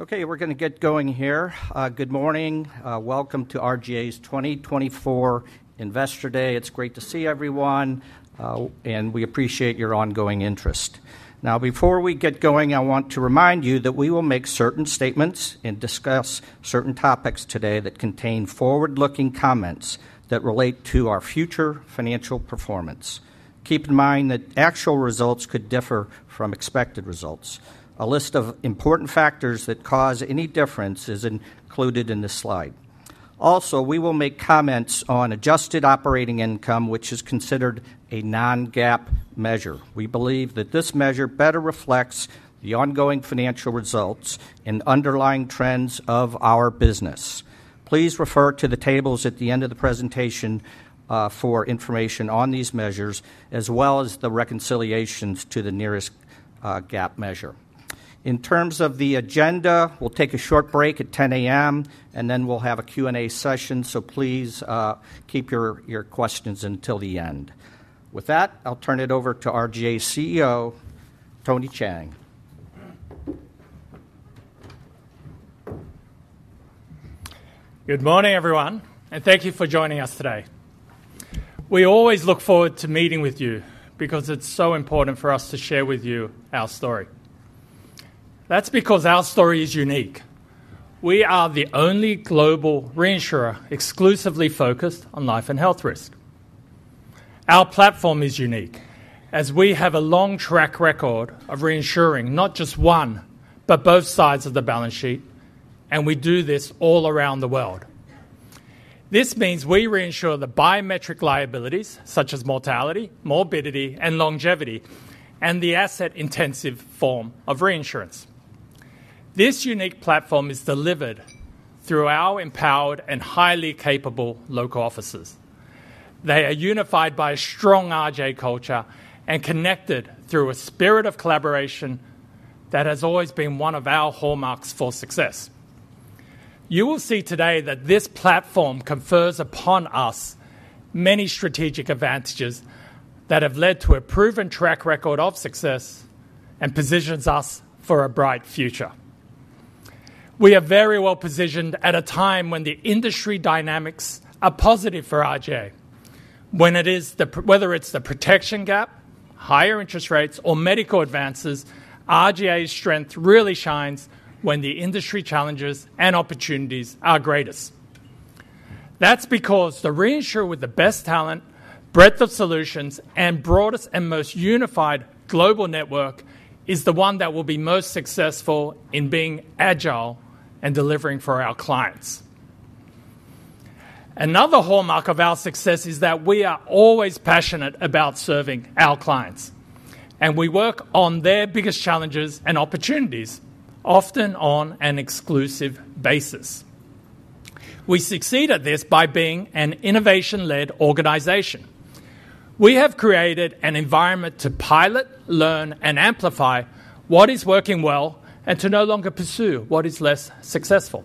Okay, we're going to get going here. Good morning. Welcome to RGA's 2024 Investor Day. It's great to see everyone, and we appreciate your ongoing interest. Now, before we get going, I want to remind you that we will make certain statements and discuss certain topics today that contain forward-looking comments that relate to our future financial performance. Keep in mind that actual results could differ from expected results. A list of important factors that cause any difference is included in this slide. Also, we will make comments on adjusted operating income, which is considered a non-GAAP measure. We believe that this measure better reflects the ongoing financial results and underlying trends of our business. Please refer to the tables at the end of the presentation for information on these measures, as well as the reconciliations to the nearest GAAP measure. In terms of the agenda, we'll take a short break at 10:00 A.M., and then we'll have a Q&A session, so please keep your questions until the end. With that, I'll turn it over to RGA CEO Tony Cheng. Good morning, everyone, and thank you for joining us today. We always look forward to meeting with you because it's so important for us to share with you our story. That's because our story is unique. We are the only global reinsurer exclusively focused on life and health risk. Our platform is unique as we have a long track record of reinsuring not just one, but both sides of the balance sheet, and we do this all around the world. This means we reinsure the biometric liabilities such as mortality, morbidity, and longevity, and the asset-intensive form of reinsurance. This unique platform is delivered through our empowered and highly capable local offices. They are unified by a strong RGA culture and connected through a spirit of collaboration that has always been one of our hallmarks for success. You will see today that this platform confers upon us many strategic advantages that have led to a proven track record of success and positions us for a bright future. We are very well positioned at a time when the industry dynamics are positive for RGA, whether it's the protection gap, higher interest rates, or medical advances. RGA's strength really shines when the industry challenges and opportunities are greatest. That's because the reinsurer with the best talent, breadth of solutions, and broadest and most unified global network is the one that will be most successful in being agile and delivering for our clients. Another hallmark of our success is that we are always passionate about serving our clients, and we work on their biggest challenges and opportunities, often on an exclusive basis. We succeed at this by being an innovation-led organization. We have created an environment to pilot, learn, and amplify what is working well and to no longer pursue what is less successful.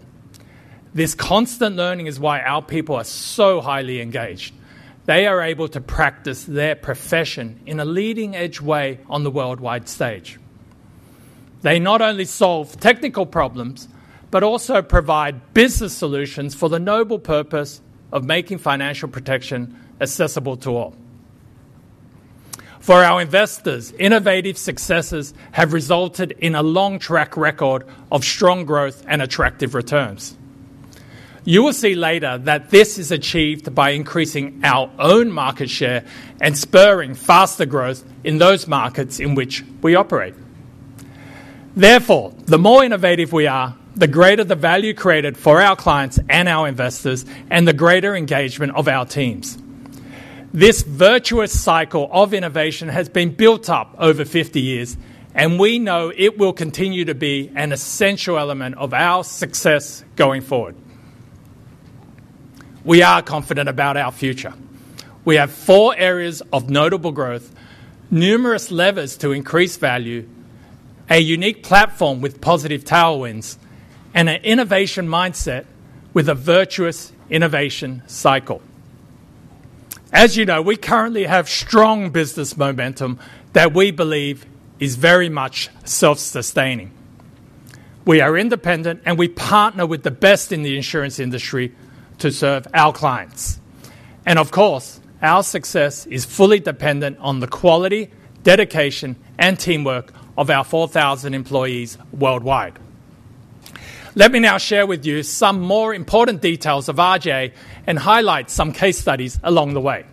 This constant learning is why our people are so highly engaged. They are able to practice their profession in a leading-edge way on the worldwide stage. They not only solve technical problems, but also provide business solutions for the noble purpose of making financial protection accessible to all. For our investors, innovative successes have resulted in a long track record of strong growth and attractive returns. You will see later that this is achieved by increasing our own market share and spurring faster growth in those markets in which we operate. Therefore, the more innovative we are, the greater the value created for our clients and our investors, and the greater engagement of our teams. This virtuous cycle of innovation has been built up over 50 years, and we know it will continue to be an essential element of our success going forward. We are confident about our future. We have four areas of notable growth, numerous levers to increase value, a unique platform with positive tailwinds, and an innovation mindset with a virtuous innovation cycle. As you know, we currently have strong business momentum that we believe is very much self-sustaining. We are independent, and we partner with the best in the insurance industry to serve our clients. And of course, our success is fully dependent on the quality, dedication, and teamwork of our 4,000 employees worldwide. Let me now share with you some more important details of RGA and highlight some case studies along the way.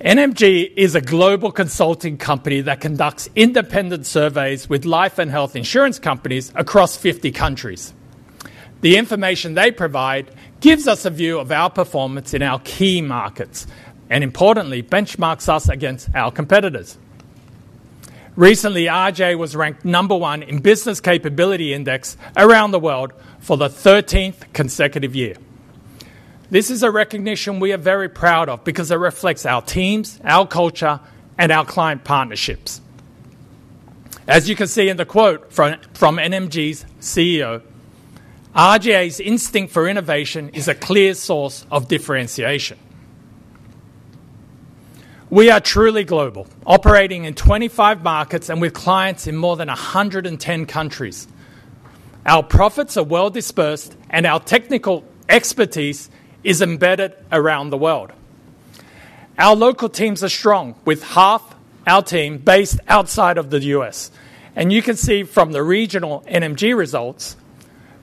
NMG is a global consulting company that conducts independent surveys with life and health insurance companies across 50 countries. The information they provide gives us a view of our performance in our key markets and, importantly, benchmarks us against our competitors. Recently, RGA was ranked number one in business capability index around the world for the 13th consecutive year. This is a recognition we are very proud of because it reflects our teams, our culture, and our client partnerships. As you can see in the quote from NMG's CEO, RGA's instinct for innovation is a clear source of differentiation. We are truly global, operating in 25 markets and with clients in more than 110 countries. Our profits are well dispersed, and our technical expertise is embedded around the world. Our local teams are strong, with half our team based outside of the U.S. You can see from the regional NMG results,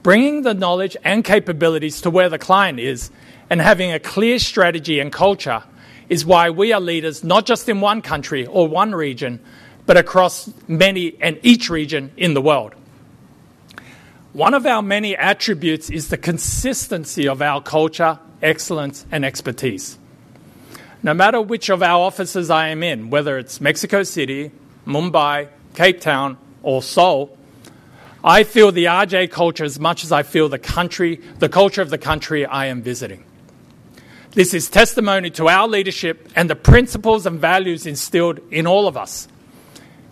bringing the knowledge and capabilities to where the client is and having a clear strategy and culture is why we are leaders not just in one country or one region, but across many and each region in the world. One of our many attributes is the consistency of our culture, excellence, and expertise. No matter which of our offices I am in, whether it's Mexico City, Mumbai, Cape Town, or Seoul, I feel the RGA culture as much as I feel the culture of the country I am visiting. This is testimony to our leadership and the principles and values instilled in all of us.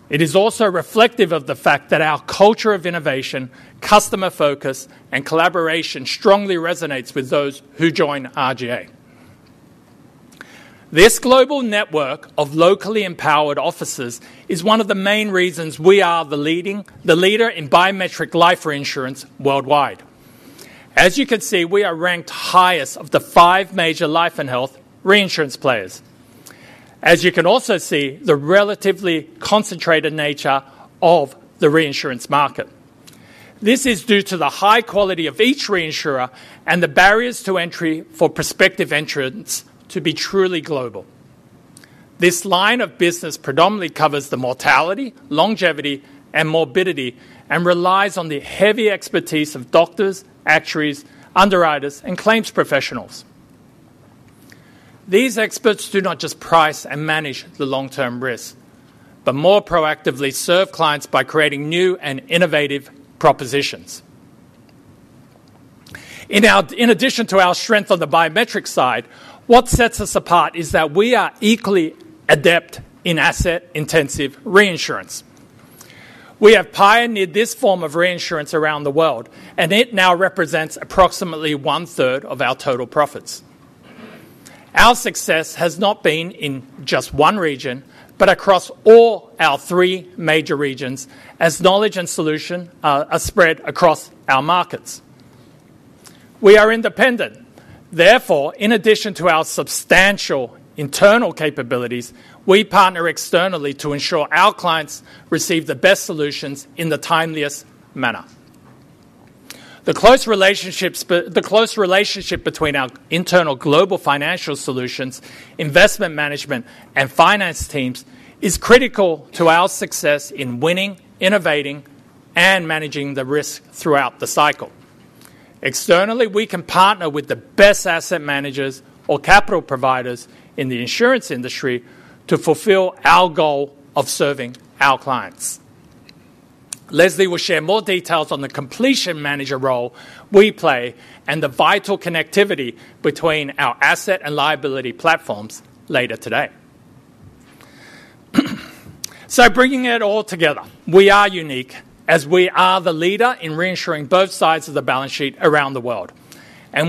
It is also reflective of the fact that our culture of innovation, customer focus, and collaboration strongly resonates with those who join RGA. This global network of locally empowered offices is one of the main reasons we are the leader in biometric life reinsurance worldwide. As you can see, we are ranked highest of the five major life and health reinsurance players. As you can also see, the relatively concentrated nature of the reinsurance market. This is due to the high quality of each reinsurer and the barriers to entry for prospective entrants to be truly global. This line of business predominantly covers the mortality, longevity, and morbidity, and relies on the heavy expertise of doctors, actuaries, underwriters, and claims professionals. These experts do not just price and manage the long-term risk, but more proactively serve clients by creating new and innovative propositions. In addition to our strength on the biometric side, what sets us apart is that we are equally adept in asset-intensive reinsurance. We have pioneered this form of reinsurance around the world, and it now represents approximately one-third of our total profits. Our success has not been in just one region, but across all our three major regions as knowledge and solutions are spread across our markets. We are independent. Therefore, in addition to our substantial internal capabilities, we partner externally to ensure our clients receive the best solutions in the timeliest manner. The close relationship between our internal Global Fifinancial Solutions, investment management, and finance teams is critical to our success in winning, innovating, and managing the risk throughout the cycle. Externally, we can partner with the best asset managers or capital providers in the insurance industry to fulfill our goal of serving our clients. Leslie will share more details on the completion manager role we play and the vital connectivity between our asset and liability platforms later today. Bringing it all together, we are unique as we are the leader in reinsuring both sides of the balance sheet around the world.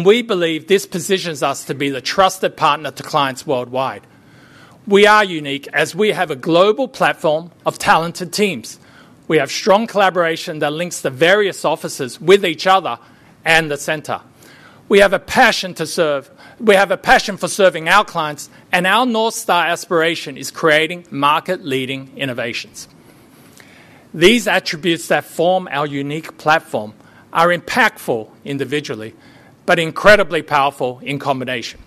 We believe this positions us to be the trusted partner to clients worldwide. We are unique as we have a global platform of talented teams. We have strong collaboration that links the various offices with each other and the center. We have a passion to serve. We have a passion for serving our clients, and our North Star aspiration is creating market-leading innovations. These attributes that form our unique platform are impactful individually, but incredibly powerful in combination.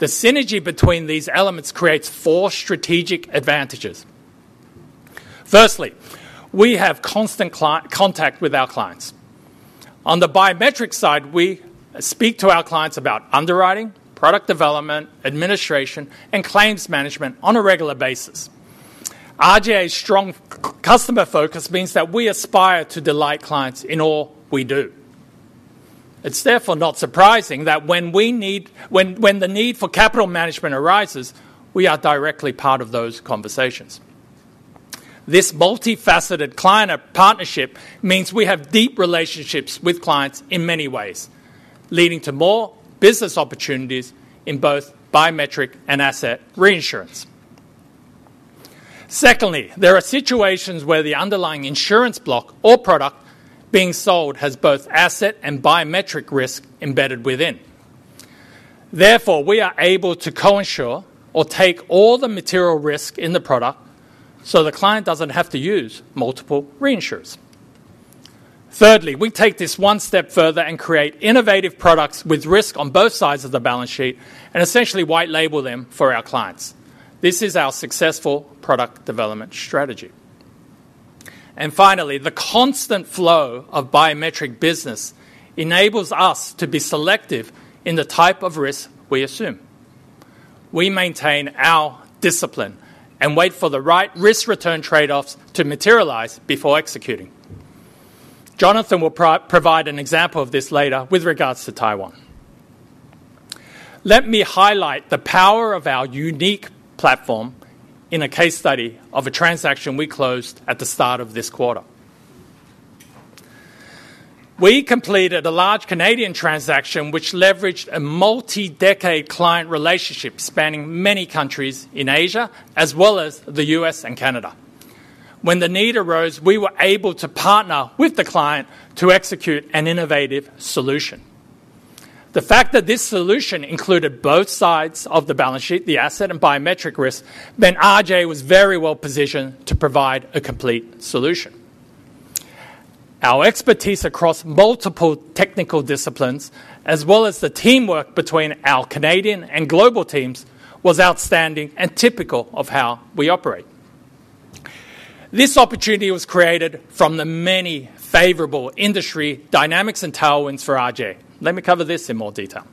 The synergy between these elements creates four strategic advantages. Firstly, we have constant contact with our clients. On the biometric side, we speak to our clients about underwriting, product development, administration, and claims management on a regular basis. RGA's strong customer focus means that we aspire to delight clients in all we do. It's therefore not surprising that when the need for capital management arises, we are directly part of those conversations. This multifaceted client partnership means we have deep relationships with clients in many ways, leading to more business opportunities in both biometric and asset reinsurance. Secondly, there are situations where the underlying insurance block or product being sold has both asset and biometric risk embedded within. Therefore, we are able to coinsure or take all the material risk in the product so the client doesn't have to use multiple reinsurers. Thirdly, we take this one step further and create innovative products with risk on both sides of the balance sheet and essentially white label them for our clients. This is our successful product development strategy. Finally, the constant flow of biometric business enables us to be selective in the type of risk we assume. We maintain our discipline and wait for the right risk-return trade-offs to materialize before executing. Jonathan will provide an example of this later with regards to Taiwan. Let me highlight the power of our unique platform in a case study of a transaction we closed at the start of this quarter. We completed a large Canadian transaction which leveraged a multi-decade client relationship spanning many countries in Asia as well as the U.S. and Canada. When the need arose, we were able to partner with the client to execute an innovative solution. The fact that this solution included both sides of the balance sheet, the asset and biometric risk, meant RGA was very well positioned to provide a complete solution. Our expertise across multiple technical disciplines, as well as the teamwork between our Canadian and global teams, was outstanding and typical of how we operate. This opportunity was created from the many favorable industry dynamics and tailwinds for RGA. Let me cover this in more detail.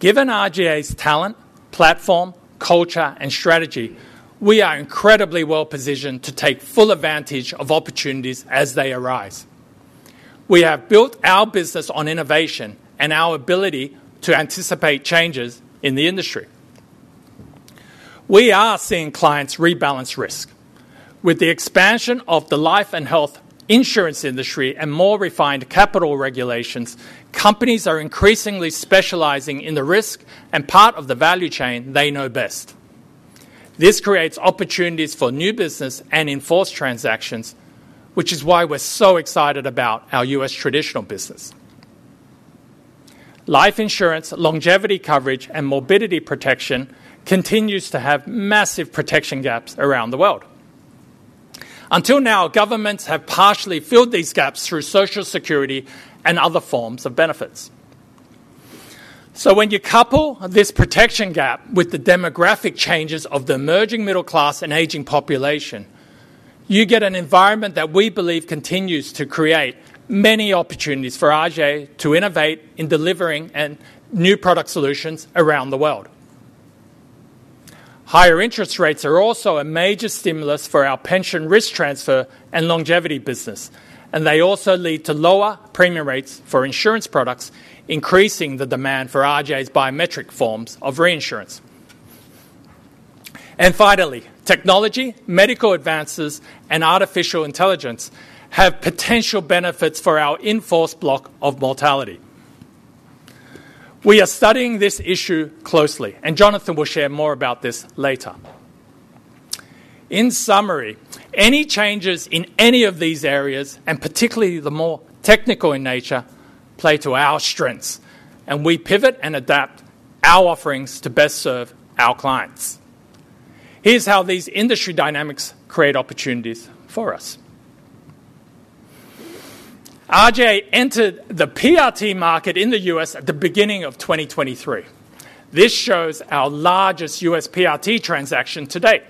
Given RGA's talent, platform, culture, and strategy, we are incredibly well positioned to take full advantage of opportunities as they arise. We have built our business on innovation and our ability to anticipate changes in the industry. We are seeing clients rebalance risk. With the expansion of the life and health insurance industry and more refined capital regulations, companies are increasingly specializing in the risk and part of the value chain they know best. This creates opportunities for new business and in-force transactions, which is why we're so excited about our U.S. traditional business. Life insurance, longevity coverage, and morbidity protection continues to have massive protection gaps around the world. Until now, governments have partially filled these gaps through Social Security and other forms of benefits. So when you couple this protection gap with the demographic changes of the emerging middle class and aging population, you get an environment that we believe continues to create many opportunities for RGA to innovate in delivering new product solutions around the world. Higher interest rates are also a major stimulus for our pension risk transfer and longevity business, and they also lead to lower premium rates for insurance products, increasing the demand for RGA's biometric forms of reinsurance. And finally, technology, medical advances, and artificial intelligence have potential benefits for our in-force block of mortality. We are studying this issue closely, and Jonathan will share more about this later. In summary, any changes in any of these areas, and particularly the more technical in nature, play to our strengths, and we pivot and adapt our offerings to best serve our clients. Here's how these industry dynamics create opportunities for us. RGA entered the PRT market in the U.S. at the beginning of 2023. This shows our largest U.S. PRT transaction to date.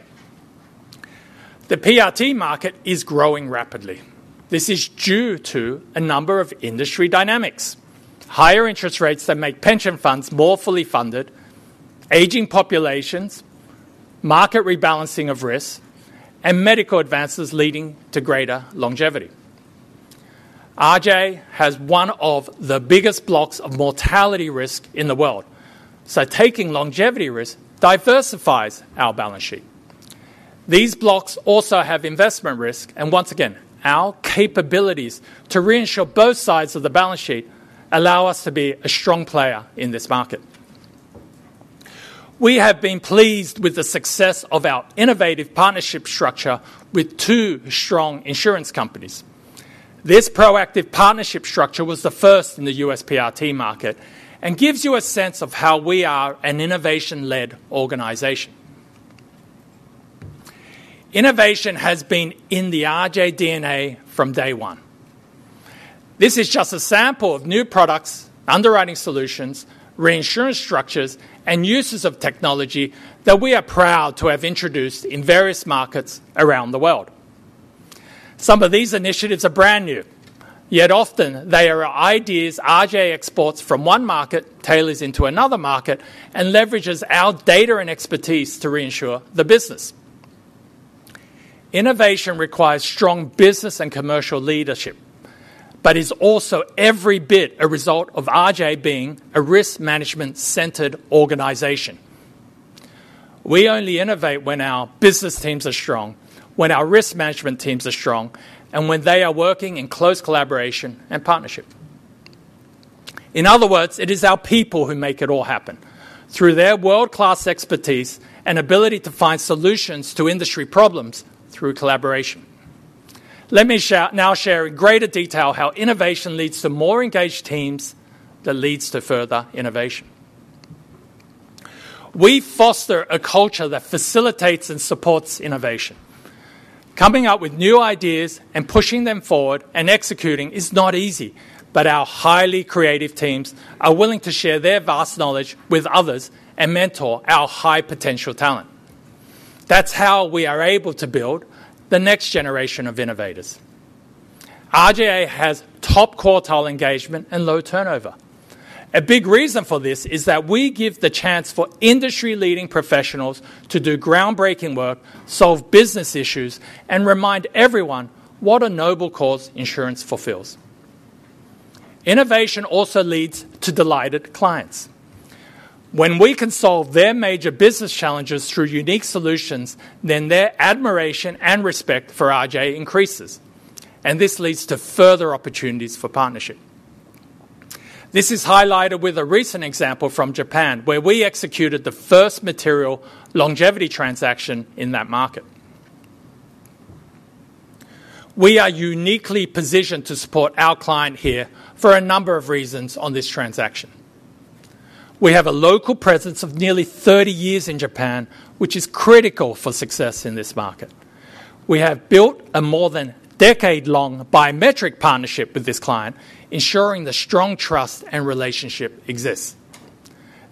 The PRT market is growing rapidly. This is due to a number of industry dynamics: higher interest rates that make pension funds more fully funded, aging populations, market rebalancing of risk, and medical advances leading to greater longevity. RGA has one of the biggest blocks of mortality risk in the world. So taking longevity risk diversifies our balance sheet. These blocks also have investment risk, and once again, our capabilities to reinsure both sides of the balance sheet allow us to be a strong player in this market. We have been pleased with the success of our innovative partnership structure with two strong insurance companies. This proactive partnership structure was the first in the U.S. PRT market and gives you a sense of how we are an innovation-led organization. Innovation has been in the RJ DNA from day one. This is just a sample of new products, underwriting solutions, reinsurance structures, and uses of technology that we are proud to have introduced in various markets around the world. Some of these initiatives are brand new. Yet often, they are ideas RJ exports from one market, tailors into another market, and leverages our data and expertise to reinsure the business. Innovation requires strong business and commercial leadership, but is also every bit a result of RGA being a risk management-centered organization. We only innovate when our business teams are strong, when our risk management teams are strong, and when they are working in close collaboration and partnership. In other words, it is our people who make it all happen through their world-class expertise and ability to find solutions to industry problems through collaboration. Let me now share in greater detail how innovation leads to more engaged teams that leads to further innovation. We foster a culture that facilitates and supports innovation. Coming up with new ideas and pushing them forward and executing is not easy, but our highly creative teams are willing to share their vast knowledge with others and mentor our high-potential talent. That's how we are able to build the next generation of innovators. RJ has top engagement and low turnover. A big reason for this is that we give the chance for industry-leading professionals to do groundbreaking work, solve business issues, and remind everyone what a noble cause insurance fulfills. Innovation also leads to delighted clients. When we can solve their major business challenges through unique solutions, then their admiration and respect for RJ increases, and this leads to further opportunities for partnership. This is highlighted with a recent example from Japan, where we executed the first material longevity transaction in that market. We are uniquely positioned to support our client here for a number of reasons on this transaction. We have a local presence of nearly 30 years in Japan, which is critical for success in this market. We have built a more than decade-long biometric partnership with this client, ensuring the strong trust and relationship exists.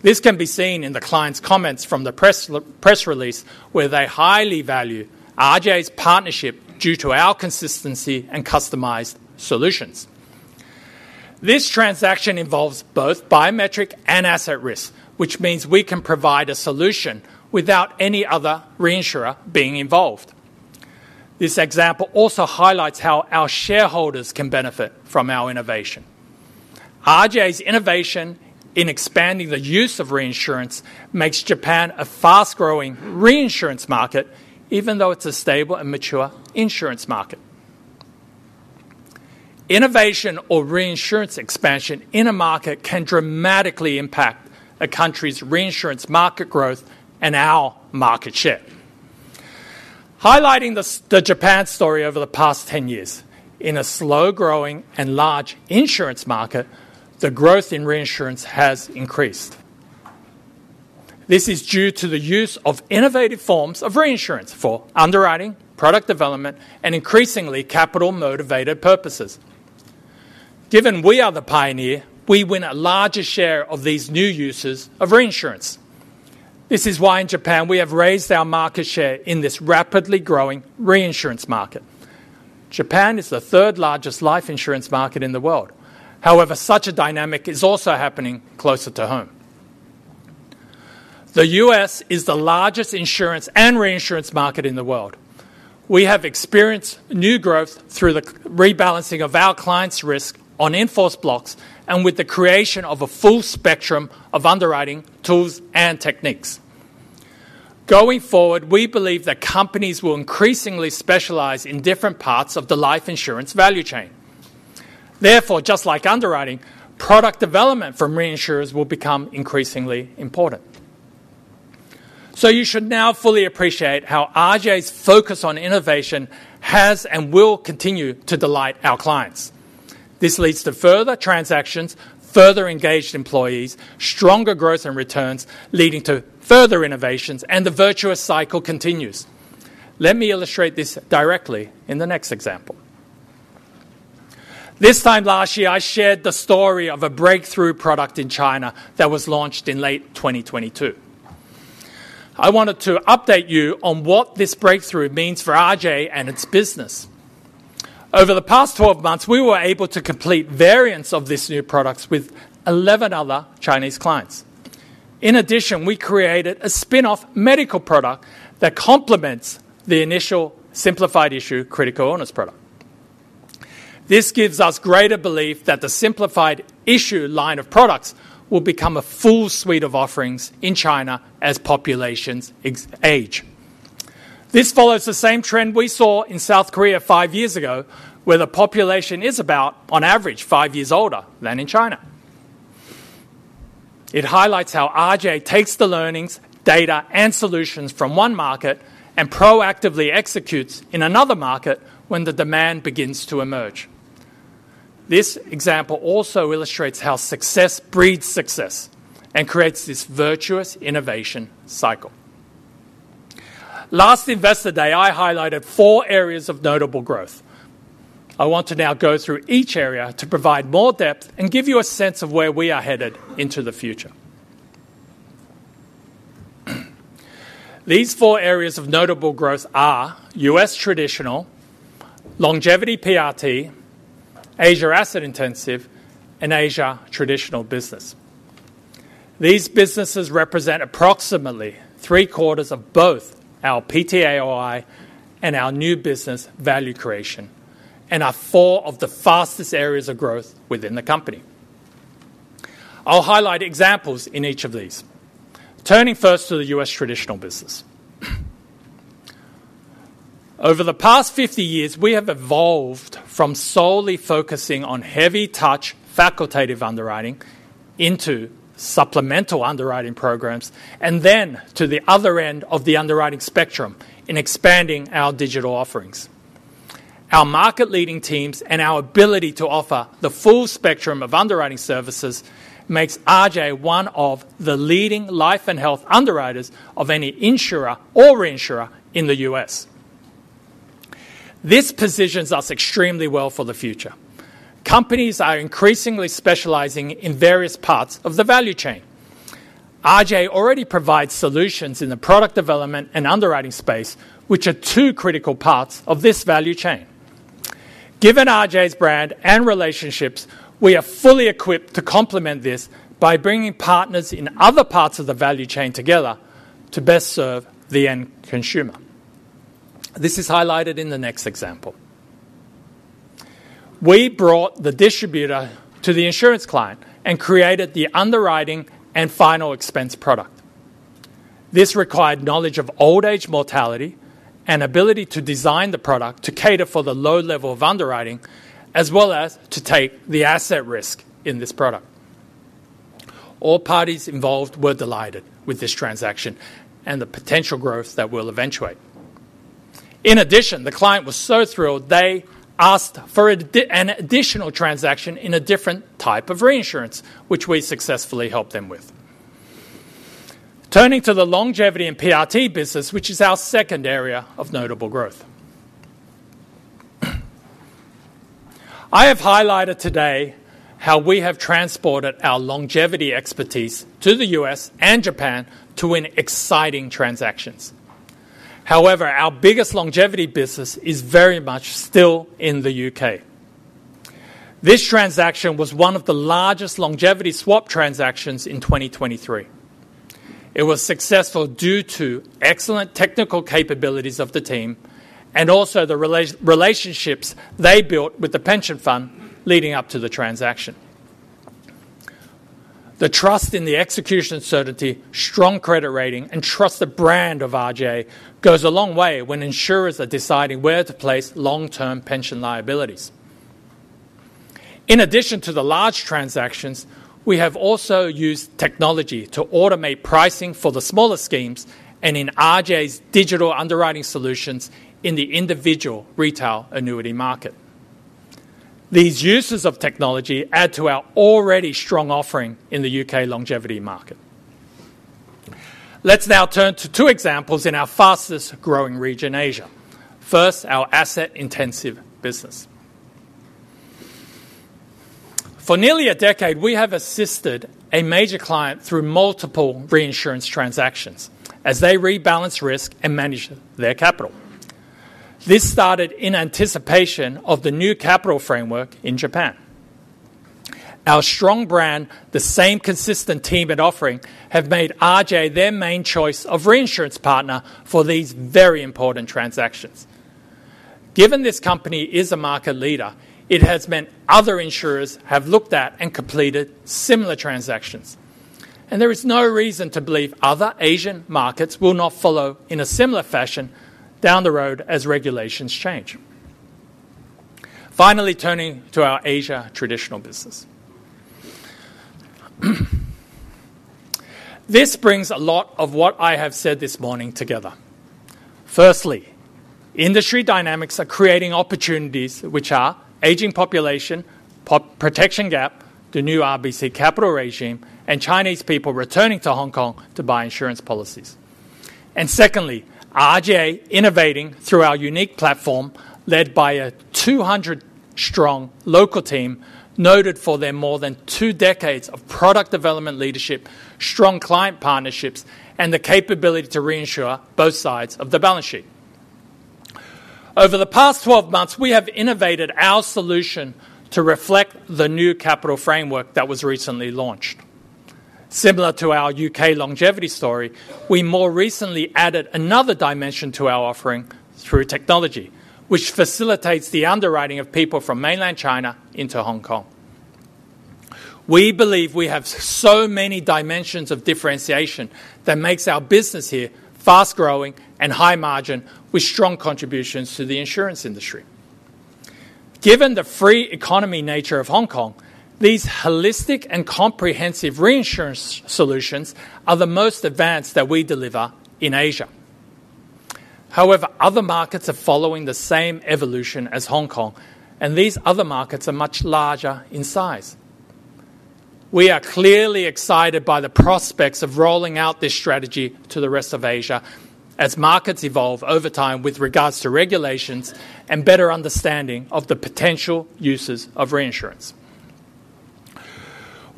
This can be seen in the client's comments from the press release, where they highly value RJ's partnership due to our consistency and customized solutions. This transaction involves both biometric and asset risk, which means we can provide a solution without any other reinsurer being involved. This example also highlights how our shareholders can benefit from our innovation. RJ's innovation in expanding the use of reinsurance makes Japan a fast-growing reinsurance market, even though it's a stable and mature insurance market. Innovation or reinsurance expansion in a market can dramatically impact a country's reinsurance market growth and our market share. Highlighting the Japan story over the past 10 years, in a slow-growing and large insurance market, the growth in reinsurance has increased. This is due to the use of innovative forms of reinsurance for underwriting, product development, and increasingly capital-motivated purposes. Given we are the pioneer, we win a larger share of these new uses of reinsurance. This is why in Japan we have raised our market share in this rapidly growing reinsurance market. Japan is the third-largest life insurance market in the world. However, such a dynamic is also happening closer to home. The U.S. is the largest insurance and reinsurance market in the world. We have experienced new growth through the rebalancing of our clients' risk on in-force blocks and with the creation of a full spectrum of underwriting tools and techniques. Going forward, we believe that companies will increasingly specialize in different parts of the life insurance value chain. Therefore, just like underwriting, product development for reinsurers will become increasingly important. So you should now fully appreciate how RGA's focus on innovation has and will continue to delight our clients. This leads to further transactions, further engaged employees, stronger growth and returns leading to further innovations, and the virtuous cycle continues. Let me illustrate this directly in the next example. This time last year, I shared the story of a breakthrough product in China that was launched in late 2022. I wanted to update you on what this breakthrough means for RGA and its business. Over the past 12 months, we were able to complete variants of this new product with 11 other Chinese clients. In addition, we created a spinoff medical product that complements the initial simplified issue critical illness product. This gives us greater belief that the simplified issue line of products will become a full suite of offerings in China as populations age. This follows the same trend we saw in South Korea five years ago, where the population is about, on average, five years older than in China. It highlights how RJ takes the learnings, data, and solutions from one market and proactively executes in another market when the demand begins to emerge. This example also illustrates how success breeds success and creates this virtuous innovation cycle. Last Investor Day, I highlighted four areas of notable growth. I want to now go through each area to provide more depth and give you a sense of where we are headed into the future. These four areas of notable growth are U.S. traditional, longevity PRT, Asia Asset Intensive, and Asia Traditional business. These businesses represent approximately three-quarters of both our PTAOI and our new business value creation and are four of the fastest areas of growth within the company. I'll highlight examples in each of these. Turning first to the U.S. Traditional business. Over the past 50 years, we have evolved from solely focusing on heavy-touch facultative underwriting into supplemental underwriting programs and then to the other end of the underwriting spectrum in expanding our digital offerings. Our market-leading teams and our ability to offer the full spectrum of underwriting services makes RGA one of the leading life and health underwriters of any insurer or reinsurer in the U.S. This positions us extremely well for the future. Companies are increasingly specializing in various parts of the value chain. RGA already provides solutions in the product development and underwriting space, which are two critical parts of this value chain. Given RGA's brand and relationships, we are fully equipped to complement this by bringing partners in other parts of the value chain together to best serve the end consumer. This is highlighted in the next example. We brought the distributor to the insurance client and created the underwriting and final expense product. This required knowledge of old-age mortality and ability to design the product to cater for the low level of underwriting, as well as to take the asset risk in this product. All parties involved were delighted with this transaction and the potential growth that will eventuate. In addition, the client was so thrilled they asked for an additional transaction in a different type of reinsurance, which we successfully helped them with. Turning to the longevity and PRT business, which is our second area of notable growth. I have highlighted today how we have transported our longevity expertise to the U.S. and Japan to win exciting transactions. However, our biggest longevity business is very much still in the U.K. This transaction was one of the largest longevity swap transactions in 2023. It was successful due to excellent technical capabilities of the team and also the relationships they built with the pension fund leading up to the transaction. The trust in the execution certainty, strong credit rating, and trust the brand of RGA goes a long way when insurers are deciding where to place long-term pension liabilities. In addition to the large transactions, we have also used technology to automate pricing for the smaller schemes and in RGA's digital underwriting solutions in the individual retail annuity market. These uses of technology add to our already strong offering in the UK longevity market. Let's now turn to two examples in our fastest-growing region, Asia. First, our asset-intensive business. For nearly a decade, we have assisted a major client through multiple reinsurance transactions as they rebalance risk and manage their capital. This started in anticipation of the new capital framework in Japan. Our strong brand, the same consistent team and offering have made RGA their main choice of reinsurance partner for these very important transactions. Given this company is a market leader, it has meant other insurers have looked at and completed similar transactions, and there is no reason to believe other Asian markets will not follow in a similar fashion down the road as regulations change. Finally, turning to our Asia traditional business. This brings a lot of what I have said this morning together. Firstly, industry dynamics are creating opportunities, which are aging population, protection gap, the new RBC capital regime, and Chinese people returning to Hong Kong to buy insurance policies. Secondly, RGA innovating through our unique platform led by a 200-strong local team noted for their more than two decades of product development leadership, strong client partnerships, and the capability to reinsure both sides of the balance sheet. Over the past 12 months, we have innovated our solution to reflect the new capital framework that was recently launched. Similar to our U.K. longevity story, we more recently added another dimension to our offering through technology, which facilitates the underwriting of people from mainland China into Hong Kong. We believe we have so many dimensions of differentiation that makes our business here fast-growing and high-margin with strong contributions to the insurance industry. Given the free economy nature of Hong Kong, these holistic and comprehensive reinsurance solutions are the most advanced that we deliver in Asia. However, other markets are following the same evolution as Hong Kong, and these other markets are much larger in size. We are clearly excited by the prospects of rolling out this strategy to the rest of Asia as markets evolve over time with regards to regulations and better understanding of the potential uses of reinsurance.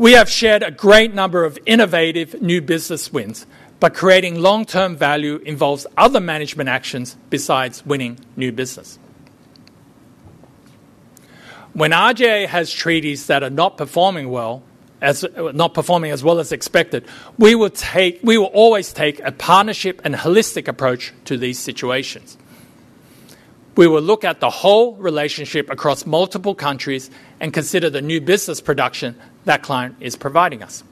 We have shared a great number of innovative new business wins, but creating long-term value involves other management actions besides winning new business. When RGA has treaties that are not performing well as well as expected, we will always take a partnership and holistic approach to these situations. We will look at the whole relationship across multiple countries and consider the new business production that client is providing us.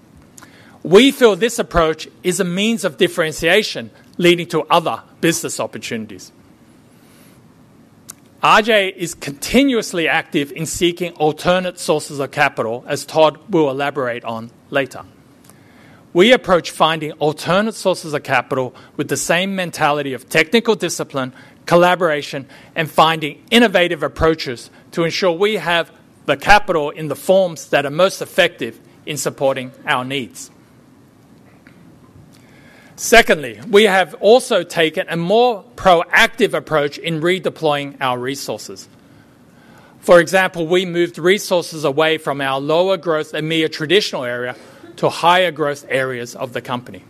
We feel this approach is a means of differentiation leading to other business opportunities. RJ is continuously active in seeking alternate sources of capital, as Todd will elaborate on later. We approach finding alternate sources of capital with the same mentality of technical discipline, collaboration, and finding innovative approaches to ensure we have the capital in the forms that are most effective in supporting our needs. Secondly, we have also taken a more proactive approach in redeploying our resources. For example, we moved resources away from our lower-growth EMEA Traditional area to higher-growth areas of the company.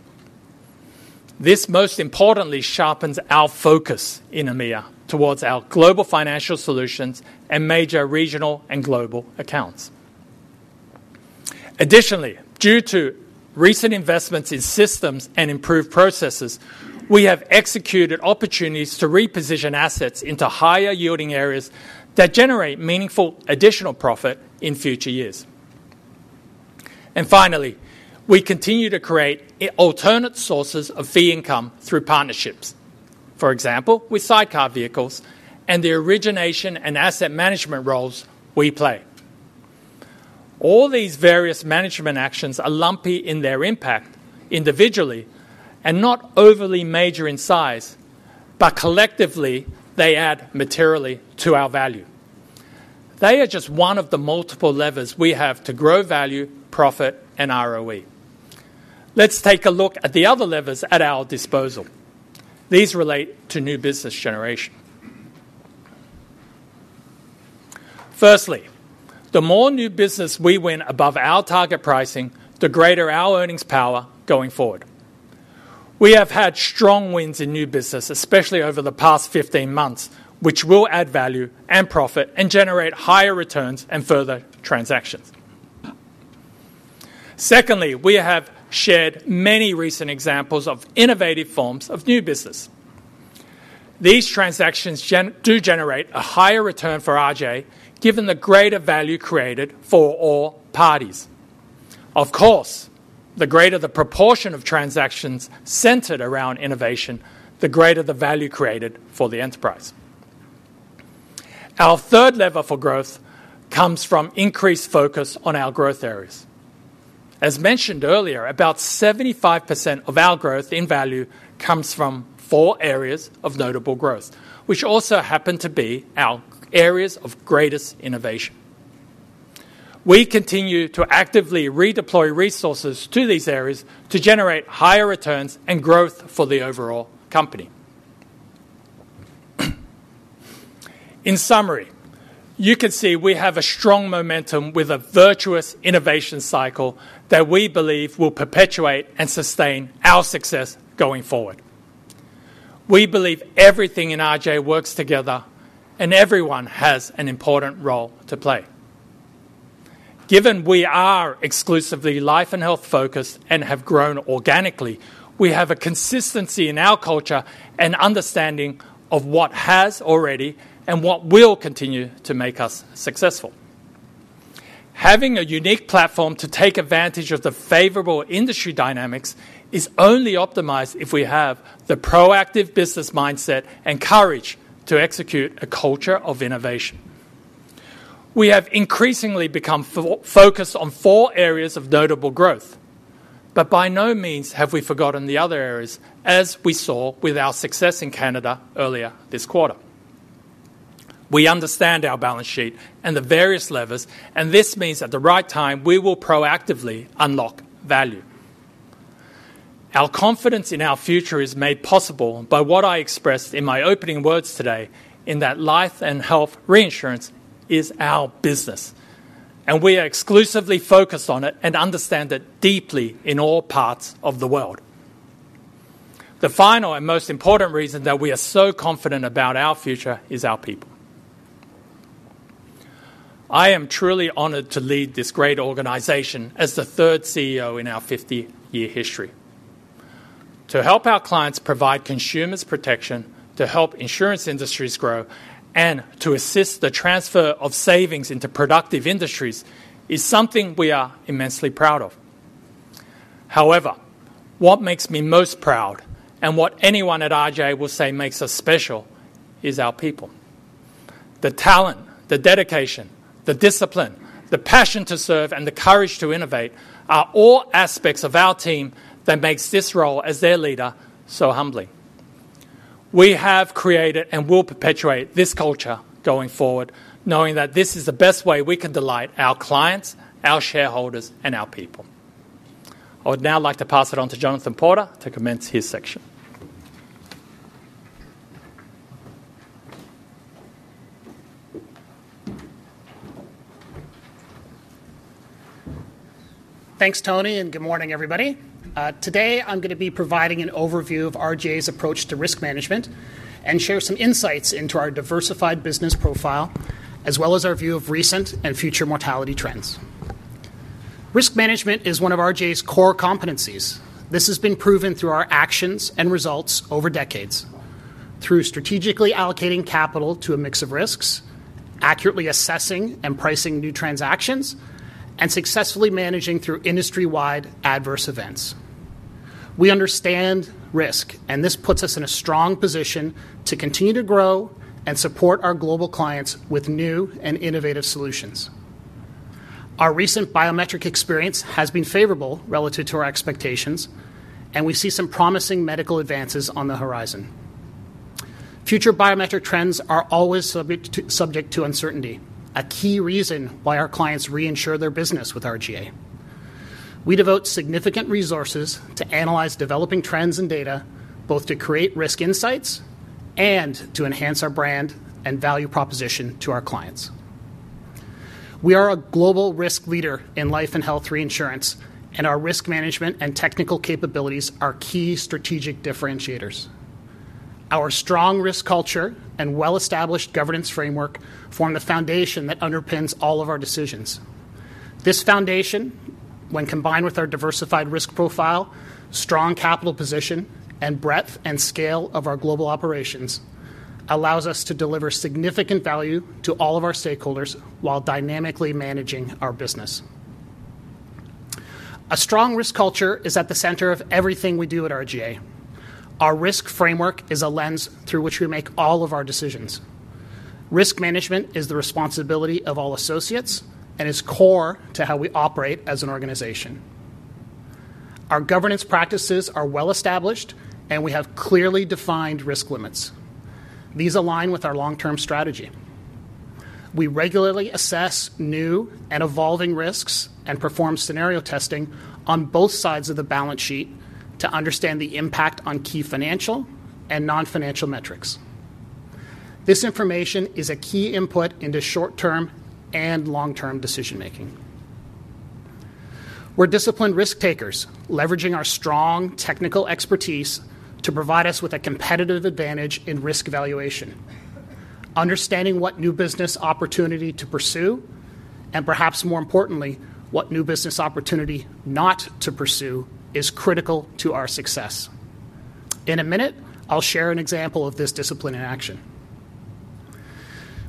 This, most importantly, sharpens our focus in EMEA towards our global financial solutions and major regional and global accounts. Additionally, due to recent investments in systems and improved processes, we have executed opportunities to reposition assets into higher-yielding areas that generate meaningful additional profit in future years. Finally, we continue to create alternate sources of fee income through partnerships. For example, with sidecar vehicles and the origination and asset management roles we play. All these various management actions are lumpy in their impact individually and not overly major in size, but collectively, they add materially to our value. They are just one of the multiple levers we have to grow value, profit, and ROE. Let's take a look at the other levers at our disposal. These relate to new business generation. Firstly, the more new business we win above our target pricing, the greater our earnings power going forward. We have had strong wins in new business, especially over the past 15 months, which will add value and profit and generate higher returns and further transactions. Secondly, we have shared many recent examples of innovative forms of new business. These transactions do generate a higher return for RGA given the greater value created for all parties. Of course, the greater the proportion of transactions centered around innovation, the greater the value created for the enterprise. Our third lever for growth comes from increased focus on our growth areas. As mentioned earlier, about 75% of our growth in value comes from four areas of notable growth, which also happen to be our areas of greatest innovation. We continue to actively redeploy resources to these areas to generate higher returns and growth for the overall company. In summary, you can see we have a strong momentum with a virtuous innovation cycle that we believe will perpetuate and sustain our success going forward. We believe everything in RJ works together, and everyone has an important role to play. Given we are exclusively life and health-focused and have grown organically, we have a consistency in our culture and understanding of what has already and what will continue to make us successful. Having a unique platform to take advantage of the favorable industry dynamics is only optimized if we have the proactive business mindset and courage to execute a culture of innovation. We have increasingly become focused on four areas of notable growth, but by no means have we forgotten the other areas, as we saw with our success in Canada earlier this quarter. We understand our balance sheet and the various levers, and this means at the right time we will proactively unlock value. Our confidence in our future is made possible by what I expressed in my opening words today in that life and health reinsurance is our business, and we are exclusively focused on it and understand it deeply in all parts of the world. The final and most important reason that we are so confident about our future is our people. I am truly honored to lead this great organization as the third CEO in our 50-year history. To help our clients provide consumers protection, to help insurance industries grow, and to assist the transfer of savings into productive industries is something we are immensely proud of. However, what makes me most proud and what anyone at RJ will say makes us special is our people. The talent, the dedication, the discipline, the passion to serve, and the courage to innovate are all aspects of our team that make this role as their leader so humbling. We have created and will perpetuate this culture going forward, knowing that this is the best way we can delight our clients, our shareholders, and our people. I would now like to pass it on to Jonathan Porter to commence his section. Thanks, Tony, and good morning, everybody. Today, I'm going to be providing an overview of RGA's approach to risk management and share some insights into our diversified business profile, as well as our view of recent and future mortality trends. Risk management is one of RGA's core competencies. This has been proven through our actions and results over decades, through strategically allocating capital to a mix of risks, accurately assessing and pricing new transactions, and successfully managing through industry-wide adverse events. We understand risk, and this puts us in a strong position to continue to grow and support our global clients with new and innovative solutions. Our recent biometric experience has been favorable relative to our expectations, and we see some promising medical advances on the horizon. Future biometric trends are always subject to uncertainty, a key reason why our clients reinsure their business with RGA. We devote significant resources to analyze developing trends and data, both to create risk insights and to enhance our brand and value proposition to our clients. We are a global risk leader in life and health reinsurance, and our risk management and technical capabilities are key strategic differentiators. Our strong risk culture and well-established governance framework form the foundation that underpins all of our decisions. This foundation, when combined with our diversified risk profile, strong capital position, and breadth and scale of our global operations, allows us to deliver significant value to all of our stakeholders while dynamically managing our business. A strong risk culture is at the center of everything we do at RGA. Our risk framework is a lens through which we make all of our decisions. Risk management is the responsibility of all associates and is core to how we operate as an organization. Our governance practices are well-established, and we have clearly defined risk limits. These align with our long-term strategy. We regularly assess new and evolving risks and perform scenario testing on both sides of the balance sheet to understand the impact on key financial and non-financial metrics. This information is a key input into short-term and long-term decision-making. We're disciplined risk takers, leveraging our strong technical expertise to provide us with a competitive advantage in risk evaluation. Understanding what new business opportunity to pursue, and perhaps more importantly, what new business opportunity not to pursue, is critical to our success. In a minute, I'll share an example of this discipline in action.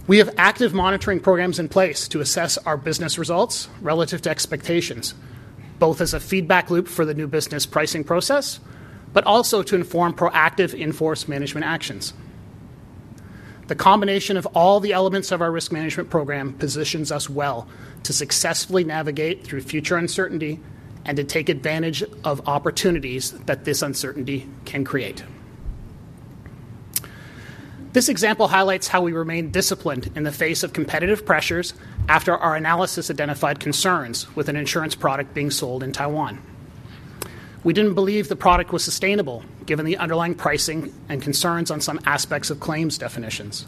We have active monitoring programs in place to assess our business results relative to expectations, both as a feedback loop for the new business pricing process, but also to inform proactive enforced management actions. The combination of all the elements of our risk management program positions us well to successfully navigate through future uncertainty and to take advantage of opportunities that this uncertainty can create. This example highlights how we remain disciplined in the face of competitive pressures after our analysis identified concerns with an insurance product being sold in Taiwan. We didn't believe the product was sustainable given the underlying pricing and concerns on some aspects of claims definitions.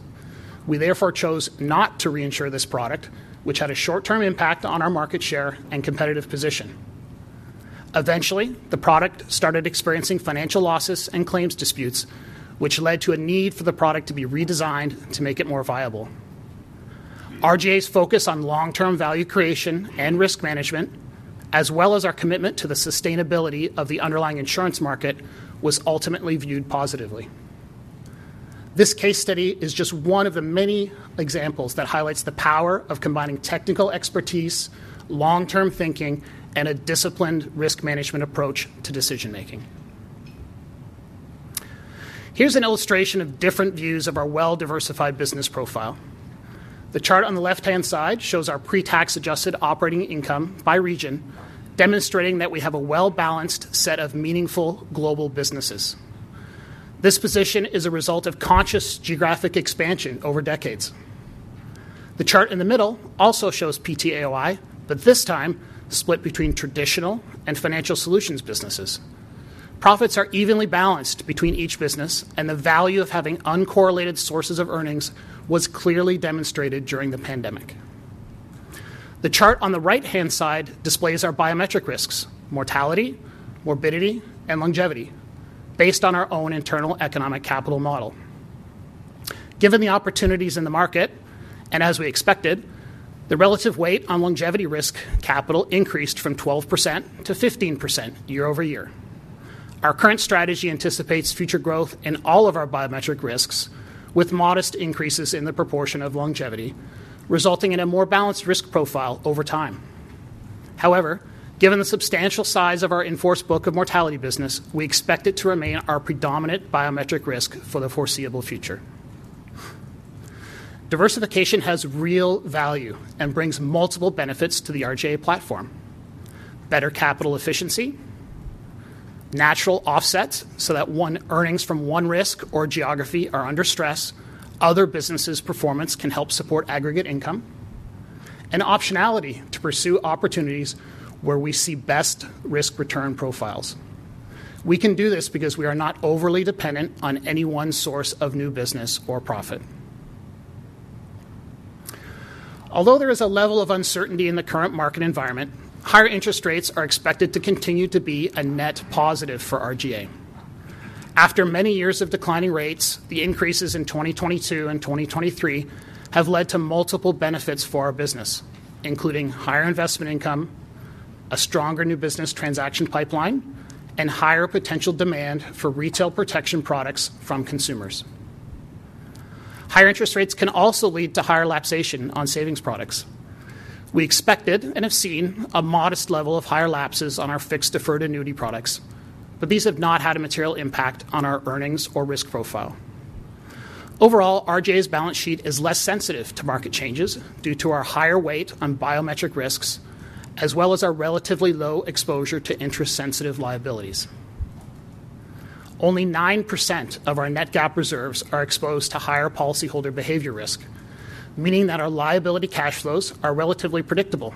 We therefore chose not to reinsure this product, which had a short-term impact on our market share and competitive position. Eventually, the product started experiencing financial losses and claims disputes, which led to a need for the product to be redesigned to make it more viable. RGA's focus on long-term value creation and risk management, as well as our commitment to the sustainability of the underlying insurance market, was ultimately viewed positively. This case study is just one of the many examples that highlights the power of combining technical expertise, long-term thinking, and a disciplined risk management approach to decision-making. Here's an illustration of different views of our well-diversified business profile. The chart on the left-hand side shows our Pre-Tax Adjusted Operating Income by region, demonstrating that we have a well-balanced set of meaningful global businesses. This position is a result of conscious geographic expansion over decades. The chart in the middle also shows PTAOI, but this time split between traditional and Financial Solutions businesses. Profits are evenly balanced between each business, and the value of having uncorrelated sources of earnings was clearly demonstrated during the pandemic. The chart on the right-hand side displays our biometric risks: mortality, morbidity, and longevity, based on our own internal economic capital model. Given the opportunities in the market, and as we expected, the relative weight on longevity risk capital increased from 12%-15% year-over-year. Our current strategy anticipates future growth in all of our biometric risks, with modest increases in the proportion of longevity, resulting in a more balanced risk profile over time. However, given the substantial size of our in-force book of mortality business, we expect it to remain our predominant biometric risk for the foreseeable future. Diversification has real value and brings multiple benefits to the RGA platform: better capital efficiency, natural offsets so that when earnings from one risk or geography are under stress, other businesses' performance can help support aggregate income, and optionality to pursue opportunities where we see best risk-return profiles. We can do this because we are not overly dependent on any one source of new business or profit. Although there is a level of uncertainty in the current market environment, higher interest rates are expected to continue to be a net positive for RGA. After many years of declining rates, the increases in 2022 and 2023 have led to multiple benefits for our business, including higher investment income, a stronger new business transaction pipeline, and higher potential demand for retail protection products from consumers. Higher interest rates can also lead to higher lapses on savings products. We expected and have seen a modest level of higher lapses on our fixed deferred annuity products, but these have not had a material impact on our earnings or risk profile. Overall, RGA's balance sheet is less sensitive to market changes due to our higher weight on biometric risks, as well as our relatively low exposure to interest-sensitive liabilities. Only 9% of our net gap reserves are exposed to higher policyholder behavior risk, meaning that our liability cash flows are relatively predictable,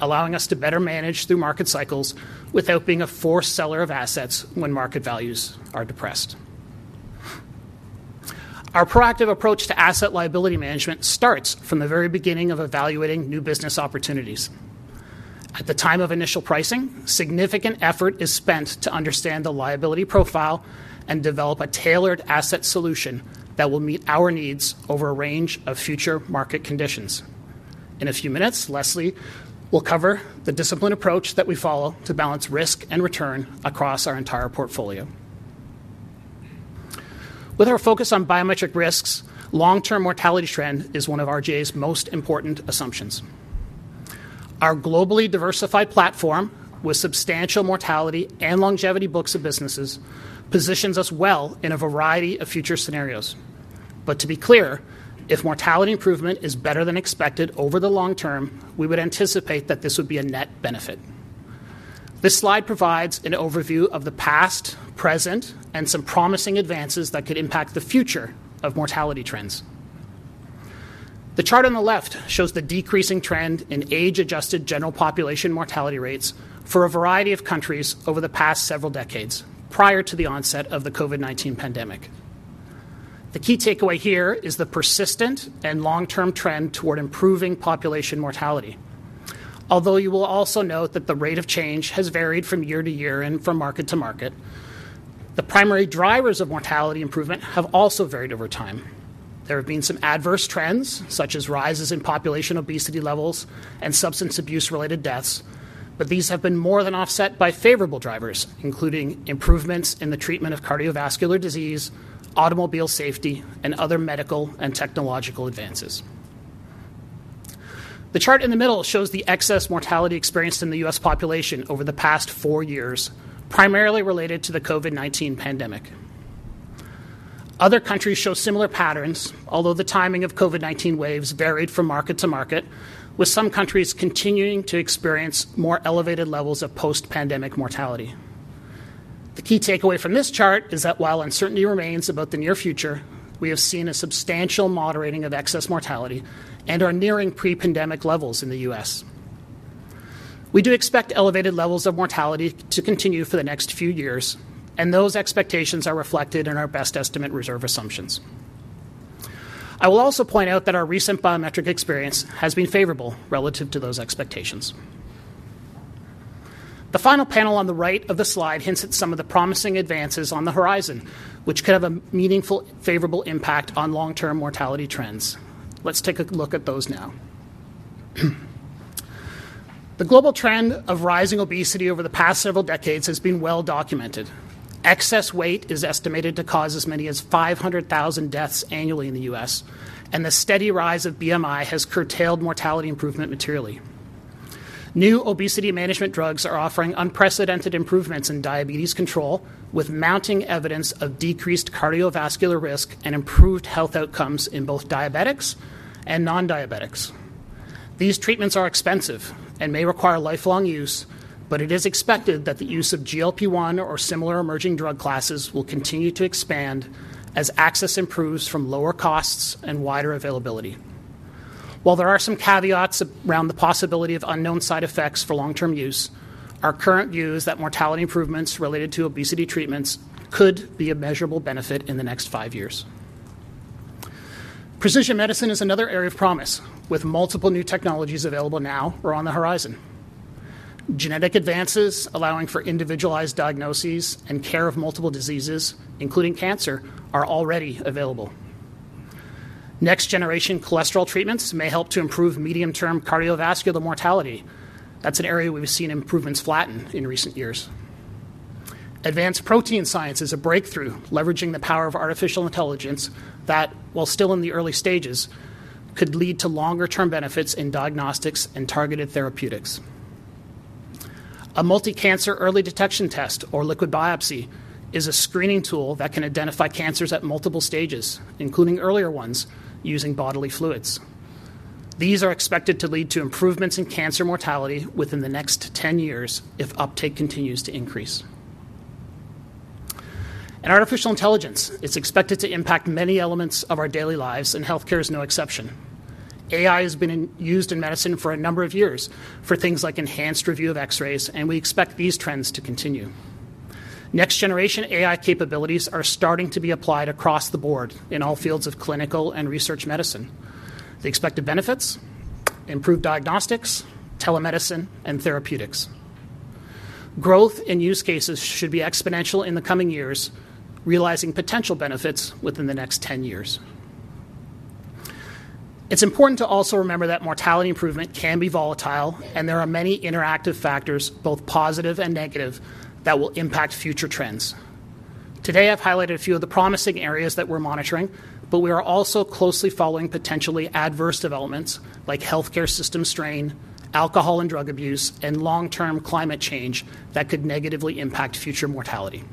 allowing us to better manage through market cycles without being a forced seller of assets when market values are depressed. Our proactive approach to asset liability management starts from the very beginning of evaluating new business opportunities. At the time of initial pricing, significant effort is spent to understand the liability profile and develop a tailored asset solution that will meet our needs over a range of future market conditions. In a few minutes, Leslie will cover the disciplined approach that we follow to balance risk and return across our entire portfolio. With our focus on biometric risks, long-term mortality trend is one of RGA's most important assumptions. Our globally diversified platform, with substantial mortality and longevity books of businesses, positions us well in a variety of future scenarios. But to be clear, if mortality improvement is better than expected over the long term, we would anticipate that this would be a net benefit. This slide provides an overview of the past, present, and some promising advances that could impact the future of mortality trends. The chart on the left shows the decreasing trend in age-adjusted general population mortality rates for a variety of countries over the past several decades prior to the onset of the COVID-19 pandemic. The key takeaway here is the persistent and long-term trend toward improving population mortality. Although you will also note that the rate of change has varied from year to year and from market to market, the primary drivers of mortality improvement have also varied over time. There have been some adverse trends, such as rises in population obesity levels and substance abuse-related deaths, but these have been more than offset by favorable drivers, including improvements in the treatment of cardiovascular disease, automobile safety, and other medical and technological advances. The chart in the middle shows the excess mortality experienced in the U.S. population over the past four years, primarily related to the COVID-19 pandemic. Other countries show similar patterns, although the timing of COVID-19 waves varied from market to market, with some countries continuing to experience more elevated levels of post-pandemic mortality. The key takeaway from this chart is that while uncertainty remains about the near future, we have seen a substantial moderating of excess mortality and are nearing pre-pandemic levels in the U.S. We do expect elevated levels of mortality to continue for the next few years, and those expectations are reflected in our best estimate reserve assumptions. I will also point out that our recent biometric experience has been favorable relative to those expectations. The final panel on the right of the slide hints at some of the promising advances on the horizon, which could have a meaningful favorable impact on long-term mortality trends. Let's take a look at those now. The global trend of rising obesity over the past several decades has been well documented. Excess weight is estimated to cause as many as 500,000 deaths annually in the U.S., and the steady rise of BMI has curtailed mortality improvement materially. New obesity management drugs are offering unprecedented improvements in diabetes control, with mounting evidence of decreased cardiovascular risk and improved health outcomes in both diabetics and non-diabetics. These treatments are expensive and may require lifelong use, but it is expected that the use of GLP-1 or similar emerging drug classes will continue to expand as access improves from lower costs and wider availability. While there are some caveats around the possibility of unknown side effects for long-term use, our current view is that mortality improvements related to obesity treatments could be a measurable benefit in the next five years. Precision medicine is another area of promise, with multiple new technologies available now or on the horizon. Genetic advances allowing for individualized diagnoses and care of multiple diseases, including cancer, are already available. Next-generation cholesterol treatments may help to improve medium-term cardiovascular mortality. That's an area we've seen improvements flatten in recent years. Advanced protein science is a breakthrough, leveraging the power of artificial intelligence that, while still in the early stages, could lead to longer-term benefits in diagnostics and targeted therapeutics. A multi-cancer early detection test, or liquid biopsy, is a screening tool that can identify cancers at multiple stages, including earlier ones, using bodily fluids. These are expected to lead to improvements in cancer mortality within the next 10 years if uptake continues to increase. Artificial intelligence is expected to impact many elements of our daily lives, and healthcare is no exception. AI has been used in medicine for a number of years for things like enhanced review of X-rays, and we expect these trends to continue. Next-generation AI capabilities are starting to be applied across the board in all fields of clinical and research medicine. The expected benefits include improved diagnostics, telemedicine, and therapeutics. Growth in use cases should be exponential in the coming years, realizing potential benefits within the next 10 years. It's important to also remember that mortality improvement can be volatile, and there are many interactive factors, both positive and negative, that will impact future trends. Today, I've highlighted a few of the promising areas that we're monitoring, but we are also closely following potentially adverse developments like healthcare system strain, alcohol and drug abuse, and long-term climate change that could negatively impact future mortality.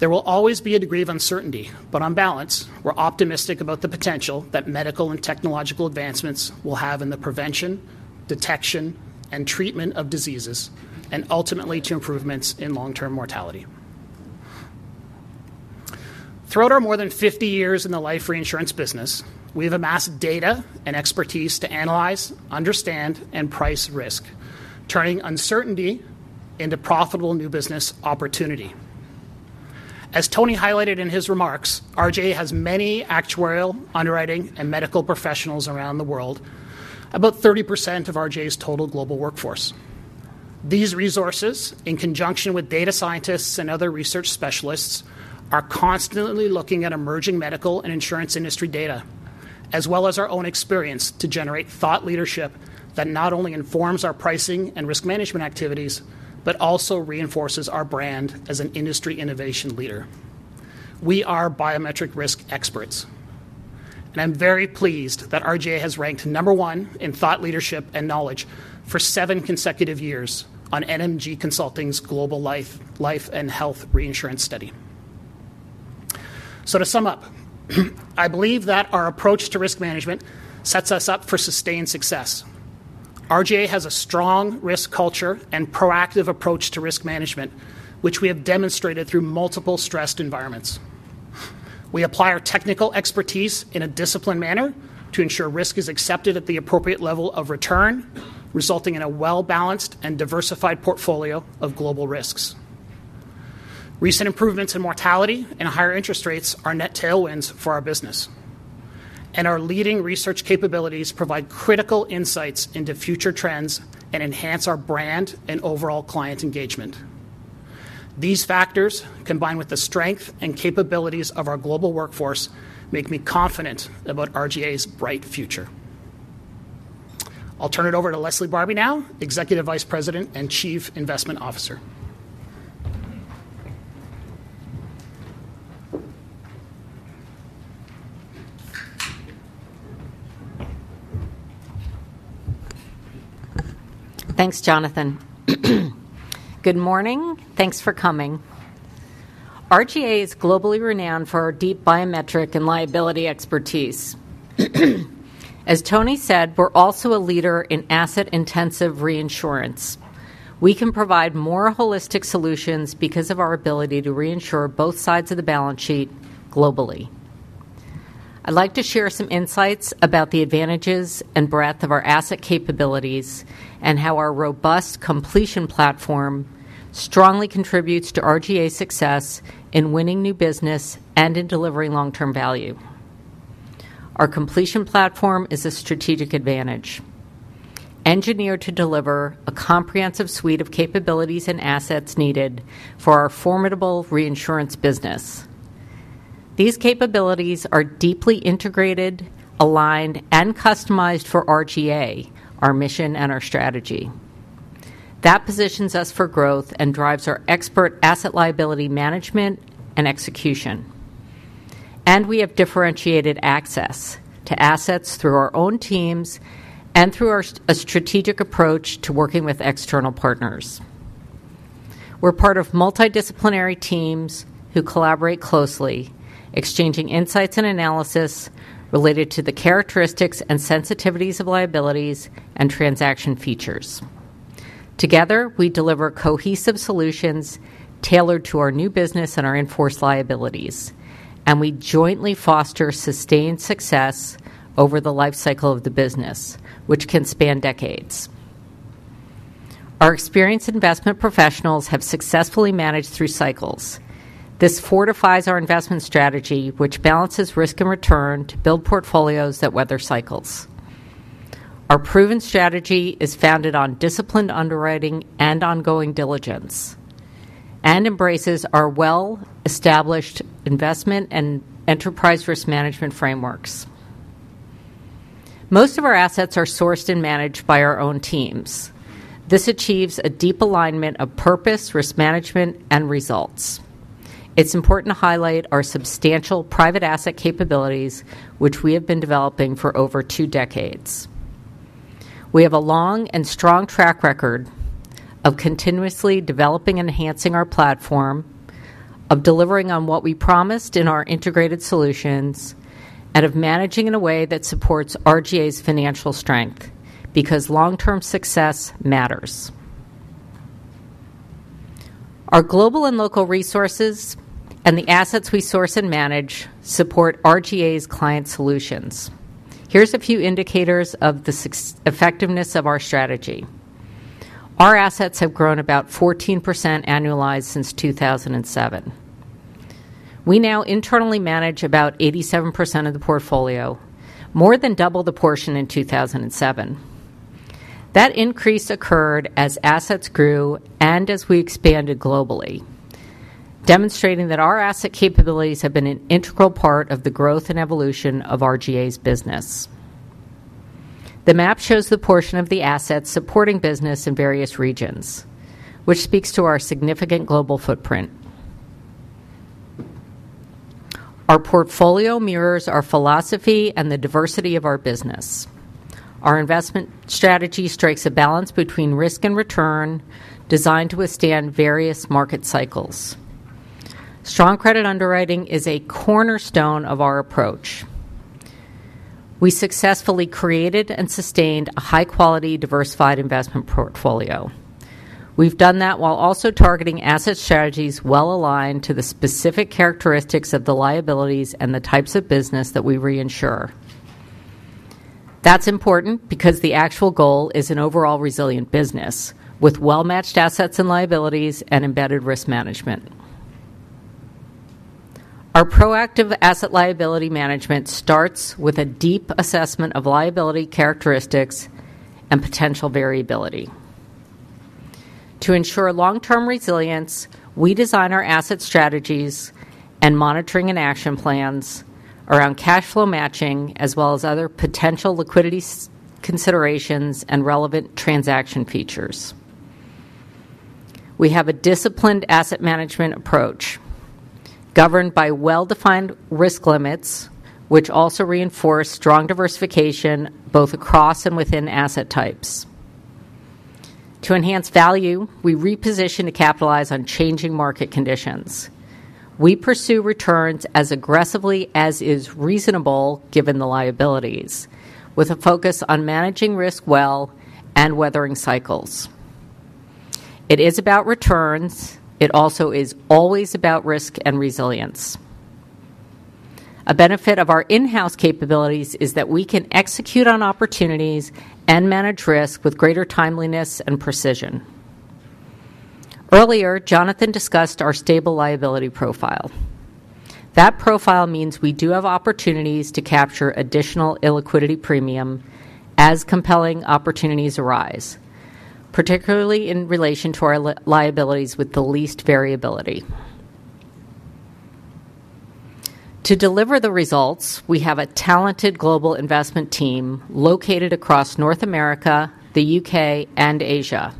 There will always be a degree of uncertainty, but on balance, we're optimistic about the potential that medical and technological advancements will have in the prevention, detection, and treatment of diseases, and ultimately to improvements in long-term mortality. Throughout our more than 50 years in the life reinsurance business, we have amassed data and expertise to analyze, understand, and price risk, turning uncertainty into profitable new business opportunity. As Tony highlighted in his remarks, RGA has many actuarial, underwriting, and medical professionals around the world, about 30% of RGA's total global workforce. These resources, in conjunction with data scientists and other research specialists, are constantly looking at emerging medical and insurance industry data, as well as our own experience to generate thought leadership that not only informs our pricing and risk management activities, but also reinforces our brand as an industry innovation leader. We are biometric risk experts, and I'm very pleased that RGA has ranked number one in thought leadership and knowledge for seven consecutive years on NMG Consulting's global life and health reinsurance study. To sum up, I believe that our approach to risk management sets us up for sustained success. RGA has a strong risk culture and proactive approach to risk management, which we have demonstrated through multiple stressed environments. We apply our technical expertise in a disciplined manner to ensure risk is accepted at the appropriate level of return, resulting in a well-balanced and diversified portfolio of global risks. Recent improvements in mortality and higher interest rates are net tailwinds for our business, and our leading research capabilities provide critical insights into future trends and enhance our brand and overall client engagement. These factors, combined with the strength and capabilities of our global workforce, make me confident about RGA's bright future. I'll turn it over to Leslie Barbi now, Executive Vice President and Chief Investment Officer. Thanks, Jonathan. Good morning. Thanks for coming. RGA is globally renowned for our deep biometric and liability expertise. As Tony said, we're also a leader in asset-intensive reinsurance. We can provide more holistic solutions because of our ability to reinsure both sides of the balance sheet globally. I'd like to share some insights about the advantages and breadth of our asset capabilities and how our robust completion platform strongly contributes to RGA's success in winning new business and in delivering long-term value. Our completion platform is a strategic advantage, engineered to deliver a comprehensive suite of capabilities and assets needed for our formidable reinsurance business. These capabilities are deeply integrated, aligned, and customized for RGA, our mission and our strategy. That positions us for growth and drives our expert asset liability management and execution. And we have differentiated access to assets through our own teams and through our strategic approach to working with external partners. We're part of multidisciplinary teams who collaborate closely, exchanging insights and analysis related to the characteristics and sensitivities of liabilities and transaction features. Together, we deliver cohesive solutions tailored to our new business and our enforced liabilities, and we jointly foster sustained success over the lifecycle of the business, which can span decades. Our experienced investment professionals have successfully managed through cycles. This fortifies our investment strategy, which balances risk and return to build portfolios that weather cycles. Our proven strategy is founded on disciplined underwriting and ongoing diligence and embraces our well-established investment and enterprise risk management frameworks. Most of our assets are sourced and managed by our own teams. This achieves a deep alignment of purpose, risk management, and results. It's important to highlight our substantial private asset capabilities, which we have been developing for over two decades. We have a long and strong track record of continuously developing and enhancing our platform, of delivering on what we promised in our integrated solutions, and of managing in a way that supports RGA's financial strength because long-term success matters. Our global and local resources and the assets we source and manage support RGA's client solutions. Here's a few indicators of the effectiveness of our strategy. Our assets have grown about 14% annualized since 2007. We now internally manage about 87% of the portfolio, more than double the portion in 2007. That increase occurred as assets grew and as we expanded globally, demonstrating that our asset capabilities have been an integral part of the growth and evolution of RGA's business. The map shows the portion of the assets supporting business in various regions, which speaks to our significant global footprint. Our portfolio mirrors our philosophy and the diversity of our business. Our investment strategy strikes a balance between risk and return, designed to withstand various market cycles. Strong credit underwriting is a cornerstone of our approach. We successfully created and sustained a high-quality, diversified investment portfolio. We've done that while also targeting asset strategies well aligned to the specific characteristics of the liabilities and the types of business that we reinsure. That's important because the actual goal is an overall resilient business with well-matched assets and liabilities and embedded risk management. Our proactive asset liability management starts with a deep assessment of liability characteristics and potential variability. To ensure long-term resilience, we design our asset strategies and monitoring and action plans around cash flow matching, as well as other potential liquidity considerations and relevant transaction features. We have a disciplined asset management approach governed by well-defined risk limits, which also reinforce strong diversification both across and within asset types. To enhance value, we reposition to capitalize on changing market conditions. We pursue returns as aggressively as is reasonable given the liabilities, with a focus on managing risk well and weathering cycles. It is about returns. It also is always about risk and resilience. A benefit of our in-house capabilities is that we can execute on opportunities and manage risk with greater timeliness and precision. Earlier, Jonathan discussed our stable liability profile. That profile means we do have opportunities to capture additional illiquidity premium as compelling opportunities arise, particularly in relation to our liabilities with the least variability. To deliver the results, we have a talented global investment team located across North America, the U.K., and Asia,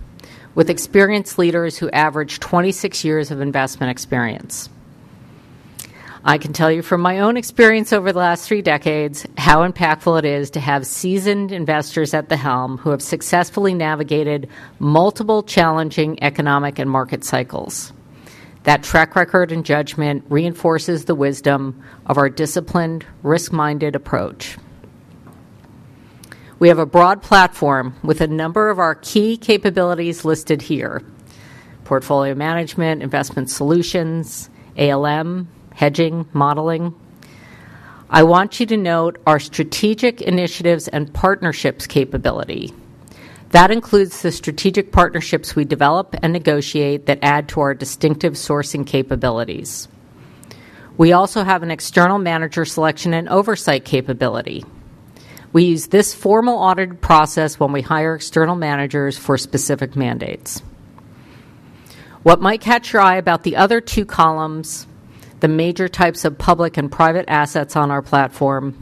with experienced leaders who average 26 years of investment experience. I can tell you from my own experience over the last three decades how impactful it is to have seasoned investors at the helm who have successfully navigated multiple challenging economic and market cycles. That track record and judgment reinforces the wisdom of our disciplined, risk-minded approach. We have a broad platform with a number of our key capabilities listed here: portfolio management, investment solutions, ALM, hedging, modeling. I want you to note our strategic initiatives and partnerships capability. That includes the strategic partnerships we develop and negotiate that add to our distinctive sourcing capabilities. We also have an external manager selection and oversight capability. We use this formal audit process when we hire external managers for specific mandates. What might catch your eye about the other two columns, the major types of public and private assets on our platform,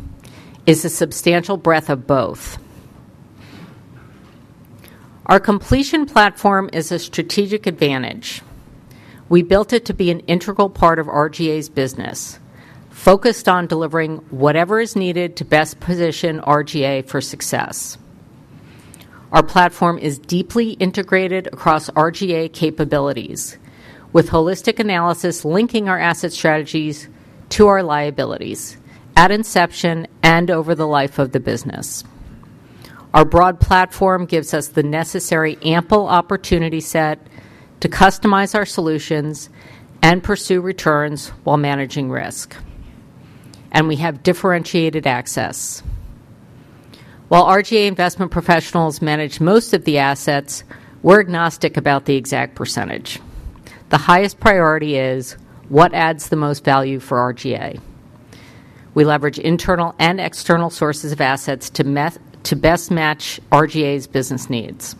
is the substantial breadth of both. Our completion platform is a strategic advantage. We built it to be an integral part of RGA's business, focused on delivering whatever is needed to best position RGA for success. Our platform is deeply integrated across RGA capabilities, with holistic analysis linking our asset strategies to our liabilities at inception and over the life of the business. Our broad platform gives us the necessary ample opportunity set to customize our solutions and pursue returns while managing risk. And we have differentiated access. While RGA investment professionals manage most of the assets, we're agnostic about the exact percentage. The highest priority is what adds the most value for RGA. We leverage internal and external sources of assets to best match RGA's business needs.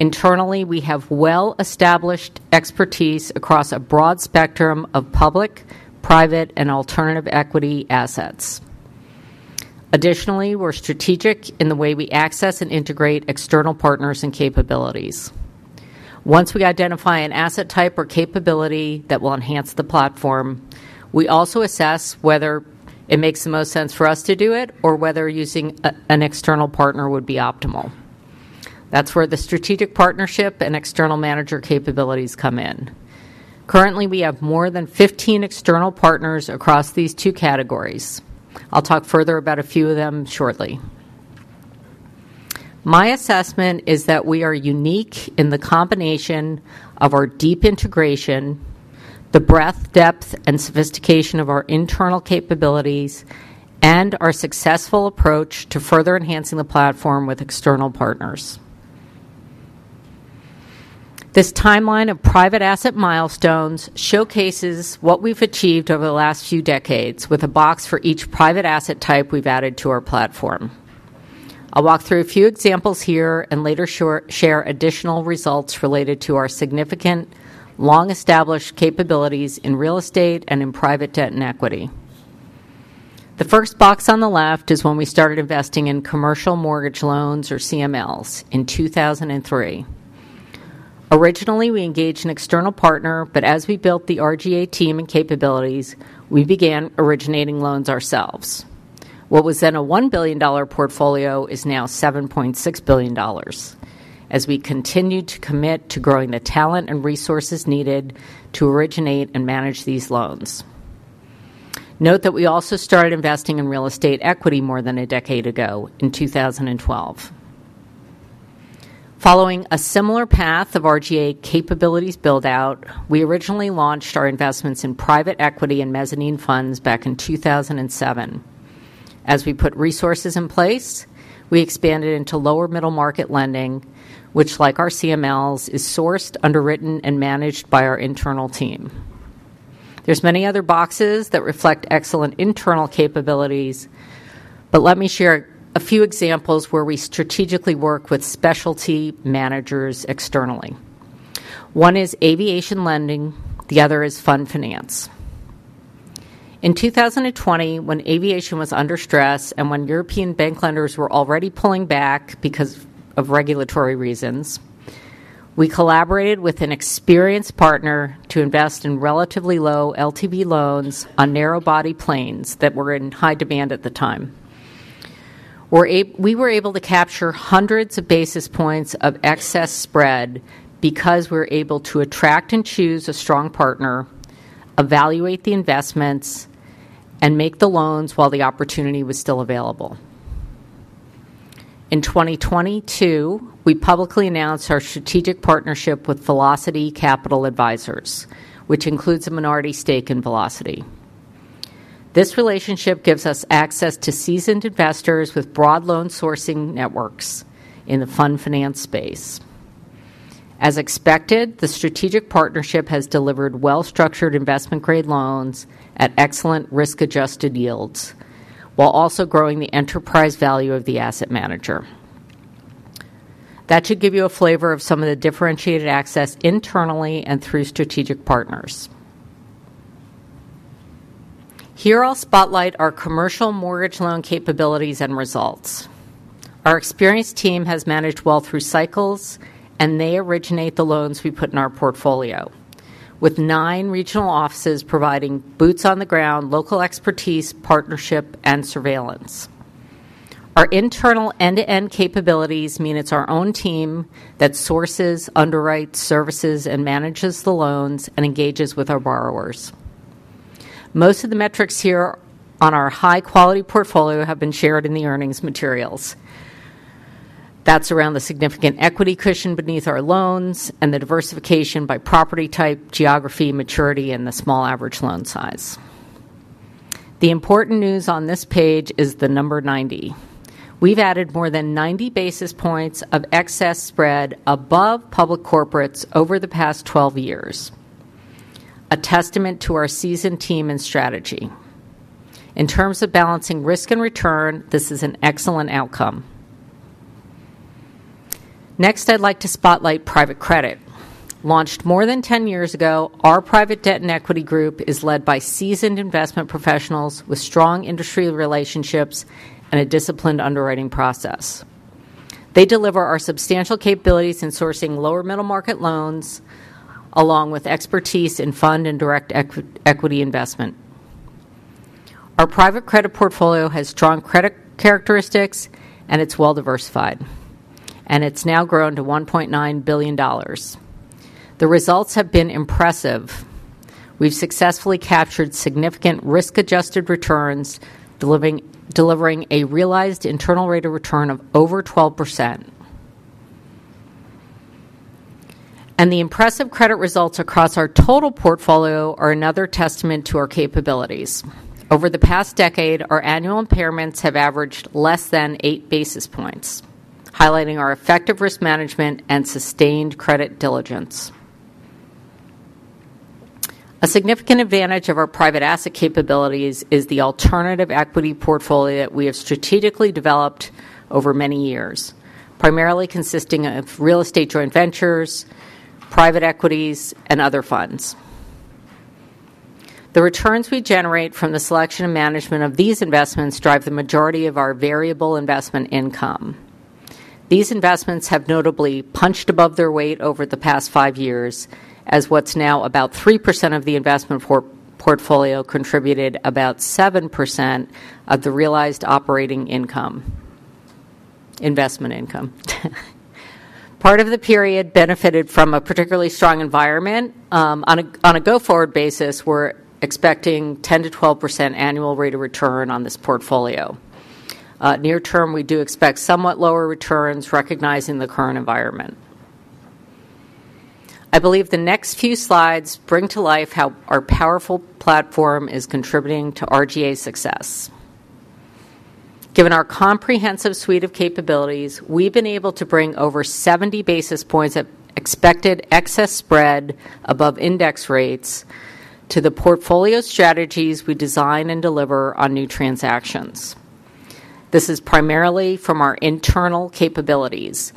Internally, we have well-established expertise across a broad spectrum of public, private, and alternative equity assets. Additionally, we're strategic in the way we access and integrate external partners and capabilities. Once we identify an asset type or capability that will enhance the platform, we also assess whether it makes the most sense for us to do it or whether using an external partner would be optimal. That's where the strategic partnership and external manager capabilities come in. Currently, we have more than 15 external partners across these two categories. I'll talk further about a few of them shortly. My assessment is that we are unique in the combination of our deep integration, the breadth, depth, and sophistication of our internal capabilities, and our successful approach to further enhancing the platform with external partners. This timeline of private asset milestones showcases what we've achieved over the last few decades with a box for each private asset type we've added to our platform. I'll walk through a few examples here and later share additional results related to our significant, long-established capabilities in real estate and in private debt and equity. The first box on the left is when we started investing in commercial mortgage loans, or CMLs, in 2003. Originally, we engaged an external partner, but as we built the RGA team and capabilities, we began originating loans ourselves. What was then a $1 billion portfolio is now $7.6 billion as we continue to commit to growing the talent and resources needed to originate and manage these loans. Note that we also started investing in real estate equity more than a decade ago, in 2012. Following a similar path of RGA capabilities build-out, we originally launched our investments in private equity and mezzanine funds back in 2007. As we put resources in place, we expanded into lower-middle market lending, which, like our CMLs, is sourced, underwritten, and managed by our internal team. There's many other boxes that reflect excellent internal capabilities, but let me share a few examples where we strategically work with specialty managers externally. One is aviation lending. The other is fund finance. In 2020, when aviation was under stress and when European bank lenders were already pulling back because of regulatory reasons, we collaborated with an experienced partner to invest in relatively low LTV loans on narrow-body planes that were in high demand at the time. We were able to capture hundreds of basis points of excess spread because we were able to attract and choose a strong partner, evaluate the investments, and make the loans while the opportunity was still available. In 2022, we publicly announced our strategic partnership with Velocity Capital Advisors, which includes a minority stake in Velocity. This relationship gives us access to seasoned investors with broad loan sourcing networks in the fund finance space. As expected, the strategic partnership has delivered well-structured investment-grade loans at excellent risk-adjusted yields while also growing the enterprise value of the asset manager. That should give you a flavor of some of the differentiated access internally and through strategic partners. Here I'll spotlight our commercial mortgage loan capabilities and results. Our experienced team has managed well through cycles, and they originate the loans we put in our portfolio, with nine regional offices providing boots on the ground, local expertise, partnership, and surveillance. Our internal end-to-end capabilities mean it's our own team that sources, underwrites, services, and manages the loans and engages with our borrowers. Most of the metrics here on our high-quality portfolio have been shared in the earnings materials. That's around the significant equity cushion beneath our loans and the diversification by property type, geography, maturity, and the small average loan size. The important news on this page is the number 90. We've added more than 90 basis points of excess spread above public corporates over the past 12 years, a testament to our seasoned team and strategy. In terms of balancing risk and return, this is an excellent outcome. Next, I'd like to spotlight private credit. Launched more than 10 years ago, our private debt and equity group is led by seasoned investment professionals with strong industry relationships and a disciplined underwriting process. They deliver our substantial capabilities in sourcing lower-middle market loans along with expertise in fund and direct equity investment. Our private credit portfolio has strong credit characteristics, and it's well-diversified, and it's now grown to $1.9 billion. The results have been impressive. We've successfully captured significant risk-adjusted returns, delivering a realized internal rate of return of over 12%. The impressive credit results across our total portfolio are another testament to our capabilities. Over the past decade, our annual impairments have averaged less than eight basis points, highlighting our effective risk management and sustained credit diligence. A significant advantage of our private asset capabilities is the alternative equity portfolio that we have strategically developed over many years, primarily consisting of real estate joint ventures, private equities, and other funds. The returns we generate from the selection and management of these investments drive the majority of our variable investment income. These investments have notably punched above their weight over the past 5 years, as what's now about 3% of the investment portfolio contributed about 7% of the realized operating income investment income. Part of the period benefited from a particularly strong environment. On a go-forward basis, we're expecting 10%-12% annual rate of return on this portfolio. Near term, we do expect somewhat lower returns, recognizing the current environment. I believe the next few slides bring to life how our powerful platform is contributing to RGA success. Given our comprehensive suite of capabilities, we've been able to bring over 70 basis points of expected excess spread above index rates to the portfolio strategies we design and deliver on new transactions. This is primarily from our internal capabilities,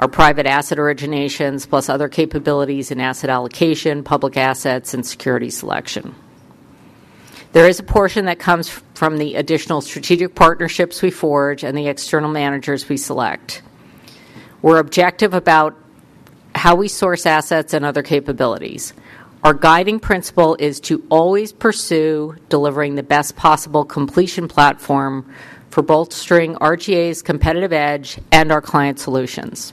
our private asset originations, plus other capabilities in asset allocation, public assets, and security selection. There is a portion that comes from the additional strategic partnerships we forge and the external managers we select. We're objective about how we source assets and other capabilities. Our guiding principle is to always pursue delivering the best possible completion platform for bolstering RGA's competitive edge and our client solutions.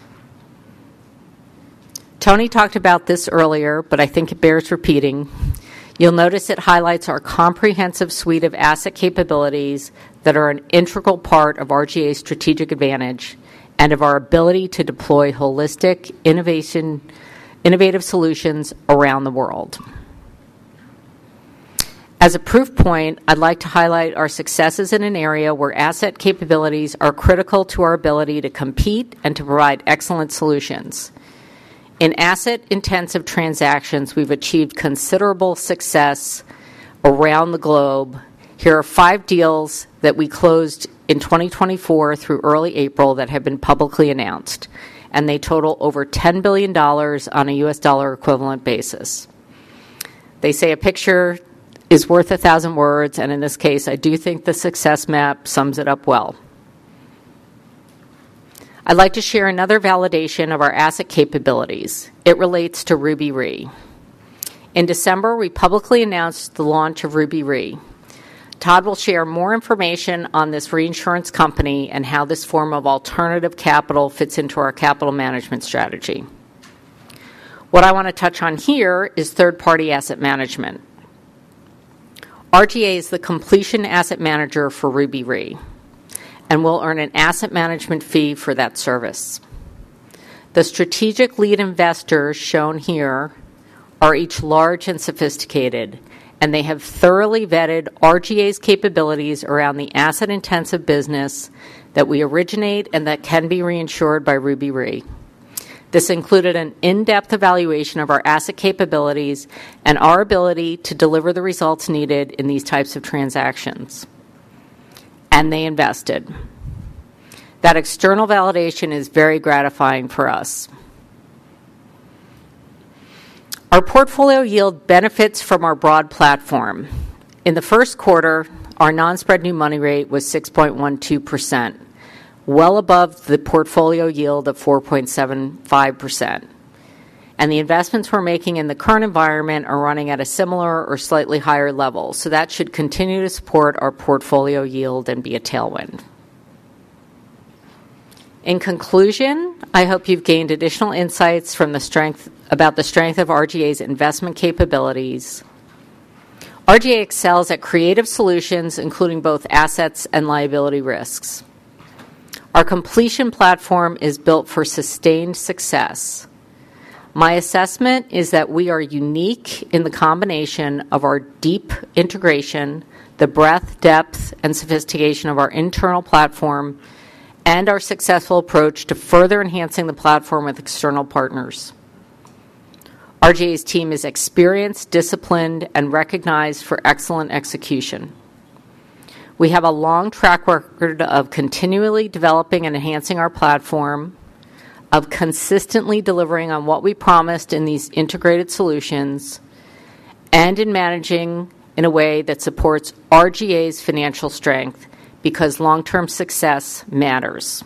Tony talked about this earlier, but I think it bears repeating. You'll notice it highlights our comprehensive suite of asset capabilities that are an integral part of RGA's strategic advantage and of our ability to deploy holistic innovative solutions around the world. As a proof point, I'd like to highlight our successes in an area where asset capabilities are critical to our ability to compete and to provide excellent solutions. In asset-intensive transactions, we've achieved considerable success around the globe. Here are five deals that we closed in 2024 through early April that have been publicly announced, and they total over $10 billion on a U.S. dollar equivalent basis. They say a picture is worth a thousand words, and in this case, I do think the success map sums it up well. I'd like to share another validation of our asset capabilities. It relates to Ruby Re. In December, we publicly announced the launch of Ruby Re. Todd will share more information on this reinsurance company and how this form of alternative capital fits into our capital management strategy. What I want to touch on here is third-party asset management. RGA is the completion asset manager for Ruby Re, and we'll earn an asset management fee for that service. The strategic lead investors shown here are each large and sophisticated, and they have thoroughly vetted RGA's capabilities around the asset-intensive business that we originate and that can be reinsured by Ruby Re. This included an in-depth evaluation of our asset capabilities and our ability to deliver the results needed in these types of transactions, and they invested. That external validation is very gratifying for us. Our portfolio yield benefits from our broad platform. In the first quarter, our non-spread new money rate was 6.12%, well above the portfolio yield of 4.75%. The investments we're making in the current environment are running at a similar or slightly higher level, so that should continue to support our portfolio yield and be a tailwind. In conclusion, I hope you've gained additional insights about the strength of RGA's investment capabilities. RGA excels at creative solutions, including both assets and liability risks. Our completion platform is built for sustained success. My assessment is that we are unique in the combination of our deep integration, the breadth, depth, and sophistication of our internal platform, and our successful approach to further enhancing the platform with external partners. RGA's team is experienced, disciplined, and recognized for excellent execution. We have a long track record of continually developing and enhancing our platform, of consistently delivering on what we promised in these integrated solutions, and in managing in a way that supports RGA's financial strength because long-term success matters.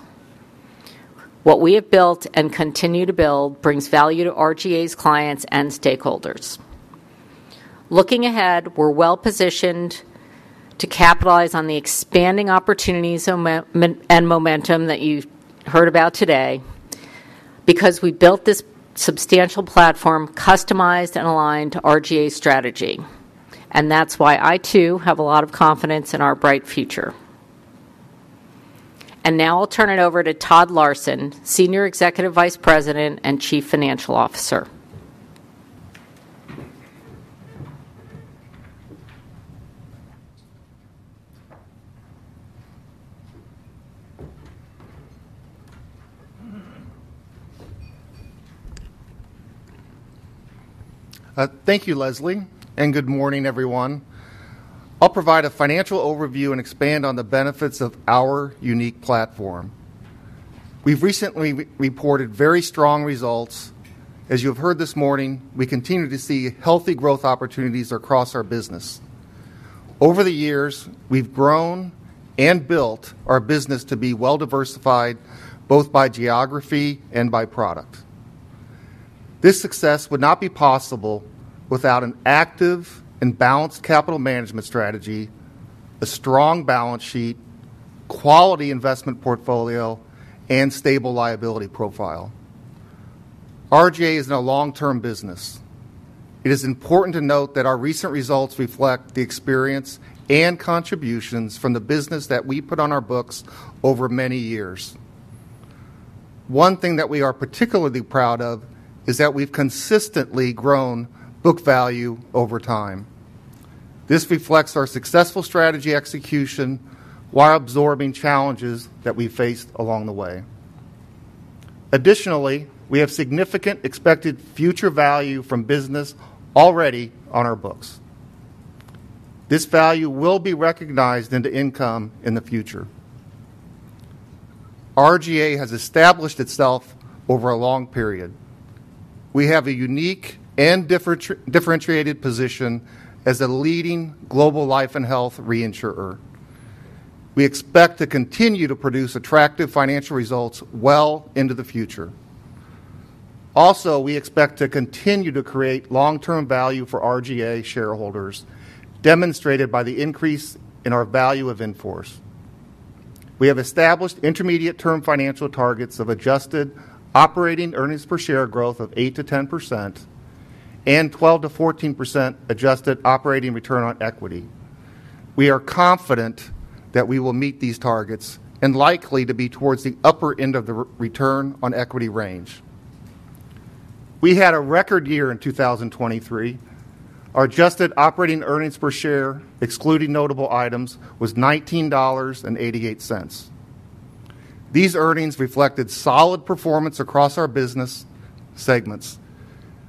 What we have built and continue to build brings value to RGA's clients and stakeholders. Looking ahead, we're well-positioned to capitalize on the expanding opportunities and momentum that you heard about today because we built this substantial platform customized and aligned to RGA's strategy. And that's why I, too, have a lot of confidence in our bright future. And now I'll turn it over to Todd Larson, Senior Executive Vice President and Chief Financial Officer. Thank you, Leslie, and good morning, everyone. I'll provide a financial overview and expand on the benefits of our unique platform. We've recently reported very strong results. As you have heard this morning, we continue to see healthy growth opportunities across our business. Over the years, we've grown and built our business to be well-diversified, both by geography and by product. This success would not be possible without an active and balanced capital management strategy, a strong balance sheet, quality investment portfolio, and stable liability profile. RGA is a long-term business. It is important to note that our recent results reflect the experience and contributions from the business that we put on our books over many years. One thing that we are particularly proud of is that we've consistently grown book value over time. This reflects our successful strategy execution while absorbing challenges that we faced along the way. Additionally, we have significant expected future value from business already on our books. This value will be recognized into income in the future. RGA has established itself over a long period. We have a unique and differentiated position as a leading global life and health reinsurer. We expect to continue to produce attractive financial results well into the future. Also, we expect to continue to create long-term value for RGA shareholders, demonstrated by the increase in our value of in-force. We have established intermediate-term financial targets of adjusted operating earnings per share growth of 8%-10% and 12%-14% adjusted operating return on equity. We are confident that we will meet these targets and likely to be towards the upper end of the return on equity range. We had a record year in 2023. Our adjusted operating earnings per share, excluding notable items, was $19.88. These earnings reflected solid performance across our business segments.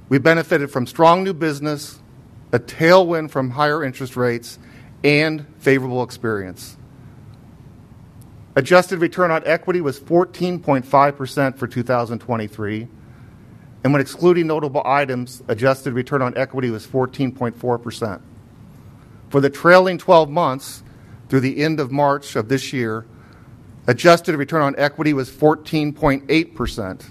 We benefited from strong new business, a tailwind from higher interest rates, and favorable experience. Adjusted return on equity was 14.5% for 2023, and when excluding notable items, adjusted return on equity was 14.4%. For the trailing 12 months through the end of March of this year, adjusted return on equity was 14.8%.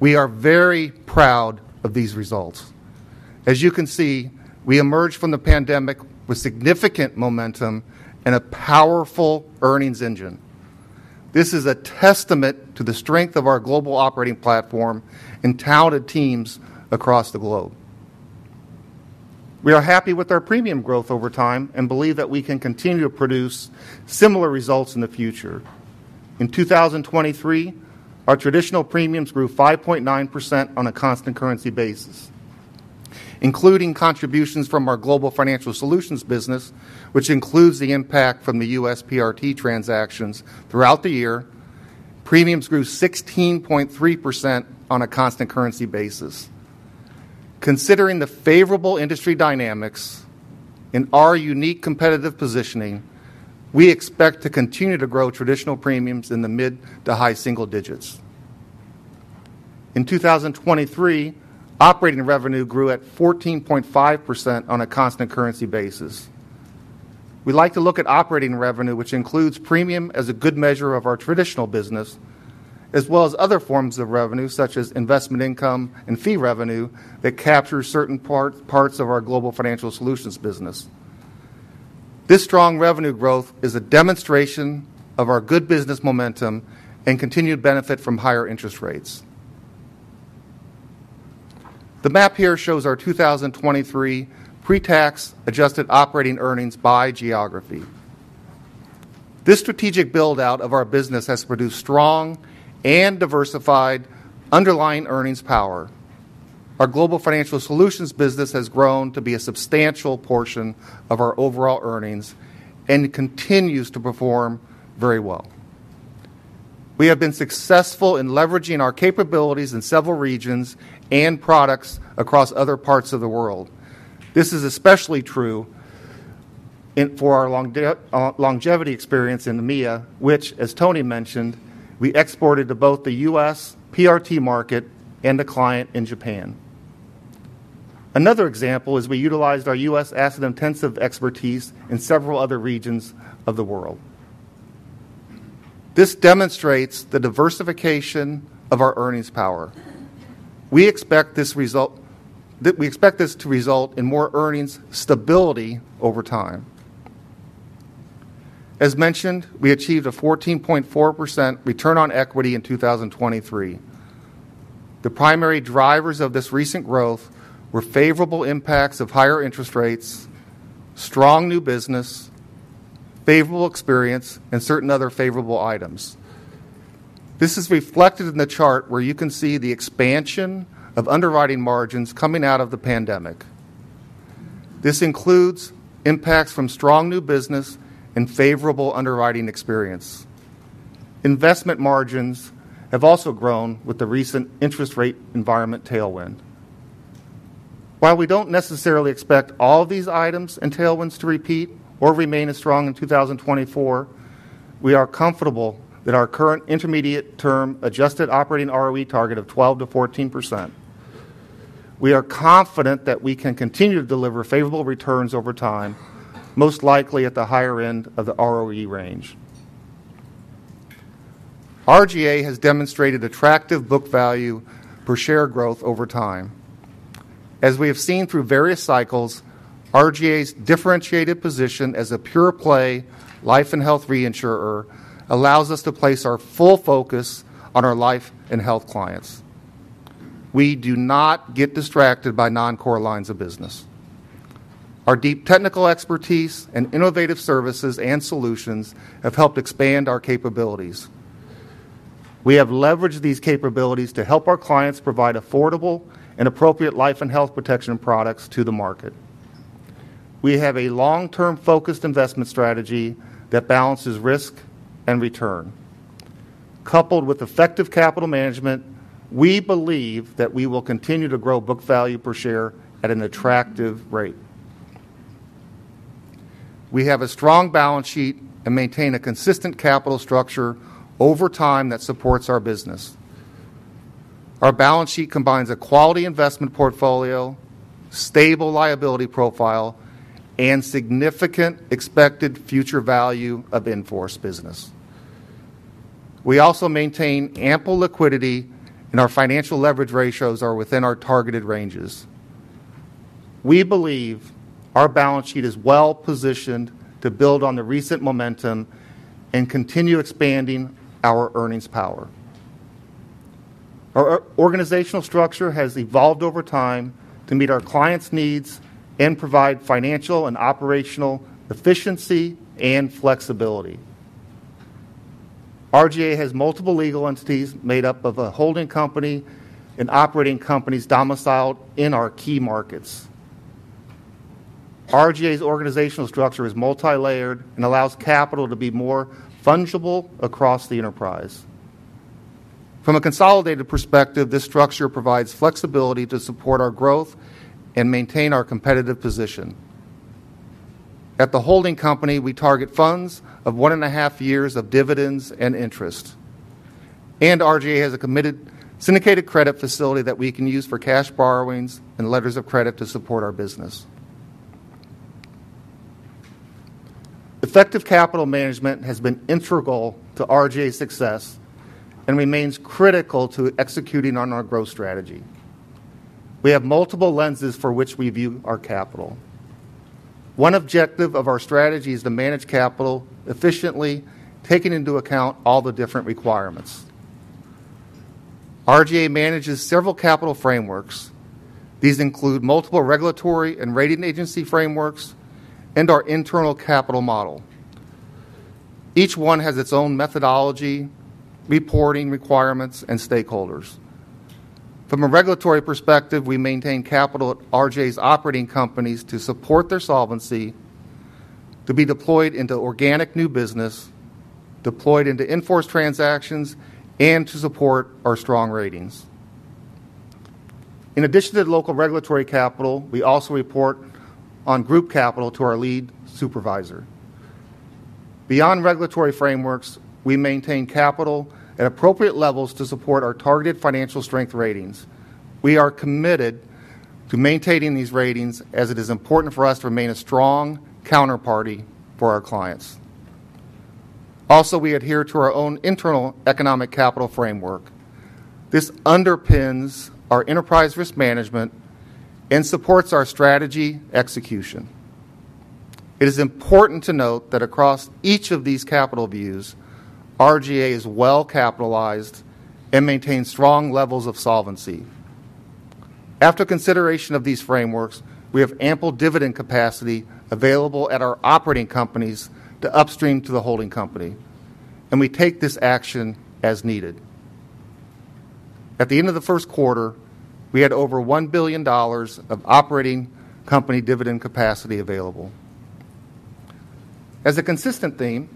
We are very proud of these results. As you can see, we emerged from the pandemic with significant momentum and a powerful earnings engine. This is a testament to the strength of our global operating platform and talented teams across the globe. We are happy with our premium growth over time and believe that we can continue to produce similar results in the future. In 2023, our traditional premiums grew 5.9% on a constant currency basis, including contributions from our global financial solutions business, which includes the impact from the U.S. PRT transactions throughout the year. Premiums grew 16.3% on a constant currency basis. Considering the favorable industry dynamics and our unique competitive positioning, we expect to continue to grow traditional premiums in the mid to high single digits. In 2023, operating revenue grew at 14.5% on a constant currency basis. We'd like to look at operating revenue, which includes premium as a good measure of our traditional business, as well as other forms of revenue such as investment income and fee revenue that capture certain parts of our global financial solutions business. This strong revenue growth is a demonstration of our good business momentum and continued benefit from higher interest rates. The map here shows our 2023 pre-tax adjusted operating earnings by geography. This strategic build-out of our business has produced strong and diversified underlying earnings power. Our global financial solutions business has grown to be a substantial portion of our overall earnings and continues to perform very well. We have been successful in leveraging our capabilities in several regions and products across other parts of the world. This is especially true for our longevity experience in EMEA, which, as Tony mentioned, we exported to both the U.S. PRT market and a client in Japan. Another example is we utilized our U.S. asset-intensive expertise in several other regions of the world. This demonstrates the diversification of our earnings power. We expect this to result in more earnings stability over time. As mentioned, we achieved a 14.4% return on equity in 2023. The primary drivers of this recent growth were favorable impacts of higher interest rates, strong new business, favorable experience, and certain other favorable items. This is reflected in the chart where you can see the expansion of underwriting margins coming out of the pandemic. This includes impacts from strong new business and favorable underwriting experience. Investment margins have also grown with the recent interest rate environment tailwind. While we don't necessarily expect all of these items and tailwinds to repeat or remain as strong in 2024, we are comfortable that our current intermediate-term adjusted operating ROE target of 12%-14%. We are confident that we can continue to deliver favorable returns over time, most likely at the higher end of the ROE range. RGA has demonstrated attractive book value per share growth over time. As we have seen through various cycles, RGA's differentiated position as a pure-play life and health reinsurer allows us to place our full focus on our life and health clients. We do not get distracted by non-core lines of business. Our deep technical expertise and innovative services and solutions have helped expand our capabilities. We have leveraged these capabilities to help our clients provide affordable and appropriate life and health protection products to the market. We have a long-term focused investment strategy that balances risk and return. Coupled with effective capital management, we believe that we will continue to grow book value per share at an attractive rate. We have a strong balance sheet and maintain a consistent capital structure over time that supports our business. Our balance sheet combines a quality investment portfolio, stable liability profile, and significant expected future value of in-force business. We also maintain ample liquidity, and our financial leverage ratios are within our targeted ranges. We believe our balance sheet is well-positioned to build on the recent momentum and continue expanding our earnings power. Our organizational structure has evolved over time to meet our clients' needs and provide financial and operational efficiency and flexibility. RGA has multiple legal entities made up of a holding company and operating companies domiciled in our key markets. RGA's organizational structure is multi-layered and allows capital to be more fungible across the enterprise. From a consolidated perspective, this structure provides flexibility to support our growth and maintain our competitive position. At the holding company, we target funds of 1.5 years of dividends and interest. RGA has a syndicated credit facility that we can use for cash borrowings and letters of credit to support our business. Effective capital management has been integral to RGA's success and remains critical to executing on our growth strategy. We have multiple lenses for which we view our capital. One objective of our strategy is to manage capital efficiently, taking into account all the different requirements. RGA manages several capital frameworks. These include multiple regulatory and rating agency frameworks and our internal capital model. Each one has its own methodology, reporting requirements, and stakeholders. From a regulatory perspective, we maintain capital at RGA's operating companies to support their solvency, to be deployed into organic new business, deployed into Enstar transactions, and to support our strong ratings. In addition to local regulatory capital, we also report on group capital to our lead supervisor. Beyond regulatory frameworks, we maintain capital at appropriate levels to support our targeted financial strength ratings. We are committed to maintaining these ratings as it is important for us to remain a strong counterparty for our clients. Also, we adhere to our own internal economic capital framework. This underpins our enterprise risk management and supports our strategy execution. It is important to note that across each of these capital views, RGA is well-capitalized and maintains strong levels of solvency. After consideration of these frameworks, we have ample dividend capacity available at our operating companies to upstream to the holding company, and we take this action as needed. At the end of the first quarter, we had over $1 billion of operating company dividend capacity available. As a consistent theme,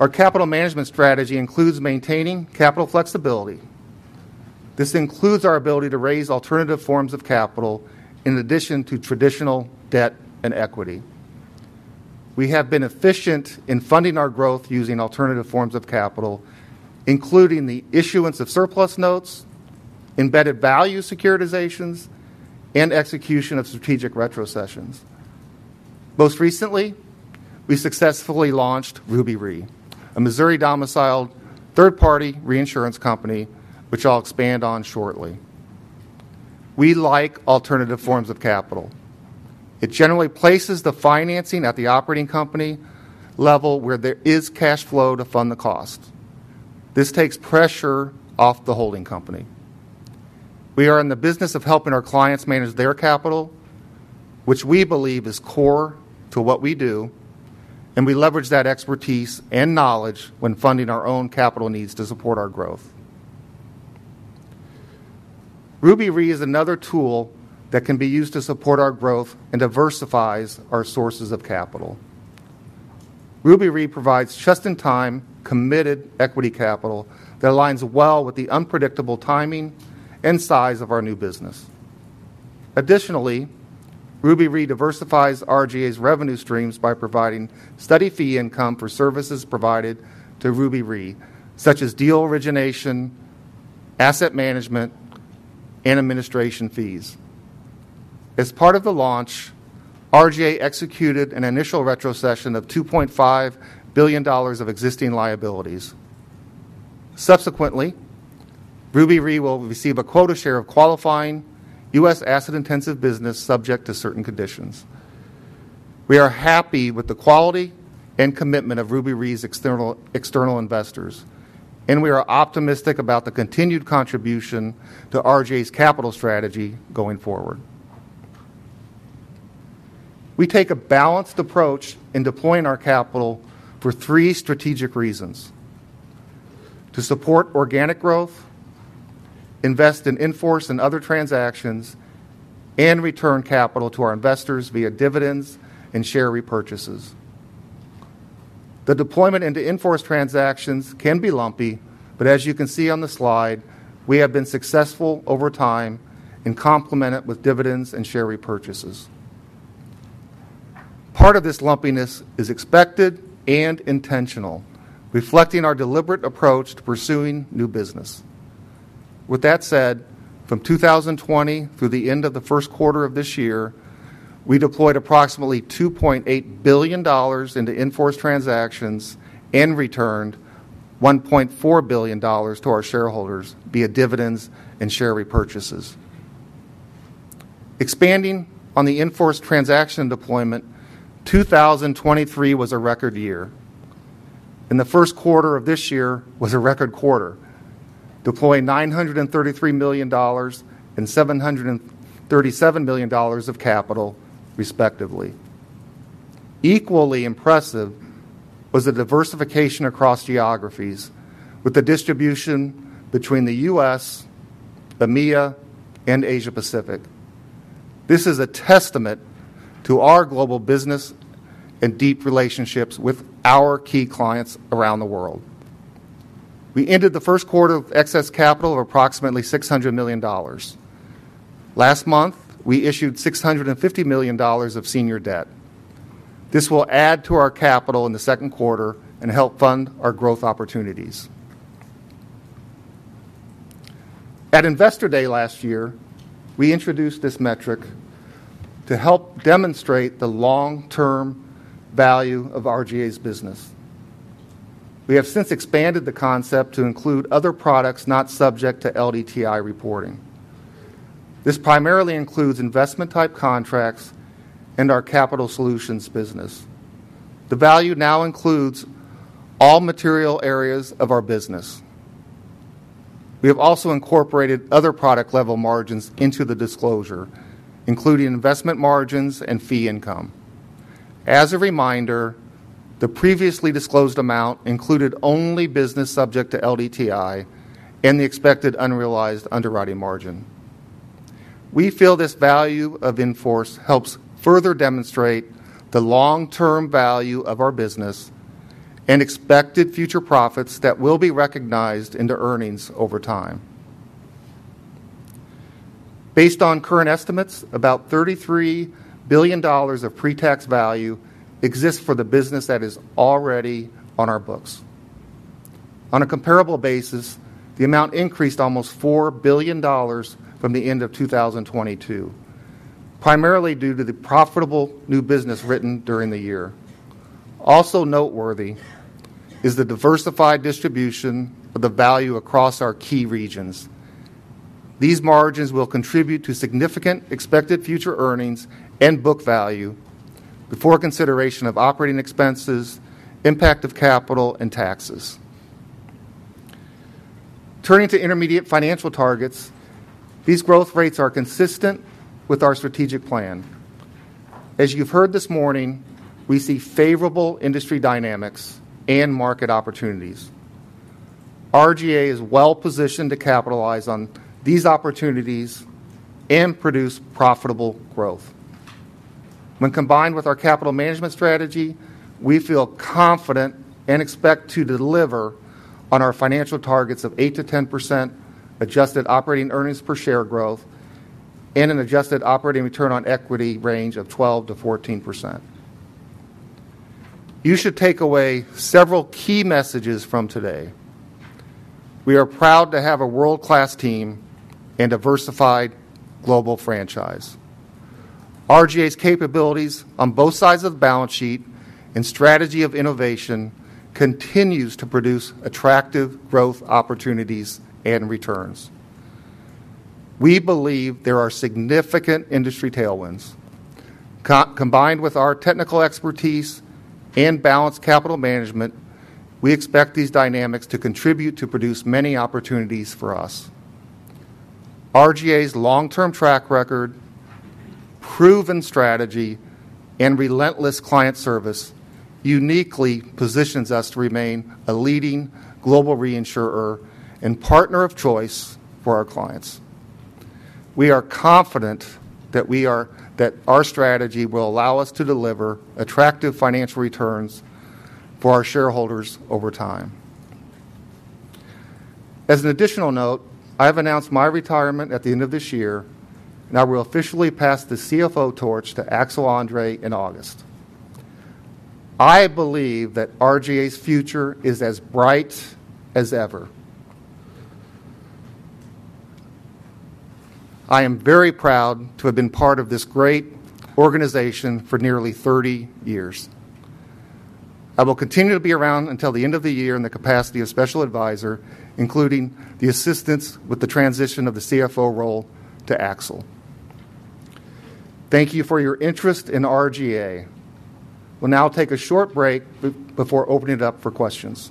our capital management strategy includes maintaining capital flexibility. This includes our ability to raise alternative forms of capital in addition to traditional debt and equity. We have been efficient in funding our growth using alternative forms of capital, including the issuance of surplus notes, embedded value securitizations, and execution of strategic retrocessions. Most recently, we successfully launched Ruby Re, a Missouri-domiciled third-party reinsurance company, which I'll expand on shortly. We like alternative forms of capital. It generally places the financing at the operating company level where there is cash flow to fund the cost. This takes pressure off the holding company. We are in the business of helping our clients manage their capital, which we believe is core to what we do, and we leverage that expertise and knowledge when funding our own capital needs to support our growth. Ruby Re is another tool that can be used to support our growth and diversifies our sources of capital. Ruby Re provides just-in-time committed equity capital that aligns well with the unpredictable timing and size of our new business. Additionally, Ruby Re diversifies RGA's revenue streams by providing steady fee income for services provided to Ruby Re, such as deal origination, asset management, and administration fees. As part of the launch, RGA executed an initial retrocession of $2.5 billion of existing liabilities. Subsequently, Ruby Re will receive a quota share of qualifying U.S. asset-intensive business subject to certain conditions. We are happy with the quality and commitment of Ruby Re's external investors, and we are optimistic about the continued contribution to RGA's capital strategy going forward. We take a balanced approach in deploying our capital for three strategic reasons: to support organic growth, invest in Enstar and other transactions, and return capital to our investors via dividends and share repurchases. The deployment into in-force transactions can be lumpy, but as you can see on the slide, we have been successful over time and complement it with dividends and share repurchases. Part of this lumpiness is expected and intentional, reflecting our deliberate approach to pursuing new business. With that said, from 2020 through the end of the first quarter of this year, we deployed approximately $2.8 billion into in-force transactions and returned $1.4 billion to our shareholders via dividends and share repurchases. Expanding on the in-force transaction deployment, 2023 was a record year. In the first quarter of this year was a record quarter, deploying $933 million and $737 million of capital, respectively. Equally impressive was the diversification across geographies, with the distribution between the U.S., EMEA, and Asia-Pacific. This is a testament to our global business and deep relationships with our key clients around the world. We ended the first quarter with excess capital of approximately $600 million. Last month, we issued $650 million of senior debt. This will add to our capital in the second quarter and help fund our growth opportunities. At Investor Day last year, we introduced this metric to help demonstrate the long-term value of RGA's business. We have since expanded the concept to include other products not subject to LDTI reporting. This primarily includes investment-type contracts and our capital solutions business. The value now includes all material areas of our business. We have also incorporated other product-level margins into the disclosure, including investment margins and fee income. As a reminder, the previously disclosed amount included only business subject to LDTI and the expected unrealized underwriting margin. We feel this Value of In-Force helps further demonstrate the long-term value of our business and expected future profits that will be recognized into earnings over time. Based on current estimates, about $33 billion of pre-tax value exists for the business that is already on our books. On a comparable basis, the amount increased almost $4 billion from the end of 2022, primarily due to the profitable new business written during the year. Also noteworthy is the diversified distribution of the value across our key regions. These margins will contribute to significant expected future earnings and book value before consideration of operating expenses, impact of capital, and taxes. Turning to intermediate financial targets, these growth rates are consistent with our strategic plan. As you've heard this morning, we see favorable industry dynamics and market opportunities. RGA is well-positioned to capitalize on these opportunities and produce profitable growth. When combined with our capital management strategy, we feel confident and expect to deliver on our financial targets of 8%-10% adjusted operating earnings per share growth and an adjusted operating return on equity range of 12%-14%. You should take away several key messages from today. We are proud to have a world-class team and diversified global franchise. RGA's capabilities on both sides of the balance sheet and strategy of innovation continue to produce attractive growth opportunities and returns. We believe there are significant industry tailwinds. Combined with our technical expertise and balanced capital management, we expect these dynamics to contribute to produce many opportunities for us. RGA's long-term track record, proven strategy, and relentless client service uniquely positions us to remain a leading global reinsurer and partner of choice for our clients. We are confident that our strategy will allow us to deliver attractive financial returns for our shareholders over time. As an additional note, I have announced my retirement at the end of this year, and I will officially pass the CFO torch to Axel André in August. I believe that RGA's future is as bright as ever. I am very proud to have been part of this great organization for nearly 30 years. I will continue to be around until the end of the year in the capacity of special advisor, including the assistance with the transition of the CFO role to Axel André. Thank you for your interest in RGA. We'll now take a short break before opening it up for questions.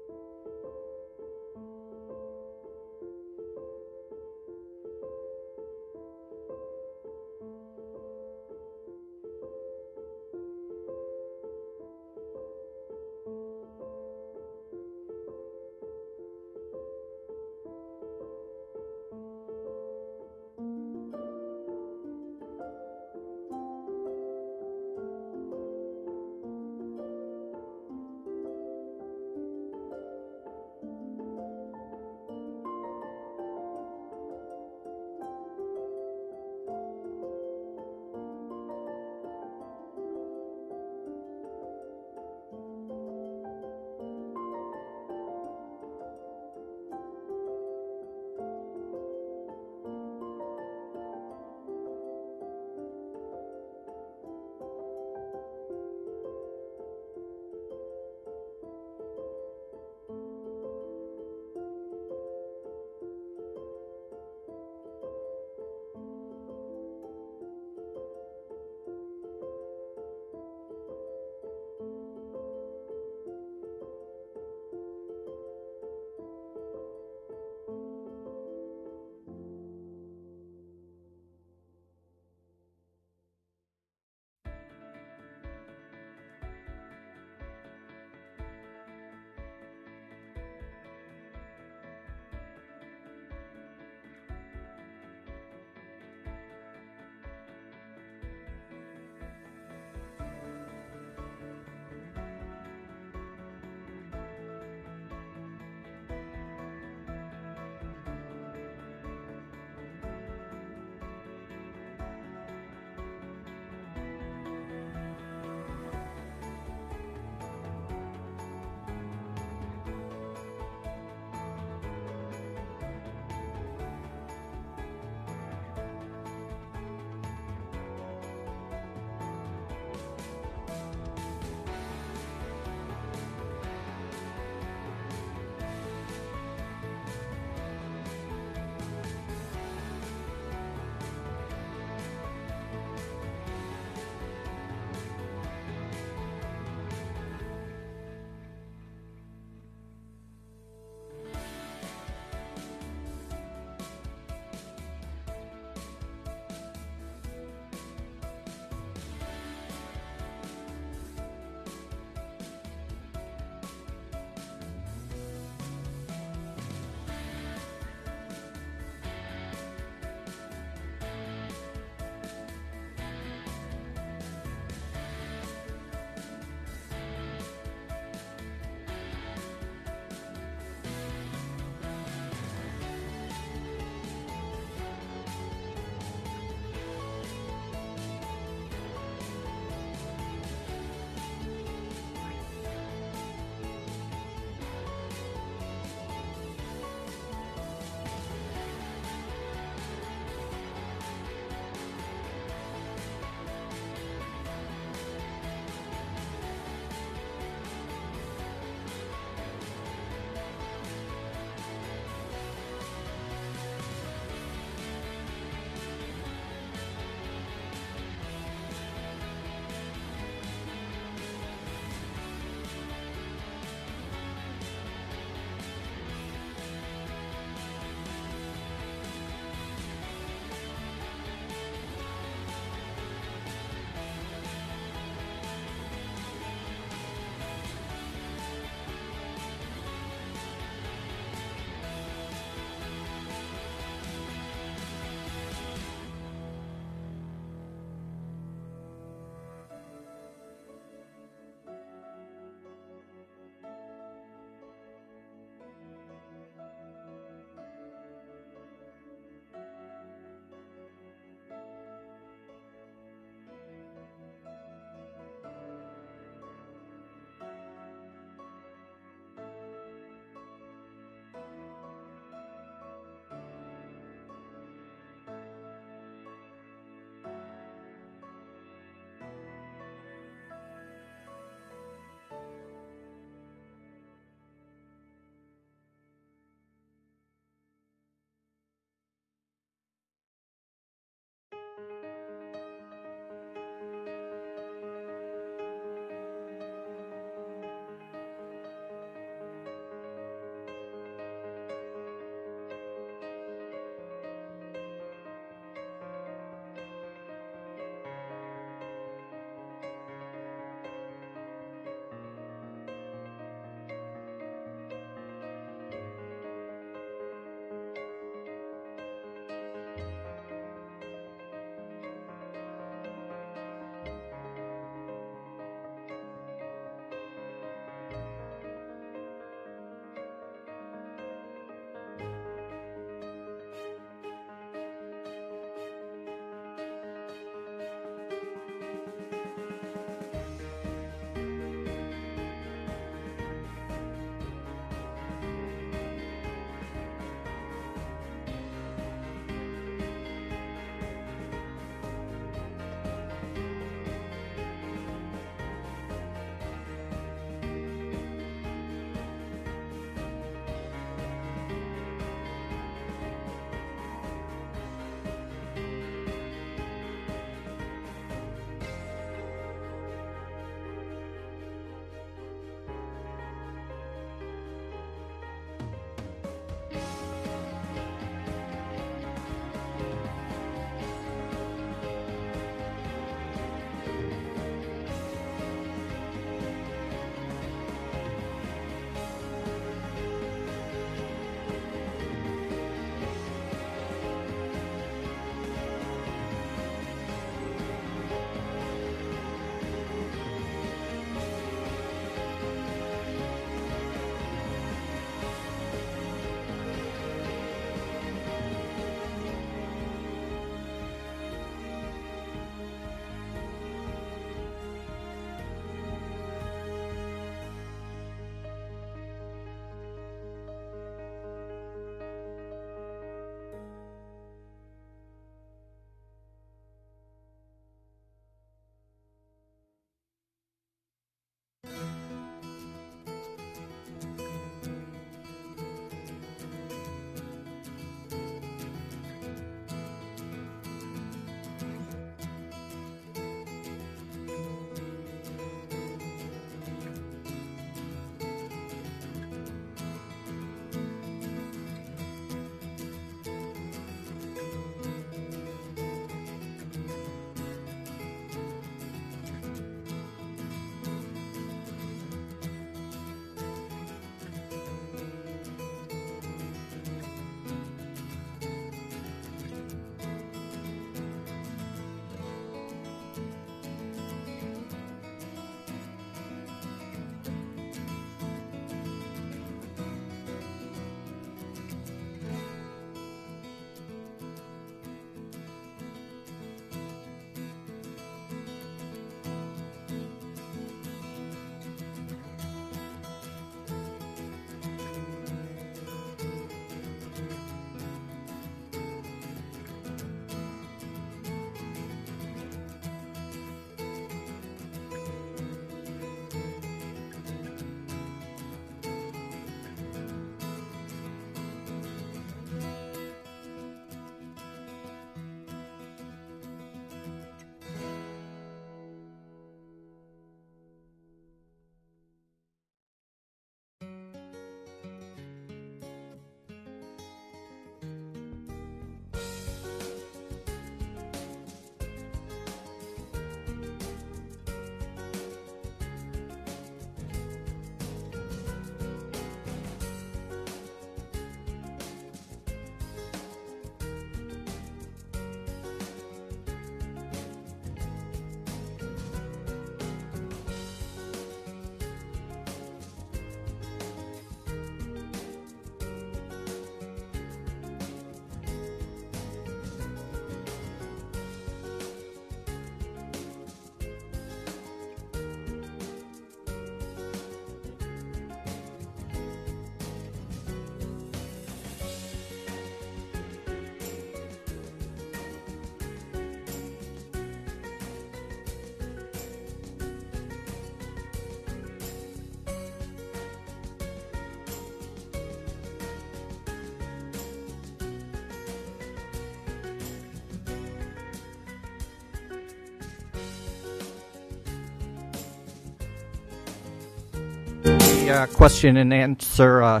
We have a question and answer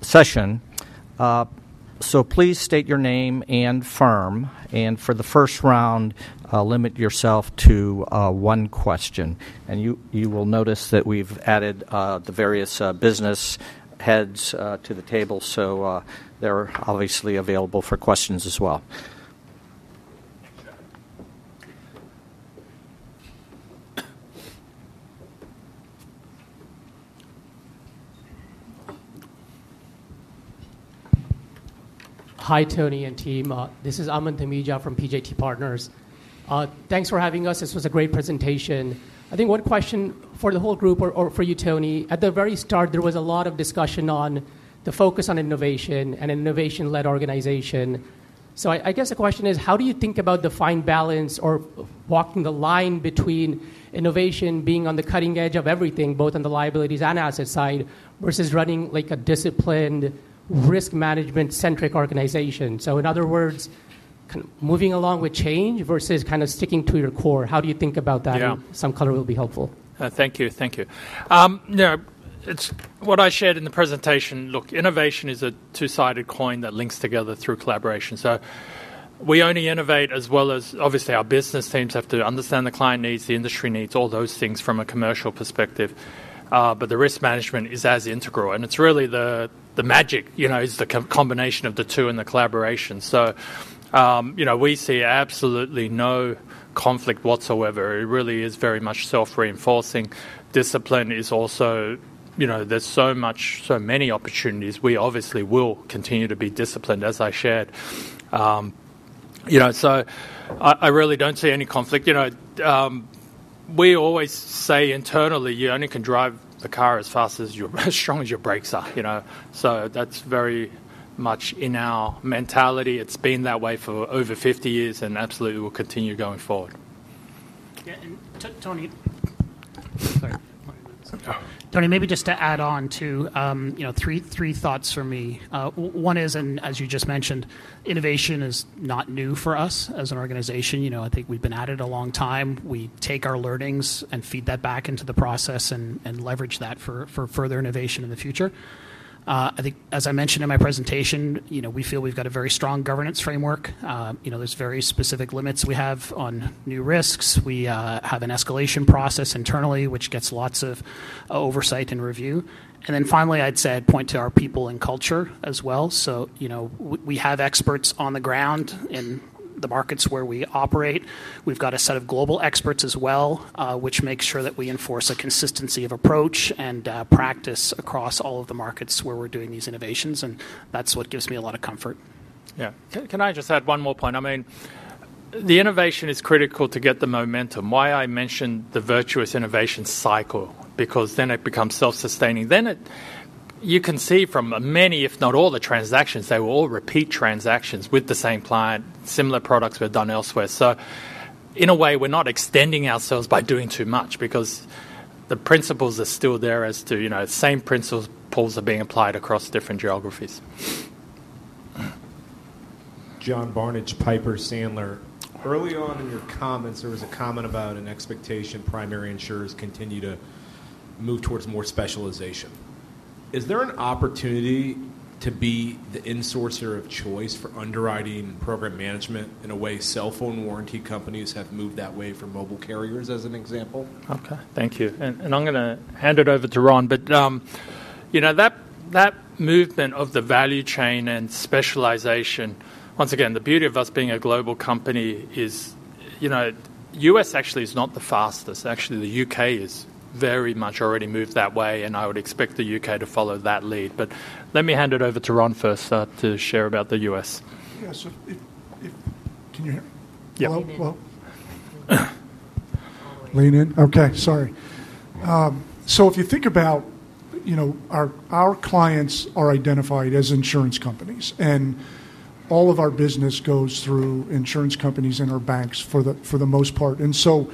session. So please state your name and firm, and for the first round, limit yourself to one question. You will notice that we've added the various business heads to the table, so they're obviously available for questions as well. Hi, Tony and team. This is Aman Dhamija from PJT Partners. Thanks for having us. This was a great presentation. I think one question for the whole group or for you, Tony. At the very start, there was a lot of discussion on the focus on innovation and an innovation-led organization. So I guess the question is, how do you think about the fine balance or walking the line between innovation being on the cutting edge of everything, both on the liabilities and asset side, versus running like a disciplined, risk management-centric organization? So in other words, kind of moving along with change versus kind of sticking to your core. How do you think about that? Some color will be helpful. Thank you. Thank you. Now, it's what I shared in the presentation. Look, innovation is a two-sided coin that links together through collaboration. So we only innovate as well as, obviously, our business teams have to understand the client needs, the industry needs, all those things from a commercial perspective. But the risk management is as integral, and it's really the magic, you know, is the combination of the two and the collaboration. So we see absolutely no conflict whatsoever. It really is very much self-reinforcing. Discipline is also. There's so many opportunities. We obviously will continue to be disciplined, as I shared. So I really don't see any conflict. We always say internally, you only can drive the car as fast as you're as strong as your brakes are. So that's very much in our mentality. It's been that way for over 50 years and absolutely will continue going forward. Yeah. And, Tony, sorry. Tony, maybe just to add on to three thoughts for me. One is, and as you just mentioned, innovation is not new for us as an organization. I think we've been at it a long time. We take our learnings and feed that back into the process and leverage that for further innovation in the future. I think, as I mentioned in my presentation, we feel we've got a very strong governance framework. There's very specific limits we have on new risks. We have an escalation process internally, which gets lots of oversight and review. And then finally, I'd say I'd point to our people and culture as well. So we have experts on the ground in the markets where we operate. We've got a set of global experts as well, which makes sure that we enforce a consistency of approach and practice across all of the markets where we're doing these innovations. And that's what gives me a lot of comfort. Yeah. Can I just add one more point? I mean, the innovation is critical to get the momentum. Why I mentioned the virtuous innovation cycle, because then it becomes self-sustaining. Then you can see from many, if not all, the transactions, they were all repeat transactions with the same client. Similar products were done elsewhere. So in a way, we're not extending ourselves by doing too much because the principles are still there as to same principles are being applied across different geographies. John Barnidge, Piper Sandler. Early on in your comments, there was a comment about an expectation primary insurers continue to move towards more specialization. Is there an opportunity to be the insourcer of choice for underwriting and program management in a way cell phone warranty companies have moved that way for mobile carriers, as an example? Okay. Thank you. And I'm going to hand it over to Ron. But that movement of the value chain and specialization, once again, the beauty of us being a global company is U.S. actually is not the fastest. Actually, the U.K. has very much already moved that way, and I would expect the U.K. to follow that lead. But let me hand it over to Ron first to share about the U.S. Yeah. So can you hear me? Yeah. Lean in. Okay. Sorry. So if you think about our clients are identified as insurance companies, and all of our business goes through insurance companies and our banks for the most part. So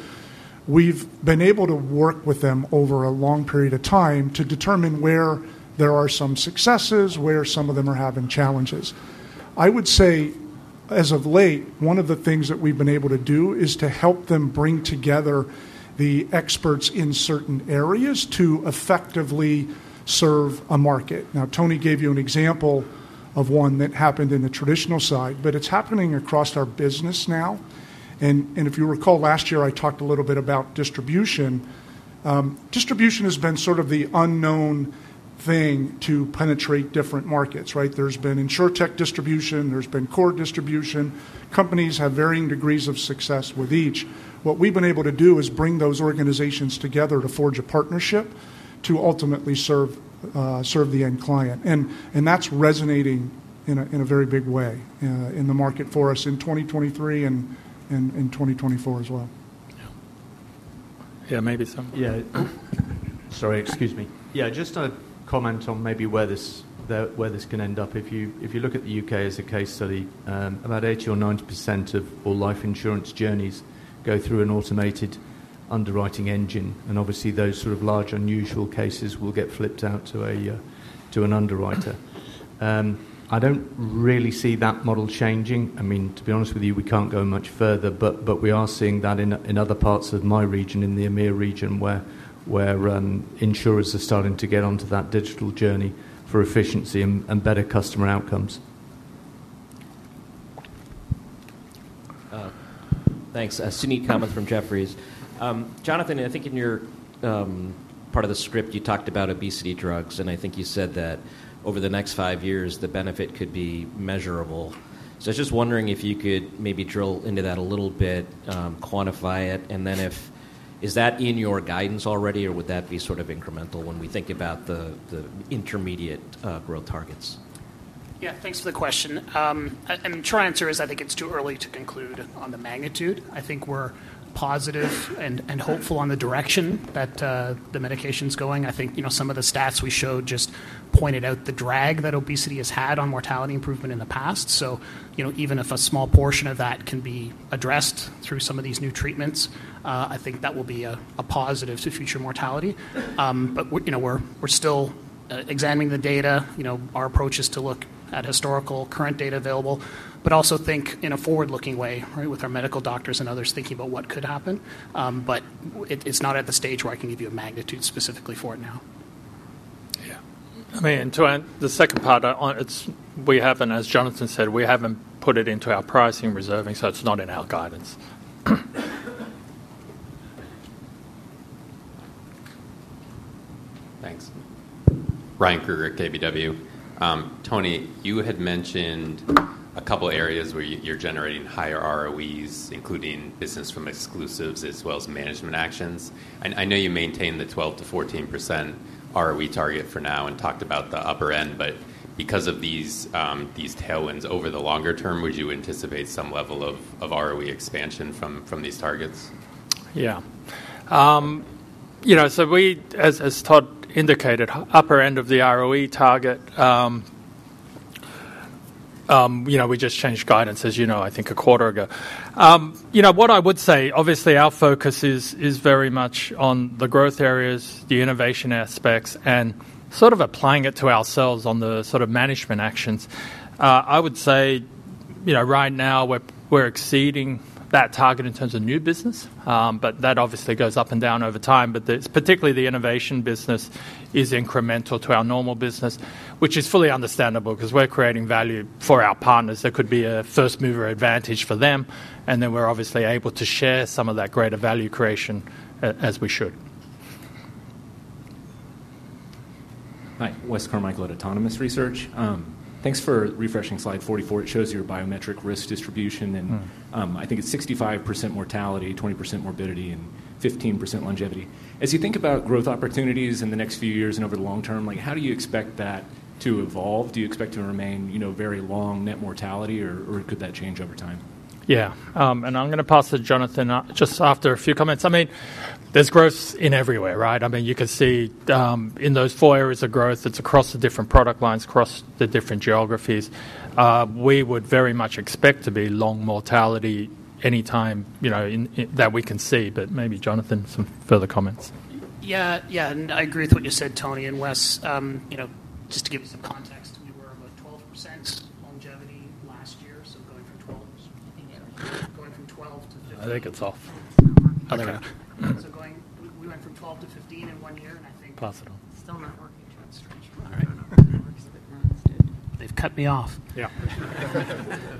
we've been able to work with them over a long period of time to determine where there are some successes, where some of them are having challenges. I would say, as of late, one of the things that we've been able to do is to help them bring together the experts in certain areas to effectively serve a market. Now, Tony gave you an example of one that happened in the traditional side, but it's happening across our business now. And if you recall, last year, I talked a little bit about distribution. Distribution has been sort of the unknown thing to penetrate different markets, right? There's been insurtech distribution. There's been core distribution. Companies have varying degrees of success with each. What we've been able to do is bring those organizations together to forge a partnership to ultimately serve the end client. And that's resonating in a very big way in the market for us in 2023 and in 2024 as well. Yeah. Maybe some. Yeah. Sorry. Excuse me. Yeah. Just a comment on maybe where this can end up. If you look at the U.K. As a case study, about 80% or 90% of all life insurance journeys go through an automated underwriting engine. And obviously, those sort of large unusual cases will get flipped out to an underwriter. I don't really see that model changing. I mean, to be honest with you, we can't go much further, but we are seeing that in other parts of my region, in the EMEA region, where insurers are starting to get onto that digital journey for efficiency and better customer outcomes. Thanks. Suneet Kamath from Jefferies. Jonathan, I think in your part of the script, you talked about obesity drugs, and I think you said that over the next 5 years, the benefit could be measurable. So I was just wondering if you could maybe drill into that a little bit, quantify it, and then if is that in your guidance already, or would that be sort of incremental when we think about the intermediate growth targets? Yeah. Thanks for the question. And the short answer is I think it's too early to conclude on the magnitude. I think we're positive and hopeful on the direction that the medication's going. I think some of the stats we showed just pointed out the drag that obesity has had on mortality improvement in the past. So even if a small portion of that can be addressed through some of these new treatments, I think that will be a positive to future mortality. But we're still examining the data. Our approach is to look at historical current data available, but also think in a forward-looking way with our medical doctors and others thinking about what could happen. But it's not at the stage where I can give you a magnitude specifically for it now. Yeah. I mean, to add the second part, we haven't, as Jonathan said, we haven't put it into our pricing reserving, so it's not in our guidance. Thanks. Ryan Krueger at KBW. Tony, you had mentioned a couple of areas where you're generating higher ROEs, including business from exclusives as well as management actions. I know you maintain the 12%-14% ROE target for now and talked about the upper end, but because of these tailwinds over the longer term, would you anticipate some level of ROE expansion from these targets? Yeah. So we, as Todd indicated, upper end of the ROE target. We just changed guidance, as you know, I think a quarter ago. What I would say, obviously, our focus is very much on the growth areas, the innovation aspects, and sort of applying it to ourselves on the sort of management actions. I would say right now we're exceeding that target in terms of new business, but that obviously goes up and down over time. But particularly the innovation business is incremental to our normal business, which is fully understandable because we're creating value for our partners. There could be a first-mover advantage for them, and then we're obviously able to share some of that greater value creation as we should. Hi. Wes Carmichael, at Autonomous Research. Thanks for refreshing slide 44. It shows your biometric risk distribution, and I think it's 65% mortality, 20% morbidity, and 15% longevity. As you think about growth opportunities in the next few years and over the long term, how do you expect that to evolve? Do you expect to remain very long net mortality, or could that change over time? Yeah. And I'm going to pass to Jonathan just after a few comments. I mean, there's growth in every way, right? I mean, you can see in those four areas of growth, it's across the different product lines, across the different geographies. We would very much expect to be long mortality anytime that we can see. But maybe, Jonathan, some further comments. Yeah. Yeah. And I agree with what you said, Tony and Wes. Just to give you some context, we were about 12% longevity last year, so going from 12 to 15. We went from 12 to 15 in one year, and I think. Possible. Still not working. [inaudible] All right. They've cut me off. Yeah.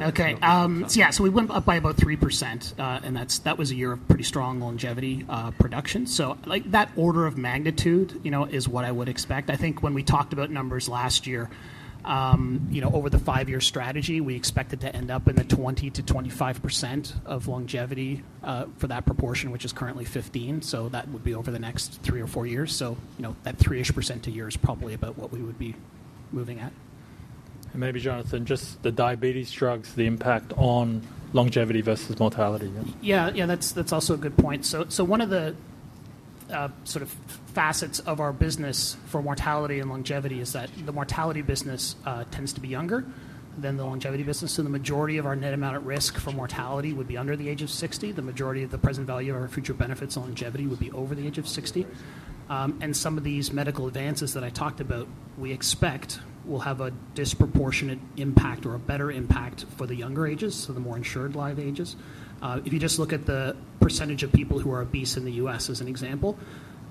Okay. So yeah, so we went up by about 3%, and that was a year of pretty strong longevity production. So that order of magnitude is what I would expect. I think when we talked about numbers last year, over the five-year strategy, we expected to end up in the 20%-25% of longevity for that proportion, which is currently 15. So that would be over the next three or four years. So that 3%-ish a year is probably about what we would be moving at. And maybe Jonathan, just the diabetes drugs, the impact on longevity versus mortality. Yeah. Yeah. That's also a good point. So one of the sort of facets of our business for mortality and longevity is that the mortality business tends to be younger than the longevity business. So the majority of our net amount at risk for mortality would be under the age of 60. The majority of the present value of our future benefits on longevity would be over the age of 60. And some of these medical advances that I talked about, we expect will have a disproportionate impact or a better impact for the younger ages, so the more insured live ages. If you just look at the percentage of people who are obese in the U.S., as an example,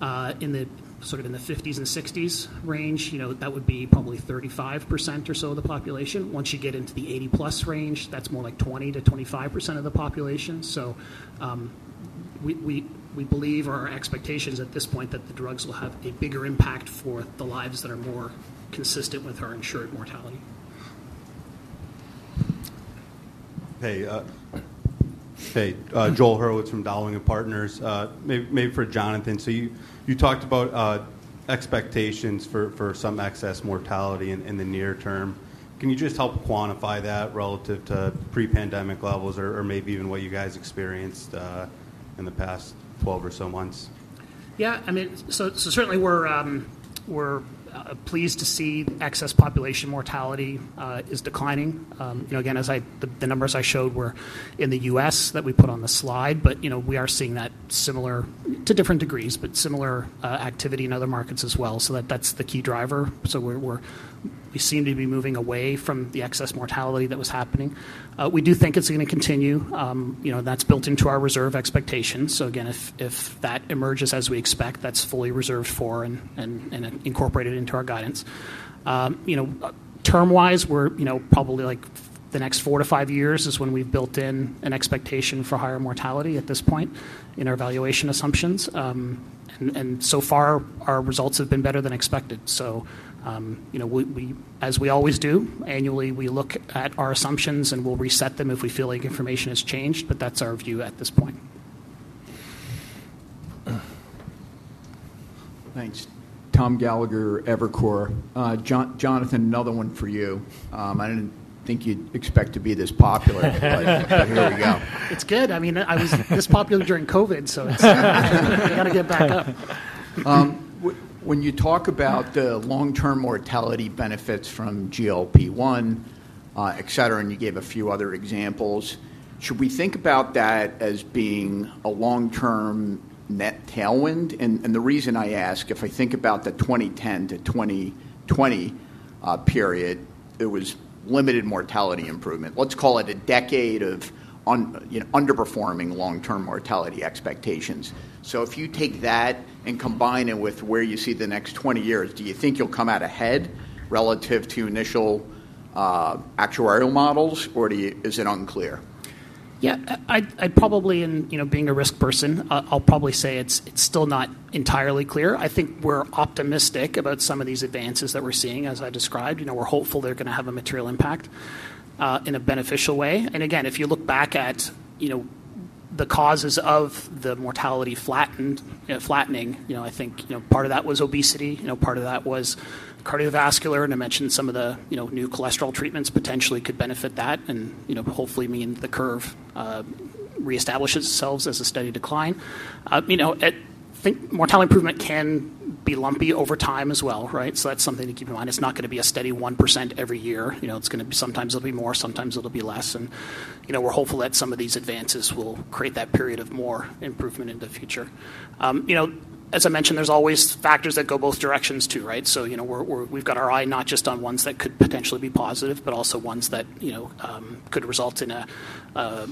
sort of in the 50s and 60s range, that would be probably 35% or so of the population. Once you get into the 80+ range, that's more like 20%-25% of the population. So we believe or our expectations at this point that the drugs will have a bigger impact for the lives that are more consistent with our insured mortality. Hey. Hey. Joel Hurwitz from Dowling & Partners. Maybe for Jonathan, so you talked about expectations for some excess mortality in the near term. Can you just help quantify that relative to pre-pandemic levels or maybe even what you guys experienced in the past 12 or so months? Yeah. I mean, so certainly we're pleased to see excess population mortality is declining. Again, the numbers I showed were in the U.S. that we put on the slide, but we are seeing that similar to different degrees, but similar activity in other markets as well. So that's the key driver. So we seem to be moving away from the excess mortality that was happening. We do think it's going to continue. That's built into our reserve expectations. So again, if that emerges as we expect, that's fully reserved for and incorporated into our guidance. Term-wise, probably the next 4-5 years is when we've built in an expectation for higher mortality at this point in our evaluation assumptions. And so far, our results have been better than expected. So as we always do, annually, we look at our assumptions and we'll reset them if we feel like information has changed, but that's our view at this point. Thanks. Tom Gallagher, Evercore. Jonathan, another one for you. I didn't think you'd expect to be this popular, but here we go. It's good. I mean, I was this popular during COVID, so it's got to get back up. When you talk about the long-term mortality benefits from GLP-1, etc., and you gave a few other examples, should we think about that as being a long-term net tailwind? And the reason I ask, if I think about the 2010 to 2020 period, it was limited mortality improvement. Let's call it a decade of underperforming long-term mortality expectations. So if you take that and combine it with where you see the next 20 years, do you think you'll come out ahead relative to initial actuarial models, or is it unclear? Yeah. I probably, and being a risk person, I'll probably say it's still not entirely clear. I think we're optimistic about some of these advances that we're seeing, as I described. We're hopeful they're going to have a material impact in a beneficial way. And again, if you look back at the causes of the mortality flattening, I think part of that was obesity. Part of that was cardiovascular. And I mentioned some of the new cholesterol treatments potentially could benefit that and hopefully mean the curve reestablishes itself as a steady decline. I think mortality improvement can be lumpy over time as well, right? So that's something to keep in mind. It's not going to be a steady 1% every year. It's going to be sometimes it'll be more, sometimes it'll be less. And we're hopeful that some of these advances will create that period of more improvement in the future. As I mentioned, there's always factors that go both directions too, right? So we've got our eye not just on ones that could potentially be positive, but also ones that could result in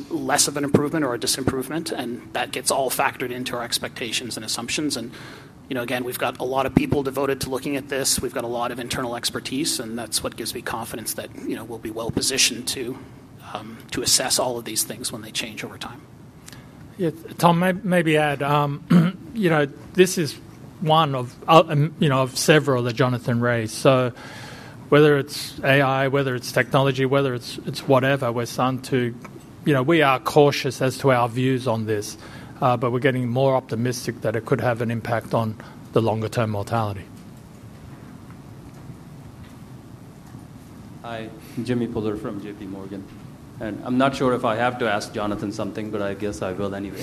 less of an improvement or a disimprovement. And that gets all factored into our expectations and assumptions. And again, we've got a lot of people devoted to looking at this. We've got a lot of internal expertise, and that's what gives me confidence that we'll be well-positioned to assess all of these things when they change over time. Yeah. Tom, maybe add. This is one of several that Jonathan raised. So whether it's AI, whether it's technology, whether it's whatever, we're starting to we are cautious as to our views on this, but we're getting more optimistic that it could have an impact on the longer-term mortality. Hi. Jimmy Bhullar from JPMorgan. I'm not sure if I have to ask Jonathan something, but I guess I will anyway.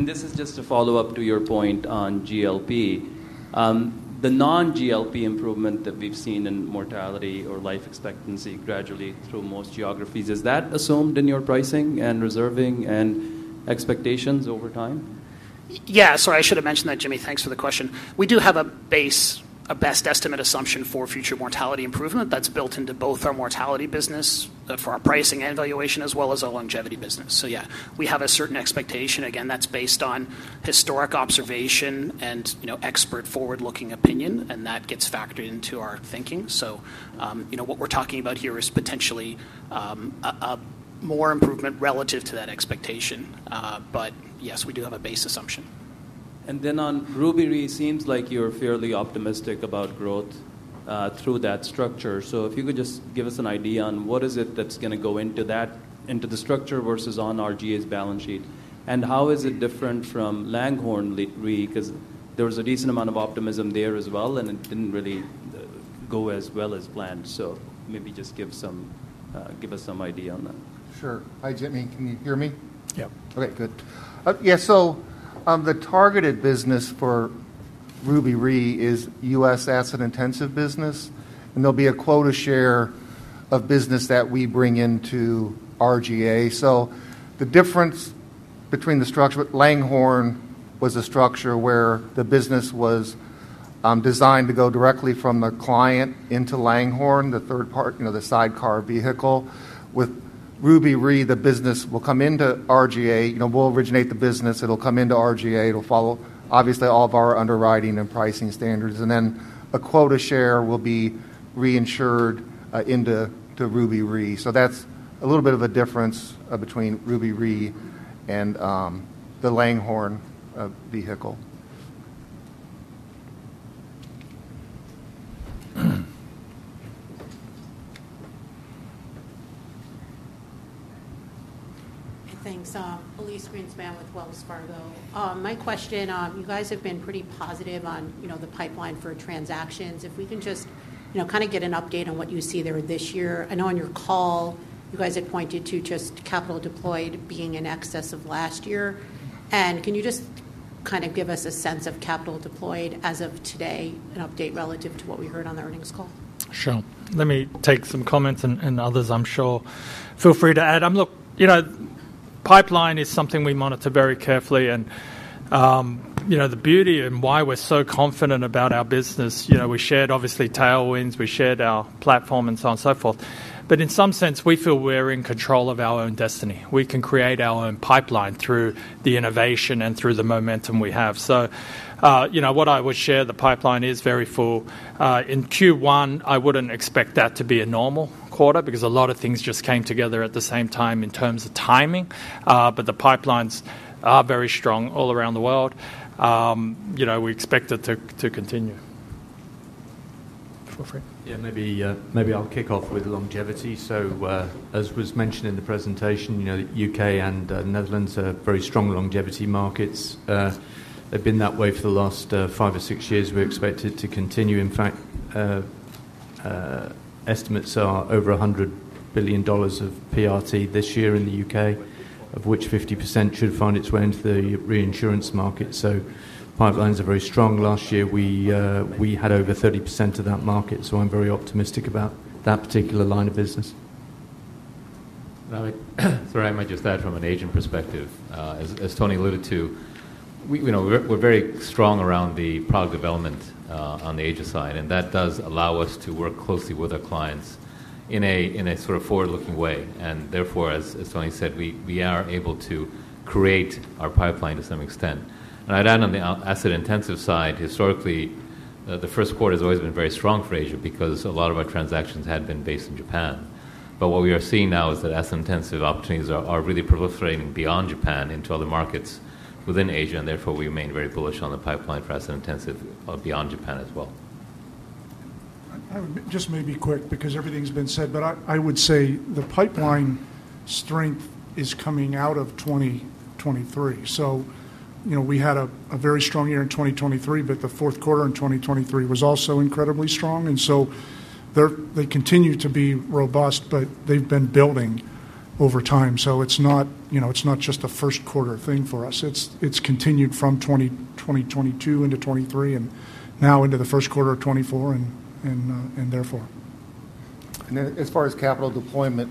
This is just a follow-up to your point on GLP. The non-GLP improvement that we've seen in mortality or life expectancy gradually through most geographies, is that assumed in your pricing and reserving and expectations over time? Yeah. Sorry, I should have mentioned that, Jimmy. Thanks for the question. We do have a best estimate assumption for future mortality improvement that's built into both our mortality business for our pricing and valuation as well as our longevity business. So yeah, we have a certain expectation. Again, that's based on historic observation and expert forward-looking opinion, and that gets factored into our thinking. So what we're talking about here is potentially more improvement relative to that expectation. But yes, we do have a base assumption. And then on Ruby Re, it seems like you're fairly optimistic about growth through that structure. So if you could just give us an idea on what is it that's going to go into the structure versus on RGA's balance sheet? And how is it different from Langhorne Re? Because there was a decent amount of optimism there as well, and it didn't really go as well as planned. So maybe just give us some idea on that. Sure. Hi, Jimmy. Can you hear me? Yeah. Okay. Good. Yeah. So the targeted business for Ruby Re is U.S. asset-intensive business, and there'll be a quota share of business that we bring into RGA. So the difference between the structure, Langhorne Re was a structure where the business was designed to go directly from the client into Langhorne Re, the third-party, the sidecar vehicle. With Ruby Re, the business will come into RGA, will originate the business, it'll come into RGA, it'll follow obviously all of our underwriting and pricing standards. And then a quota share will be reinsured into Ruby Re. So that's a little bit of a difference between Ruby Re and the Langhorne vehicle. Hey. Thanks. Elyse Greenspan with Wells Fargo. My question, you guys have been pretty positive on the pipeline for transactions. If we can just kind of get an update on what you see there this year. I know on your call, you guys had pointed to just capital deployed being in excess of last year. And can you just kind of give us a sense of capital deployed as of today, an update relative to what we heard on the earnings call? Sure. Let me take some comments and others, I'm sure. Feel free to add. Pipeline is something we monitor very carefully. The beauty and why we're so confident about our business, we shared obviously tailwinds, we shared our platform, and so on and so forth. In some sense, we feel we're in control of our own destiny. We can create our own pipeline through the innovation and through the momentum we have. What I would share, the pipeline is very full. In Q1, I wouldn't expect that to be a normal quarter because a lot of things just came together at the same time in terms of timing. The pipelines are very strong all around the world. We expect it to continue. Feel free. Yeah. Maybe I'll kick off with longevity. As was mentioned in the presentation, the U.K. and Netherlands are very strong longevity markets. They've been that way for the last five or six years. We expect it to continue. In fact, estimates are over $100 billion of PRT this year in the UK, of which 50% should find its way into the reinsurance market. So pipelines are very strong. Last year, we had over 30% of that market. So I'm very optimistic about that particular line of business. Sorry, I might just add from an agent perspective. As Tony alluded to, we're very strong around the product development on the agent side, and that does allow us to work closely with our clients in a sort of forward-looking way. And therefore, as Tony said, we are able to create our pipeline to some extent. And I'd add on the asset-intensive side, historically, the first quarter has always been very strong for Asia because a lot of our transactions had been based in Japan. But what we are seeing now is that asset-intensive opportunities are really proliferating beyond Japan into other markets within Asia, and therefore, we remain very bullish on the pipeline for asset-intensive beyond Japan as well. Just maybe quick because everything's been said, but I would say the pipeline strength is coming out of 2023. So we had a very strong year in 2023, but the fourth quarter in 2023 was also incredibly strong. And so they continue to be robust, but they've been building over time. So it's not just a first-quarter thing for us. It's continued from 2022 into 2023 and now into the first quarter of 2024 and therefore. And as far as capital deployment,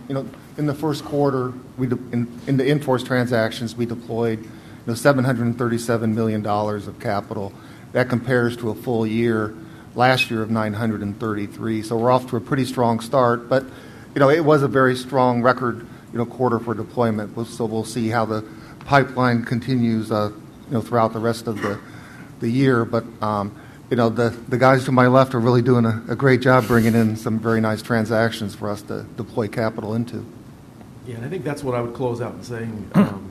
in the first quarter, in the in-force transactions, we deployed $737 million of capital. That compares to a full year last year of $933 million. So we're off to a pretty strong start, but it was a very strong record quarter for deployment. We'll see how the pipeline continues throughout the rest of the year. But the guys to my left are really doing a great job bringing in some very nice transactions for us to deploy capital into. Yeah. I think that's what I would close out in saying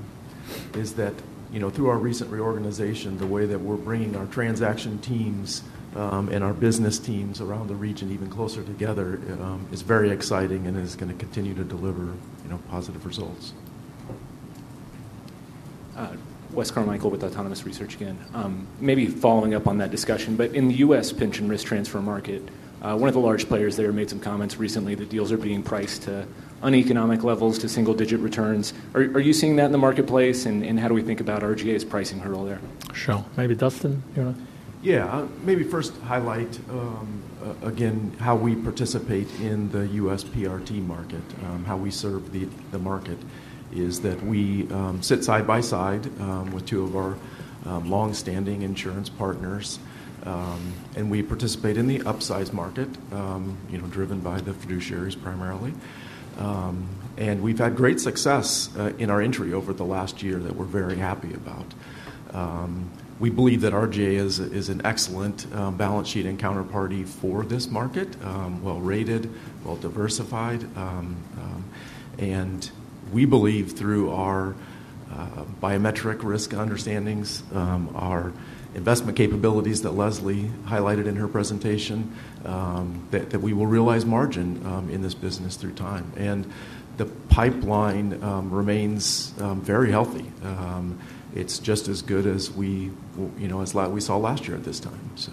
is that through our recent reorganization, the way that we're bringing our transaction teams and our business teams around the region even closer together is very exciting and is going to continue to deliver positive results. Wes Carmichael with Autonomous Research again. Maybe following up on that discussion, but in the U.S. pension risk transfer market, one of the large players there made some comments recently that deals are being priced to uneconomic levels to single-digit returns. Are you seeing that in the marketplace, and how do we think about RGA's pricing hurdle there? Sure. Maybe Jonathan? Yeah. Maybe first highlight, again, how we participate in the U.S. PRT market, how we serve the market is that we sit side by side with two of our long-standing insurance partners, and we participate in the upsize market driven by the fiduciaries primarily. We've had great success in our entry over the last year that we're very happy about. We believe that RGA is an excellent balance sheet and counterparty for this market, well-rated, well-diversified. We believe through our biometric risk understandings, our investment capabilities that Leslie highlighted in her presentation, that we will realize margin in this business through time. The pipeline remains very healthy. It's just as good as we saw last year at this time, so.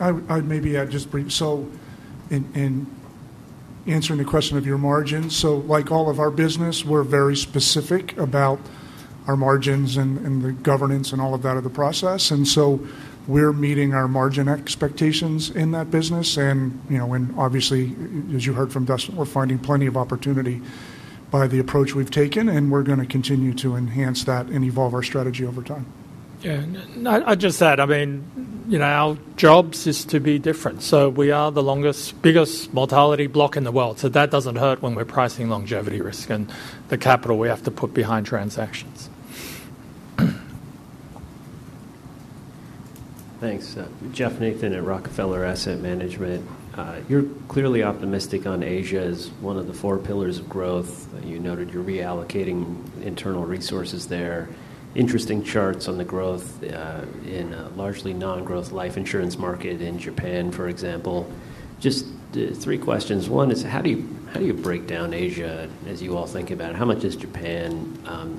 I'd maybe add just brief. So in answering the question of your margins, so like all of our business, we're very specific about our margins and the governance and all of that of the process. And so we're meeting our margin expectations in that business. And obviously, as you heard from Dustin, we're finding plenty of opportunity by the approach we've taken, and we're going to continue to enhance that and evolve our strategy over time. Yeah. I'd just add, I mean, our jobs is to be different. So we are the longest, biggest mortality block in the world. So that doesn't hurt when we're pricing longevity risk and the capital we have to put behind transactions. Thanks. Jeff Nathan at Rockefeller Asset Management. You're clearly optimistic on Asia as one of the four pillars of growth. You noted you're reallocating internal resources there. Interesting charts on the growth in a largely non-growth life insurance market in Japan, for example. Just three questions. One is, how do you break down Asia as you all think about it? How much is Japan?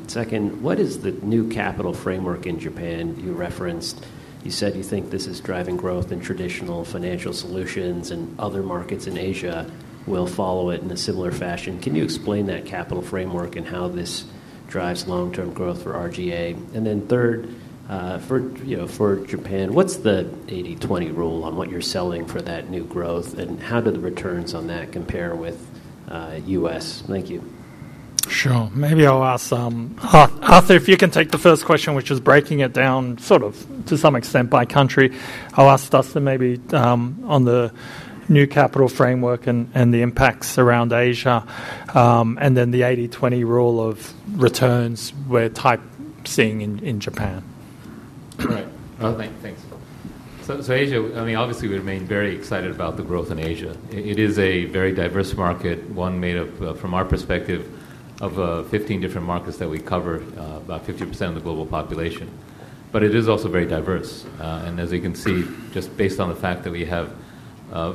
Second, what is the new capital framework in Japan? You referenced, you said you think this is driving growth in traditional financial solutions, and other markets in Asia will follow it in a similar fashion. Can you explain that capital framework and how this drives long-term growth for RGA? And then third, for Japan, what's the 80/20 rule on what you're selling for that new growth, and how do the returns on that compare with U.S.? Thank you. Sure. Maybe I'll ask Arthur, if you can take the first question, which is breaking it down sort of to some extent by country. I'll ask Dustin maybe on the new capital framework and the impacts around Asia, and then the 80/20 rule of returns we're typing in Japan. All right. Thanks. So Asia, I mean, obviously, we remain very excited about the growth in Asia. It is a very diverse market, one made up, from our perspective, of 15 different markets that we cover about 50% of the global population. But it is also very diverse. And as you can see, just based on the fact that we have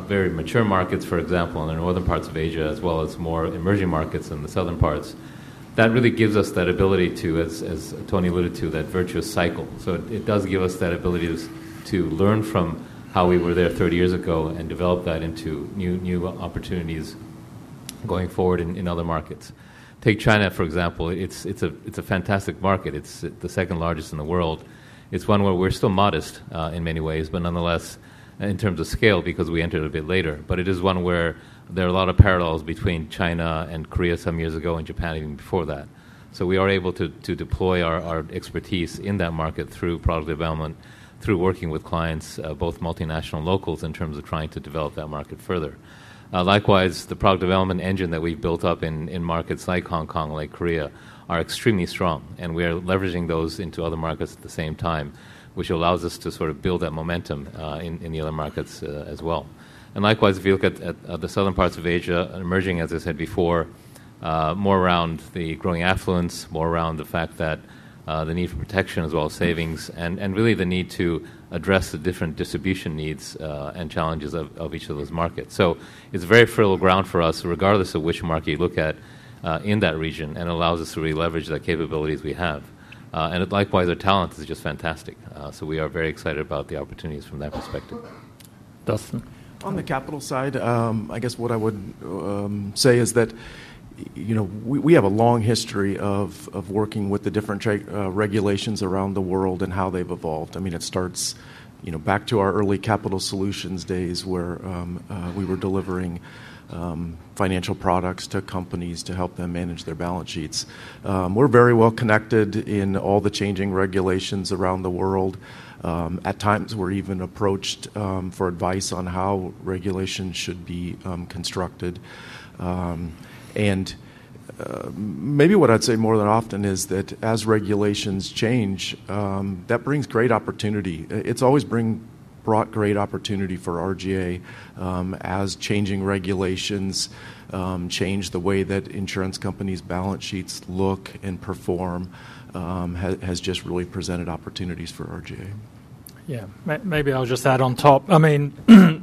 very mature markets, for example, in the northern parts of Asia, as well as more emerging markets in the southern parts, that really gives us that ability to, as Tony alluded to, that virtuous cycle. So it does give us that ability to learn from how we were there 30 years ago and develop that into new opportunities going forward in other markets. Take China, for example. It's a fantastic market. It's the second largest in the world. It's one where we're still modest in many ways, but nonetheless, in terms of scale, because we entered a bit later. But it is one where there are a lot of parallels between China and Korea some years ago and Japan even before that. So we are able to deploy our expertise in that market through product development, through working with clients, both multinational and locals, in terms of trying to develop that market further. Likewise, the product development engine that we've built up in markets like Hong Kong, like Korea are extremely strong, and we are leveraging those into other markets at the same time, which allows us to sort of build that momentum in the other markets as well. And likewise, if you look at the southern parts of Asia emerging, as I said before, more around the growing affluence, more around the fact that the need for protection as well as savings, and really the need to address the different distribution needs and challenges of each of those markets. So it's very fertile ground for us, regardless of which market you look at in that region, and allows us to re-leverage the capabilities we have. And likewise, our talent is just fantastic. So we are very excited about the opportunities from that perspective. Dustin? On the capital side, I guess what I would say is that we have a long history of working with the different regulations around the world and how they've evolved. I mean, it starts back to our early capital solutions days where we were delivering financial products to companies to help them manage their balance sheets. We're very well connected in all the changing regulations around the world. At times, we're even approached for advice on how regulations should be constructed. And maybe what I'd say more than often is that as regulations change, that brings great opportunity. It's always brought great opportunity for RGA as changing regulations change the way that insurance companies' balance sheets look and perform, has just really presented opportunities for RGA. Yeah. Maybe I'll just add on top. I mean,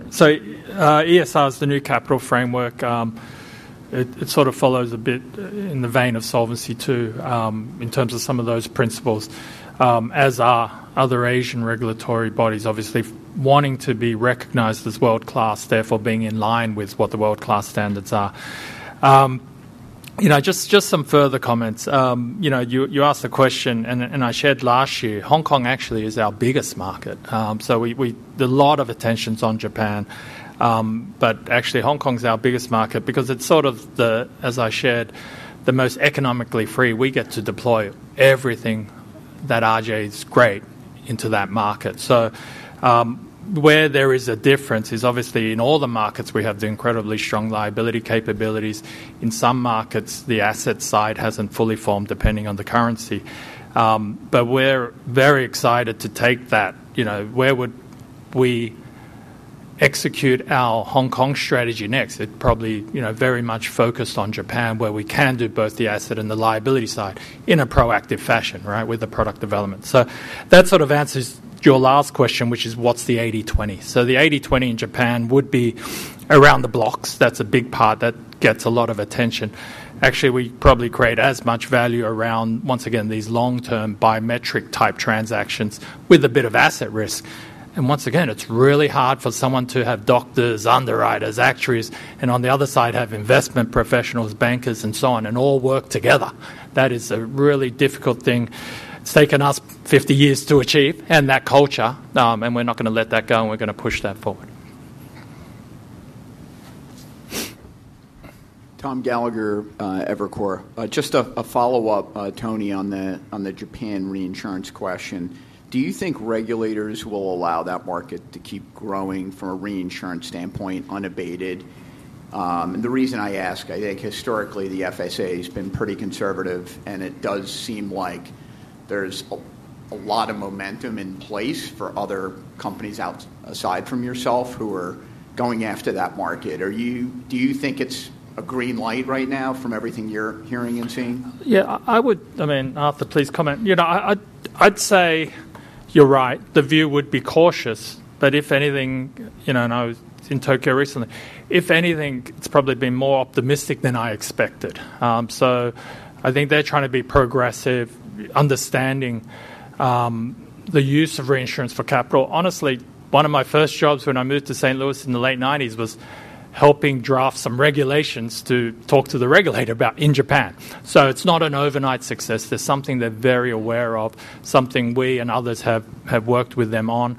so ESR is the new capital framework. It sort of follows a bit in the vein of Solvency II in terms of some of those principles, as are other Asian regulatory bodies, obviously wanting to be recognized as world-class, therefore being in line with what the world-class standards are. Just some further comments. You asked the question, and I shared last year, Hong Kong actually is our biggest market. So a lot of attention's on Japan, but actually, Hong Kong's our biggest market because it's sort of, as I shared, the most economically free. We get to deploy everything that RGA's great into that market. So where there is a difference is obviously in all the markets. We have the incredibly strong liability capabilities. In some markets, the asset side hasn't fully formed depending on the currency. But we're very excited to take that. Where would we execute our Hong Kong strategy next? It's probably very much focused on Japan, where we can do both the asset and the liability side in a proactive fashion, right, with the product development. So that sort of answers your last question, which is, what's the 80/20? So the 80/20 in Japan would be around the blocks. That's a big part that gets a lot of attention. Actually, we probably create as much value around, once again, these long-term biometric-type transactions with a bit of asset risk. And once again, it's really hard for someone to have doctors, underwriters, actuaries, and on the other side have investment professionals, bankers, and so on, and all work together. That is a really difficult thing. It's taken us 50 years to achieve and that culture, and we're not going to let that go, and we're going to push that forward. Tom Gallagher, Evercore. Just a follow-up, Tony, on the Japan reinsurance question. Do you think regulators will allow that market to keep growing from a reinsurance standpoint unabated? And the reason I ask, I think historically the FSA has been pretty conservative, and it does seem like there's a lot of momentum in place for other companies outside from yourself who are going after that market. Do you think it's a green light right now from everything you're hearing and seeing? Yeah. I mean, Arthur, please comment. I'd say you're right. The view would be cautious, but if anything, and I was in Tokyo recently, if anything, it's probably been more optimistic than I expected. So I think they're trying to be progressive, understanding the use of reinsurance for capital. Honestly, one of my first jobs when I moved to St. Louis in the late 1990s was helping draft some regulations to talk to the regulator about in Japan. So it's not an overnight success. There's something they're very aware of, something we and others have worked with them on.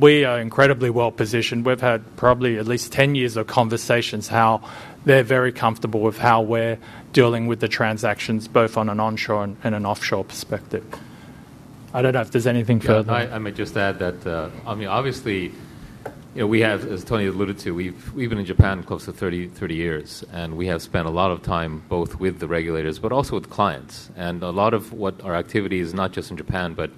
We are incredibly well-positioned. We've had probably at least 10 years of conversations how they're very comfortable with how we're dealing with the transactions, both on an onshore and an offshore perspective. I don't know if there's anything further. I may just add that, I mean, obviously, we have, as Tony alluded to, we've been in Japan close to 30 years, and we have spent a lot of time both with the regulators but also with clients. And a lot of what our activity is, not just in Japan, but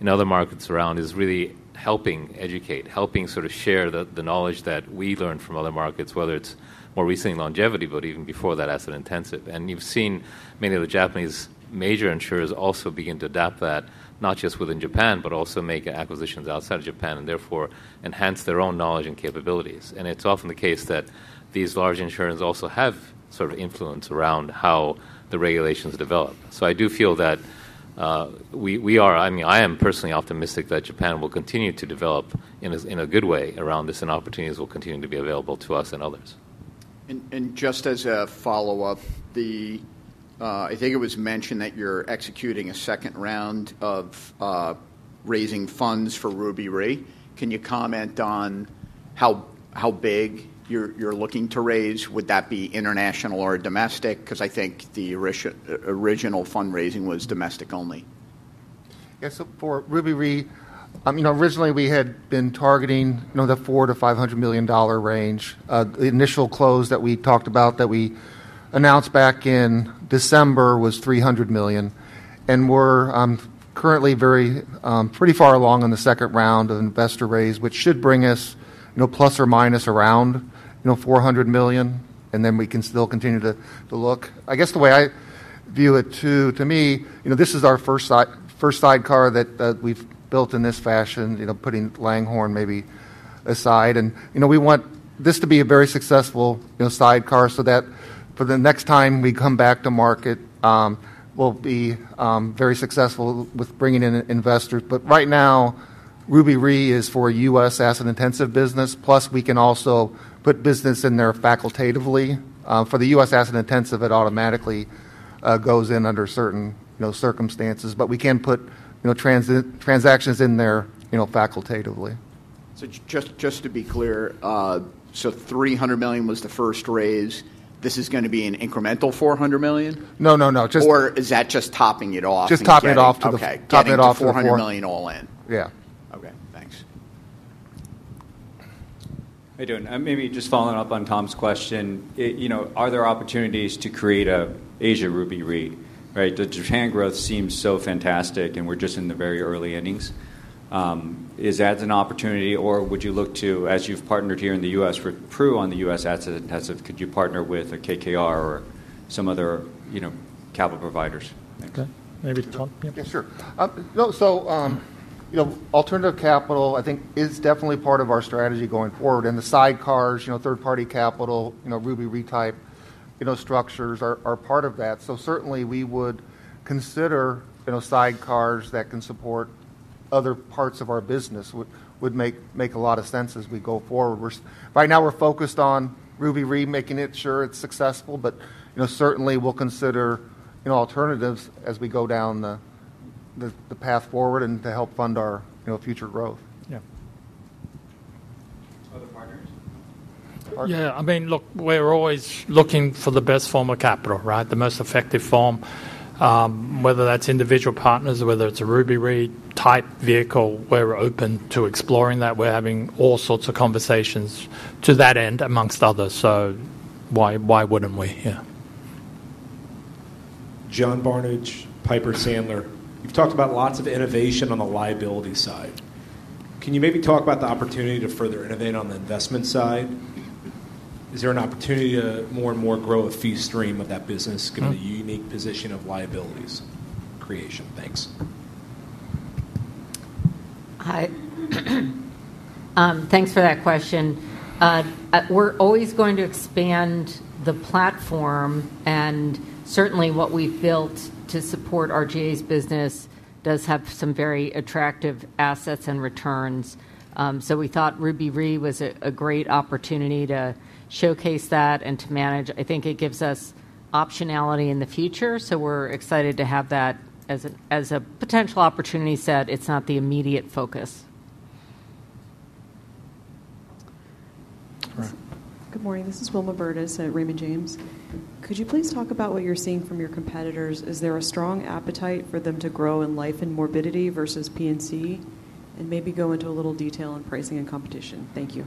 in other markets around, is really helping educate, helping sort of share the knowledge that we learned from other markets, whether it's more recently longevity, but even before that asset intensive. And you've seen many of the Japanese major insurers also begin to adapt that, not just within Japan, but also make acquisitions outside of Japan and therefore enhance their own knowledge and capabilities. And it's often the case that these large insurers also have sort of influence around how the regulations develop. So I do feel that we are, I mean, I am personally optimistic that Japan will continue to develop in a good way around this and opportunities will continue to be available to us and others. And just as a follow-up, I think it was mentioned that you're executing a second round of raising funds for Ruby Re. Can you comment on how big you're looking to raise? Would that be international or domestic? Because I think the original fundraising was domestic only. Yeah. So for Ruby Re, I mean, originally we had been targeting the $400 million-$500 million range. The initial close that we talked about that we announced back in December was $300 million. And we're currently pretty far along in the second round of investor raise, which should bring us ±$400 million, and then we can still continue to look. I guess the way I view it too, to me, this is our first sidecar that we've built in this fashion, putting Langhorne maybe aside. And we want this to be a very successful sidecar so that for the next time we come back to market, we'll be very successful with bringing in investors. But right now, Ruby Re is for a U.S. asset intensive business, plus we can also put business in there facultatively. For the U.S. asset intensive, it automatically goes in under certain circumstances, but we can put transactions in there facultatively. So just to be clear, so $300 million was the first raise. This is going to be an incremental $400 million? No, no, no. Or is that just topping it off? Just topping it off to the $400 million all in. Yeah. Okay. Thanks. How you doing? Maybe just following up on Tom's question, are there opportunities to create an Asia Ruby Re? Right? The Japan growth seems so fantastic, and we're just in the very early innings. Is that an opportunity, or would you look to, as you've partnered here in the U.S. with Pru on the U.S. asset-intensive, could you partner with a KKR or some other capital providers? Okay. Maybe for Todd. Yeah. Sure. So alternative capital, I think, is definitely part of our strategy going forward. And the sidecars, third-party capital, Ruby Re type structures are part of that. So certainly, we would consider sidecars that can support other parts of our business would make a lot of sense as we go forward. Right now, we're focused on Ruby Re making sure it's successful, but certainly, we'll consider alternatives as we go down the path forward and to help fund our future growth. Yeah. Other partners? Yeah. I mean, look, we're always looking for the best form of capital, right? The most effective form, whether that's individual partners, whether it's a Ruby Re type vehicle, we're open to exploring that. We're having all sorts of conversations to that end amongst others. So why wouldn't we? Yeah. John Barnidge, Piper Sandler. You've talked about lots of innovation on the liability side. Can you maybe talk about the opportunity to further innovate on the investment side? Is there an opportunity to more and more grow a fee stream of that business given the unique position of liabilities creation? Thanks. Hi. Thanks for that question. We're always going to expand the platform, and certainly, what we've built to support RGA's business does have some very attractive assets and returns. So we thought Ruby Re was a great opportunity to showcase that and to manage. I think it gives us optionality in the future, so we're excited to have that as a potential opportunity set. It's not the immediate focus. All right. Good morning. This is Wilma Burdis at Raymond James. Could you please talk about what you're seeing from your competitors? Is there a strong appetite for them to grow in life and morbidity versus P&C? And maybe go into a little detail on pricing and competition. Thank you.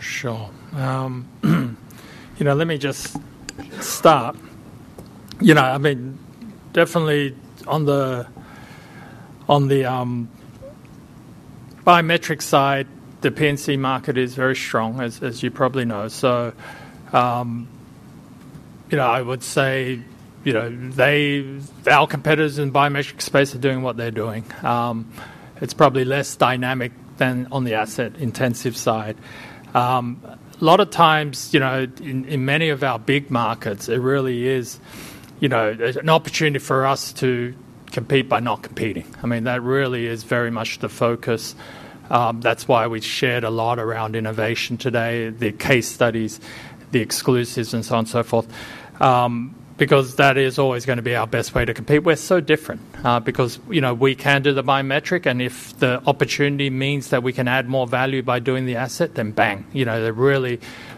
Sure. Let me just start. I mean, definitely on the biometric side, the P&C market is very strong, as you probably know. So I would say our competitors in the biometric space are doing what they're doing. It's probably less dynamic than on the asset intensive side. A lot of times, in many of our big markets, it really is an opportunity for us to compete by not competing. I mean, that really is very much the focus. That's why we shared a lot around innovation today, the case studies, the exclusives, and so on and so forth, because that is always going to be our best way to compete. We're so different because we can do the biometric, and if the opportunity means that we can add more value by doing the asset, then bang.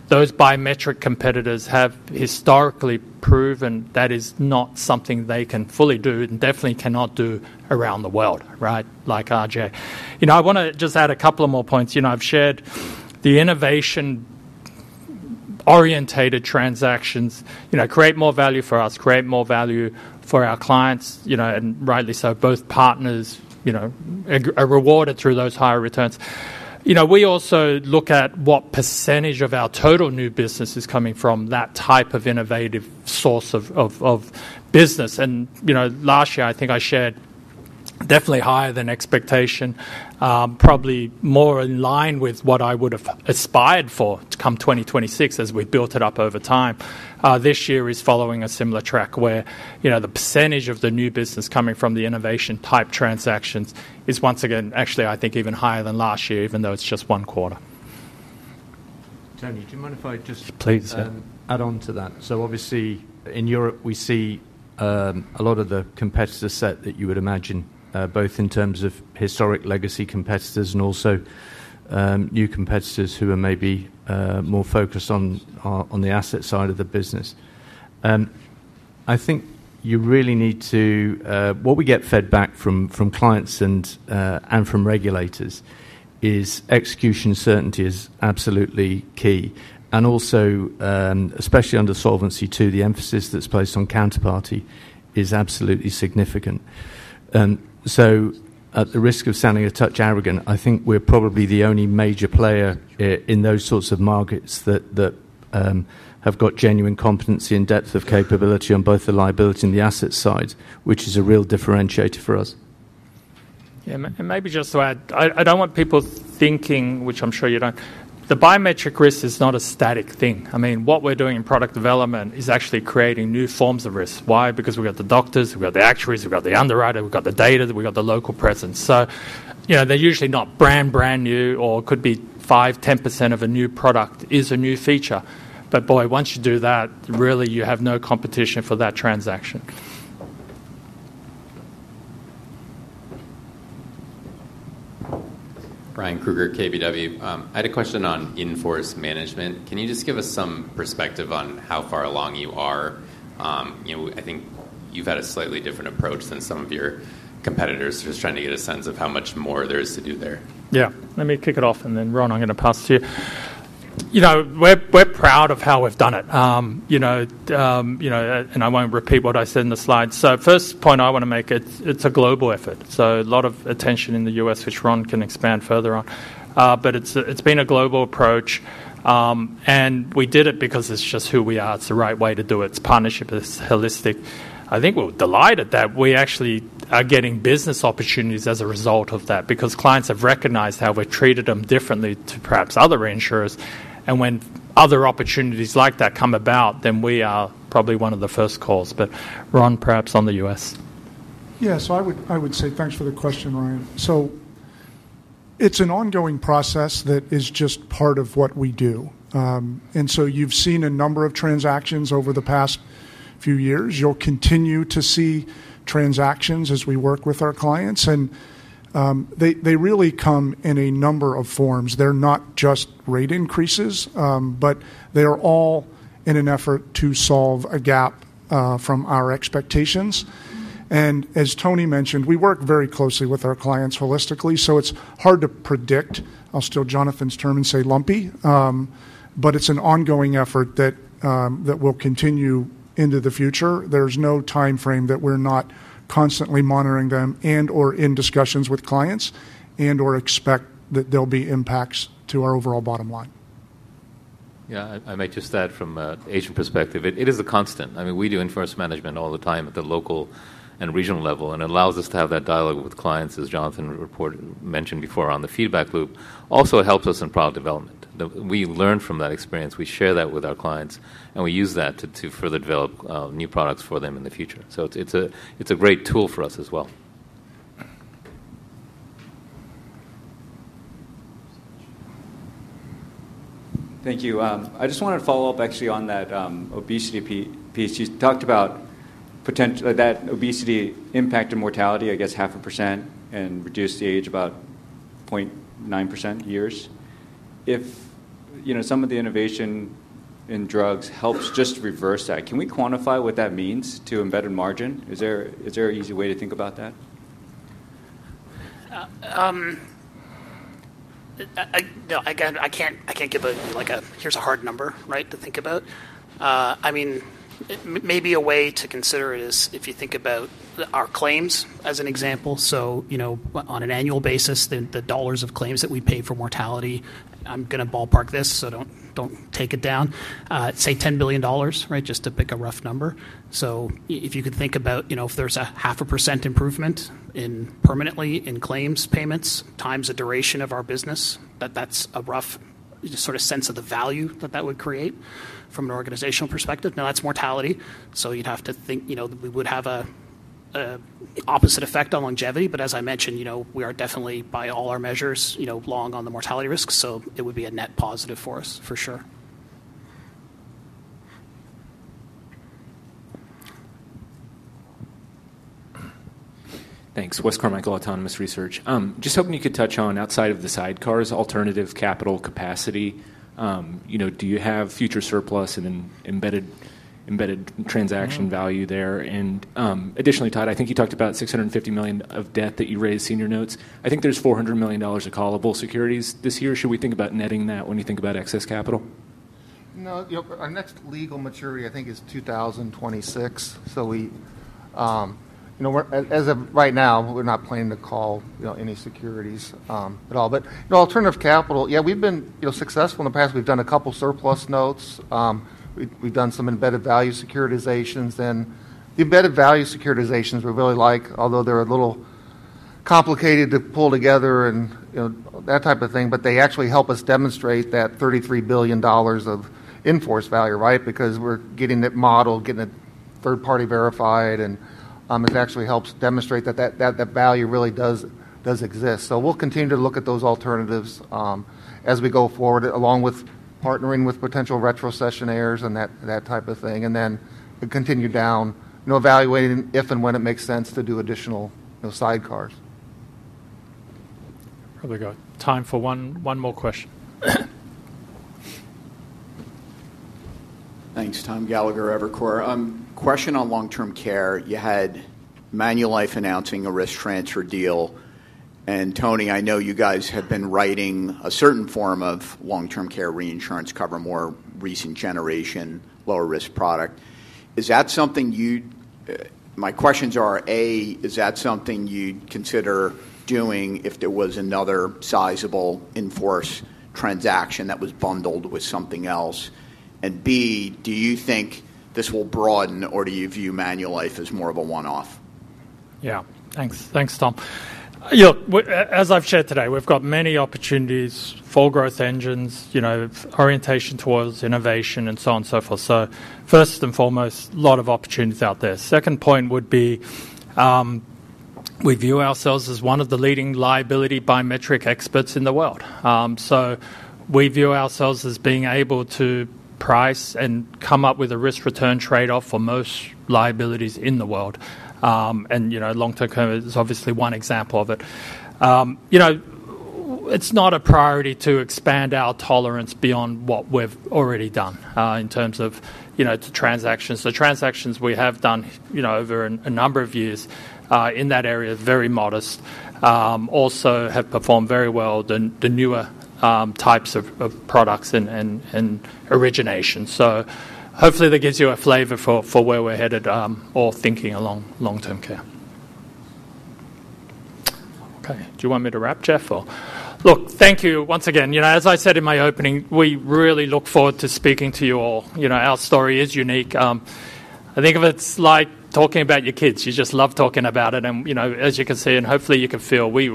Those biometric competitors have historically proven that is not something they can fully do and definitely cannot do around the world, right, like RGA. I want to just add a couple of more points. I've shared the innovation-oriented transactions create more value for us, create more value for our clients, and rightly so, both partners are rewarded through those higher returns. We also look at what percentage of our total new business is coming from that type of innovative source of business. Last year, I think I shared definitely higher than expectation, probably more in line with what I would have aspired for to come 2026 as we built it up over time. This year is following a similar track where the percentage of the new business coming from the innovation-type transactions is once again, actually, I think even higher than last year, even though it's just one quarter. Tony, do you mind if I just add on to that? So obviously, in Europe, we see a lot of the competitor set that you would imagine, both in terms of historic legacy competitors and also new competitors who are maybe more focused on the asset side of the business. I think you really need to what we get fed back from clients and from regulators is execution certainty is absolutely key. And also, especially under Solvency II, the emphasis that's placed on counterparty is absolutely significant. So at the risk of sounding a touch arrogant, I think we're probably the only major player in those sorts of markets that have got genuine competency and depth of capability on both the liability and the asset side, which is a real differentiator for us. Yeah. And maybe just to add, I don't want people thinking, which I'm sure you don't, the biometric risk is not a static thing. I mean, what we're doing in product development is actually creating new forms of risk. Why? Because we've got the doctors, we've got the actuaries, we've got the underwriter, we've got the data, we've got the local presence. So they're usually not brand new, or it could be 5%-10% of a new product is a new feature. But boy, once you do that, really, you have no competition for that transaction. Ryan Kruger, KBW. I had a question on in-force management. Can you just give us some perspective on how far along you are? I think you've had a slightly different approach than some of your competitors who are just trying to get a sense of how much more there is to do there. Yeah. Let me kick it off, and then Ron, I'm going to pass to you. We're proud of how we've done it, and I won't repeat what I said in the slides. So first point I want to make, it's a global effort. So a lot of attention in the U.S., which Ron can expand further on, but it's been a global approach, and we did it because it's just who we are. It's the right way to do it. It's partnership. It's holistic. I think we're delighted that we actually are getting business opportunities as a result of that because clients have recognized how we've treated them differently to perhaps other insurers. And when other opportunities like that come about, then we are probably one of the first calls. But Ron, perhaps on the U.S. Yeah. So I would say thanks for the question, Ryan. So it's an ongoing process that is just part of what we do. And so you've seen a number of transactions over the past few years. You'll continue to see transactions as we work with our clients, and they really come in a number of forms. They're not just rate increases, but they are all in an effort to solve a gap from our expectations. And as Tony mentioned, we work very closely with our clients holistically, so it's hard to predict. I'll steal Jonathan's term and say lumpy, but it's an ongoing effort that will continue into the future. There's no time frame that we're not constantly monitoring them and/or in discussions with clients and/or expect that there'll be impacts to our overall bottom line. Yeah. I may just add from an Asian perspective, it is a constant. I mean, we do invoice management all the time at the local and regional level, and it allows us to have that dialogue with clients, as Jonathan mentioned before on the feedback loop. Also, it helps us in product development. We learn from that experience. We share that with our clients, and we use that to further develop new products for them in the future. So it's a great tool for us as well. Thank you. I just wanted to follow up actually on that obesity piece. You talked about that obesity impacted mortality, I guess 0.5%, and reduced the age about 0.9 years. If some of the innovation in drugs helps just reverse that, can we quantify what that means to embedded margin? Is there an easy way to think about that? Again, I can't give a here's a hard number, right, to think about. I mean, maybe a way to consider it is if you think about our claims as an example. So on an annual basis, the dollars of claims that we pay for mortality, I'm going to ballpark this, so don't take it down, say $10 billion, right, just to pick a rough number. So if you could think about if there's a 0.5% improvement permanently in claims payments times the duration of our business, that's a rough sort of sense of the value that that would create from an organizational perspective. Now, that's mortality, so you'd have to think we would have an opposite effect on longevity. But as I mentioned, we are definitely, by all our measures, long on the mortality risk, so it would be a net positive for us for sure. Thanks. Wes Carmichael, Autonomous Research. Just hoping you could touch on, outside of the sidecars, alternative capital capacity. Do you have future surplus and embedded transaction value there? And additionally, Todd, I think you talked about $650 million of debt that you raised senior notes. I think there's $400 million of callable securities this year. Should we think about netting that when you think about excess capital? No. Our next legal maturity, I think, is 2026. So as of right now, we're not planning to call any securities at all. But alternative capital, yeah, we've been successful in the past. We've done a couple of surplus notes. We've done some embedded value securitizations. And the embedded value securitizations, we really like, although they're a little complicated to pull together and that type of thing, but they actually help us demonstrate that $33 billion of in-force value, right, because we're getting it modeled, getting it third-party verified, and it actually helps demonstrate that that value really does exist. So we'll continue to look at those alternatives as we go forward, along with partnering with potential retrocessionaires and that type of thing, and then continue to evaluate if and when it makes sense to do additional sidecars. Probably got time for one more question. Thanks. Tom Gallagher, Evercore. Question on long-term care. You had Manulife announcing a risk transfer deal. And Tony, I know you guys have been writing a certain form of long-term care reinsurance cover, more recent generation, lower-risk product. Is that something you—my questions are: A, is that something you'd consider doing if there was another sizable in-force transaction that was bundled with something else? And B, do you think this will broaden, or do you view Manulife as more of a one-off? Yeah. Thanks, Tom. As I've shared today, we've got many opportunities, four growth engines, orientation towards innovation, and so on and so forth. So first and foremost, a lot of opportunities out there. Second point would be we view ourselves as one of the leading life and biometric experts in the world. So we view ourselves as being able to price and come up with a risk-return trade-off for most liabilities in the world. Long-term cover is obviously one example of it. It's not a priority to expand our tolerance beyond what we've already done in terms of transactions. The transactions we have done over a number of years in that area are very modest. Also have performed very well the newer types of products and origination. So hopefully, that gives you a flavor for where we're headed or thinking along long-term care. Okay. Do you want me to wrap, Jeff, or? Look, thank you once again. As I said in my opening, we really look forward to speaking to you all. Our story is unique. I think of it as like talking about your kids. You just love talking about it. And as you can see, and hopefully, you can feel, we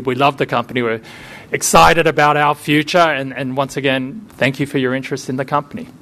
love the company. We're excited about our future. And once again, thank you for your interest in the company.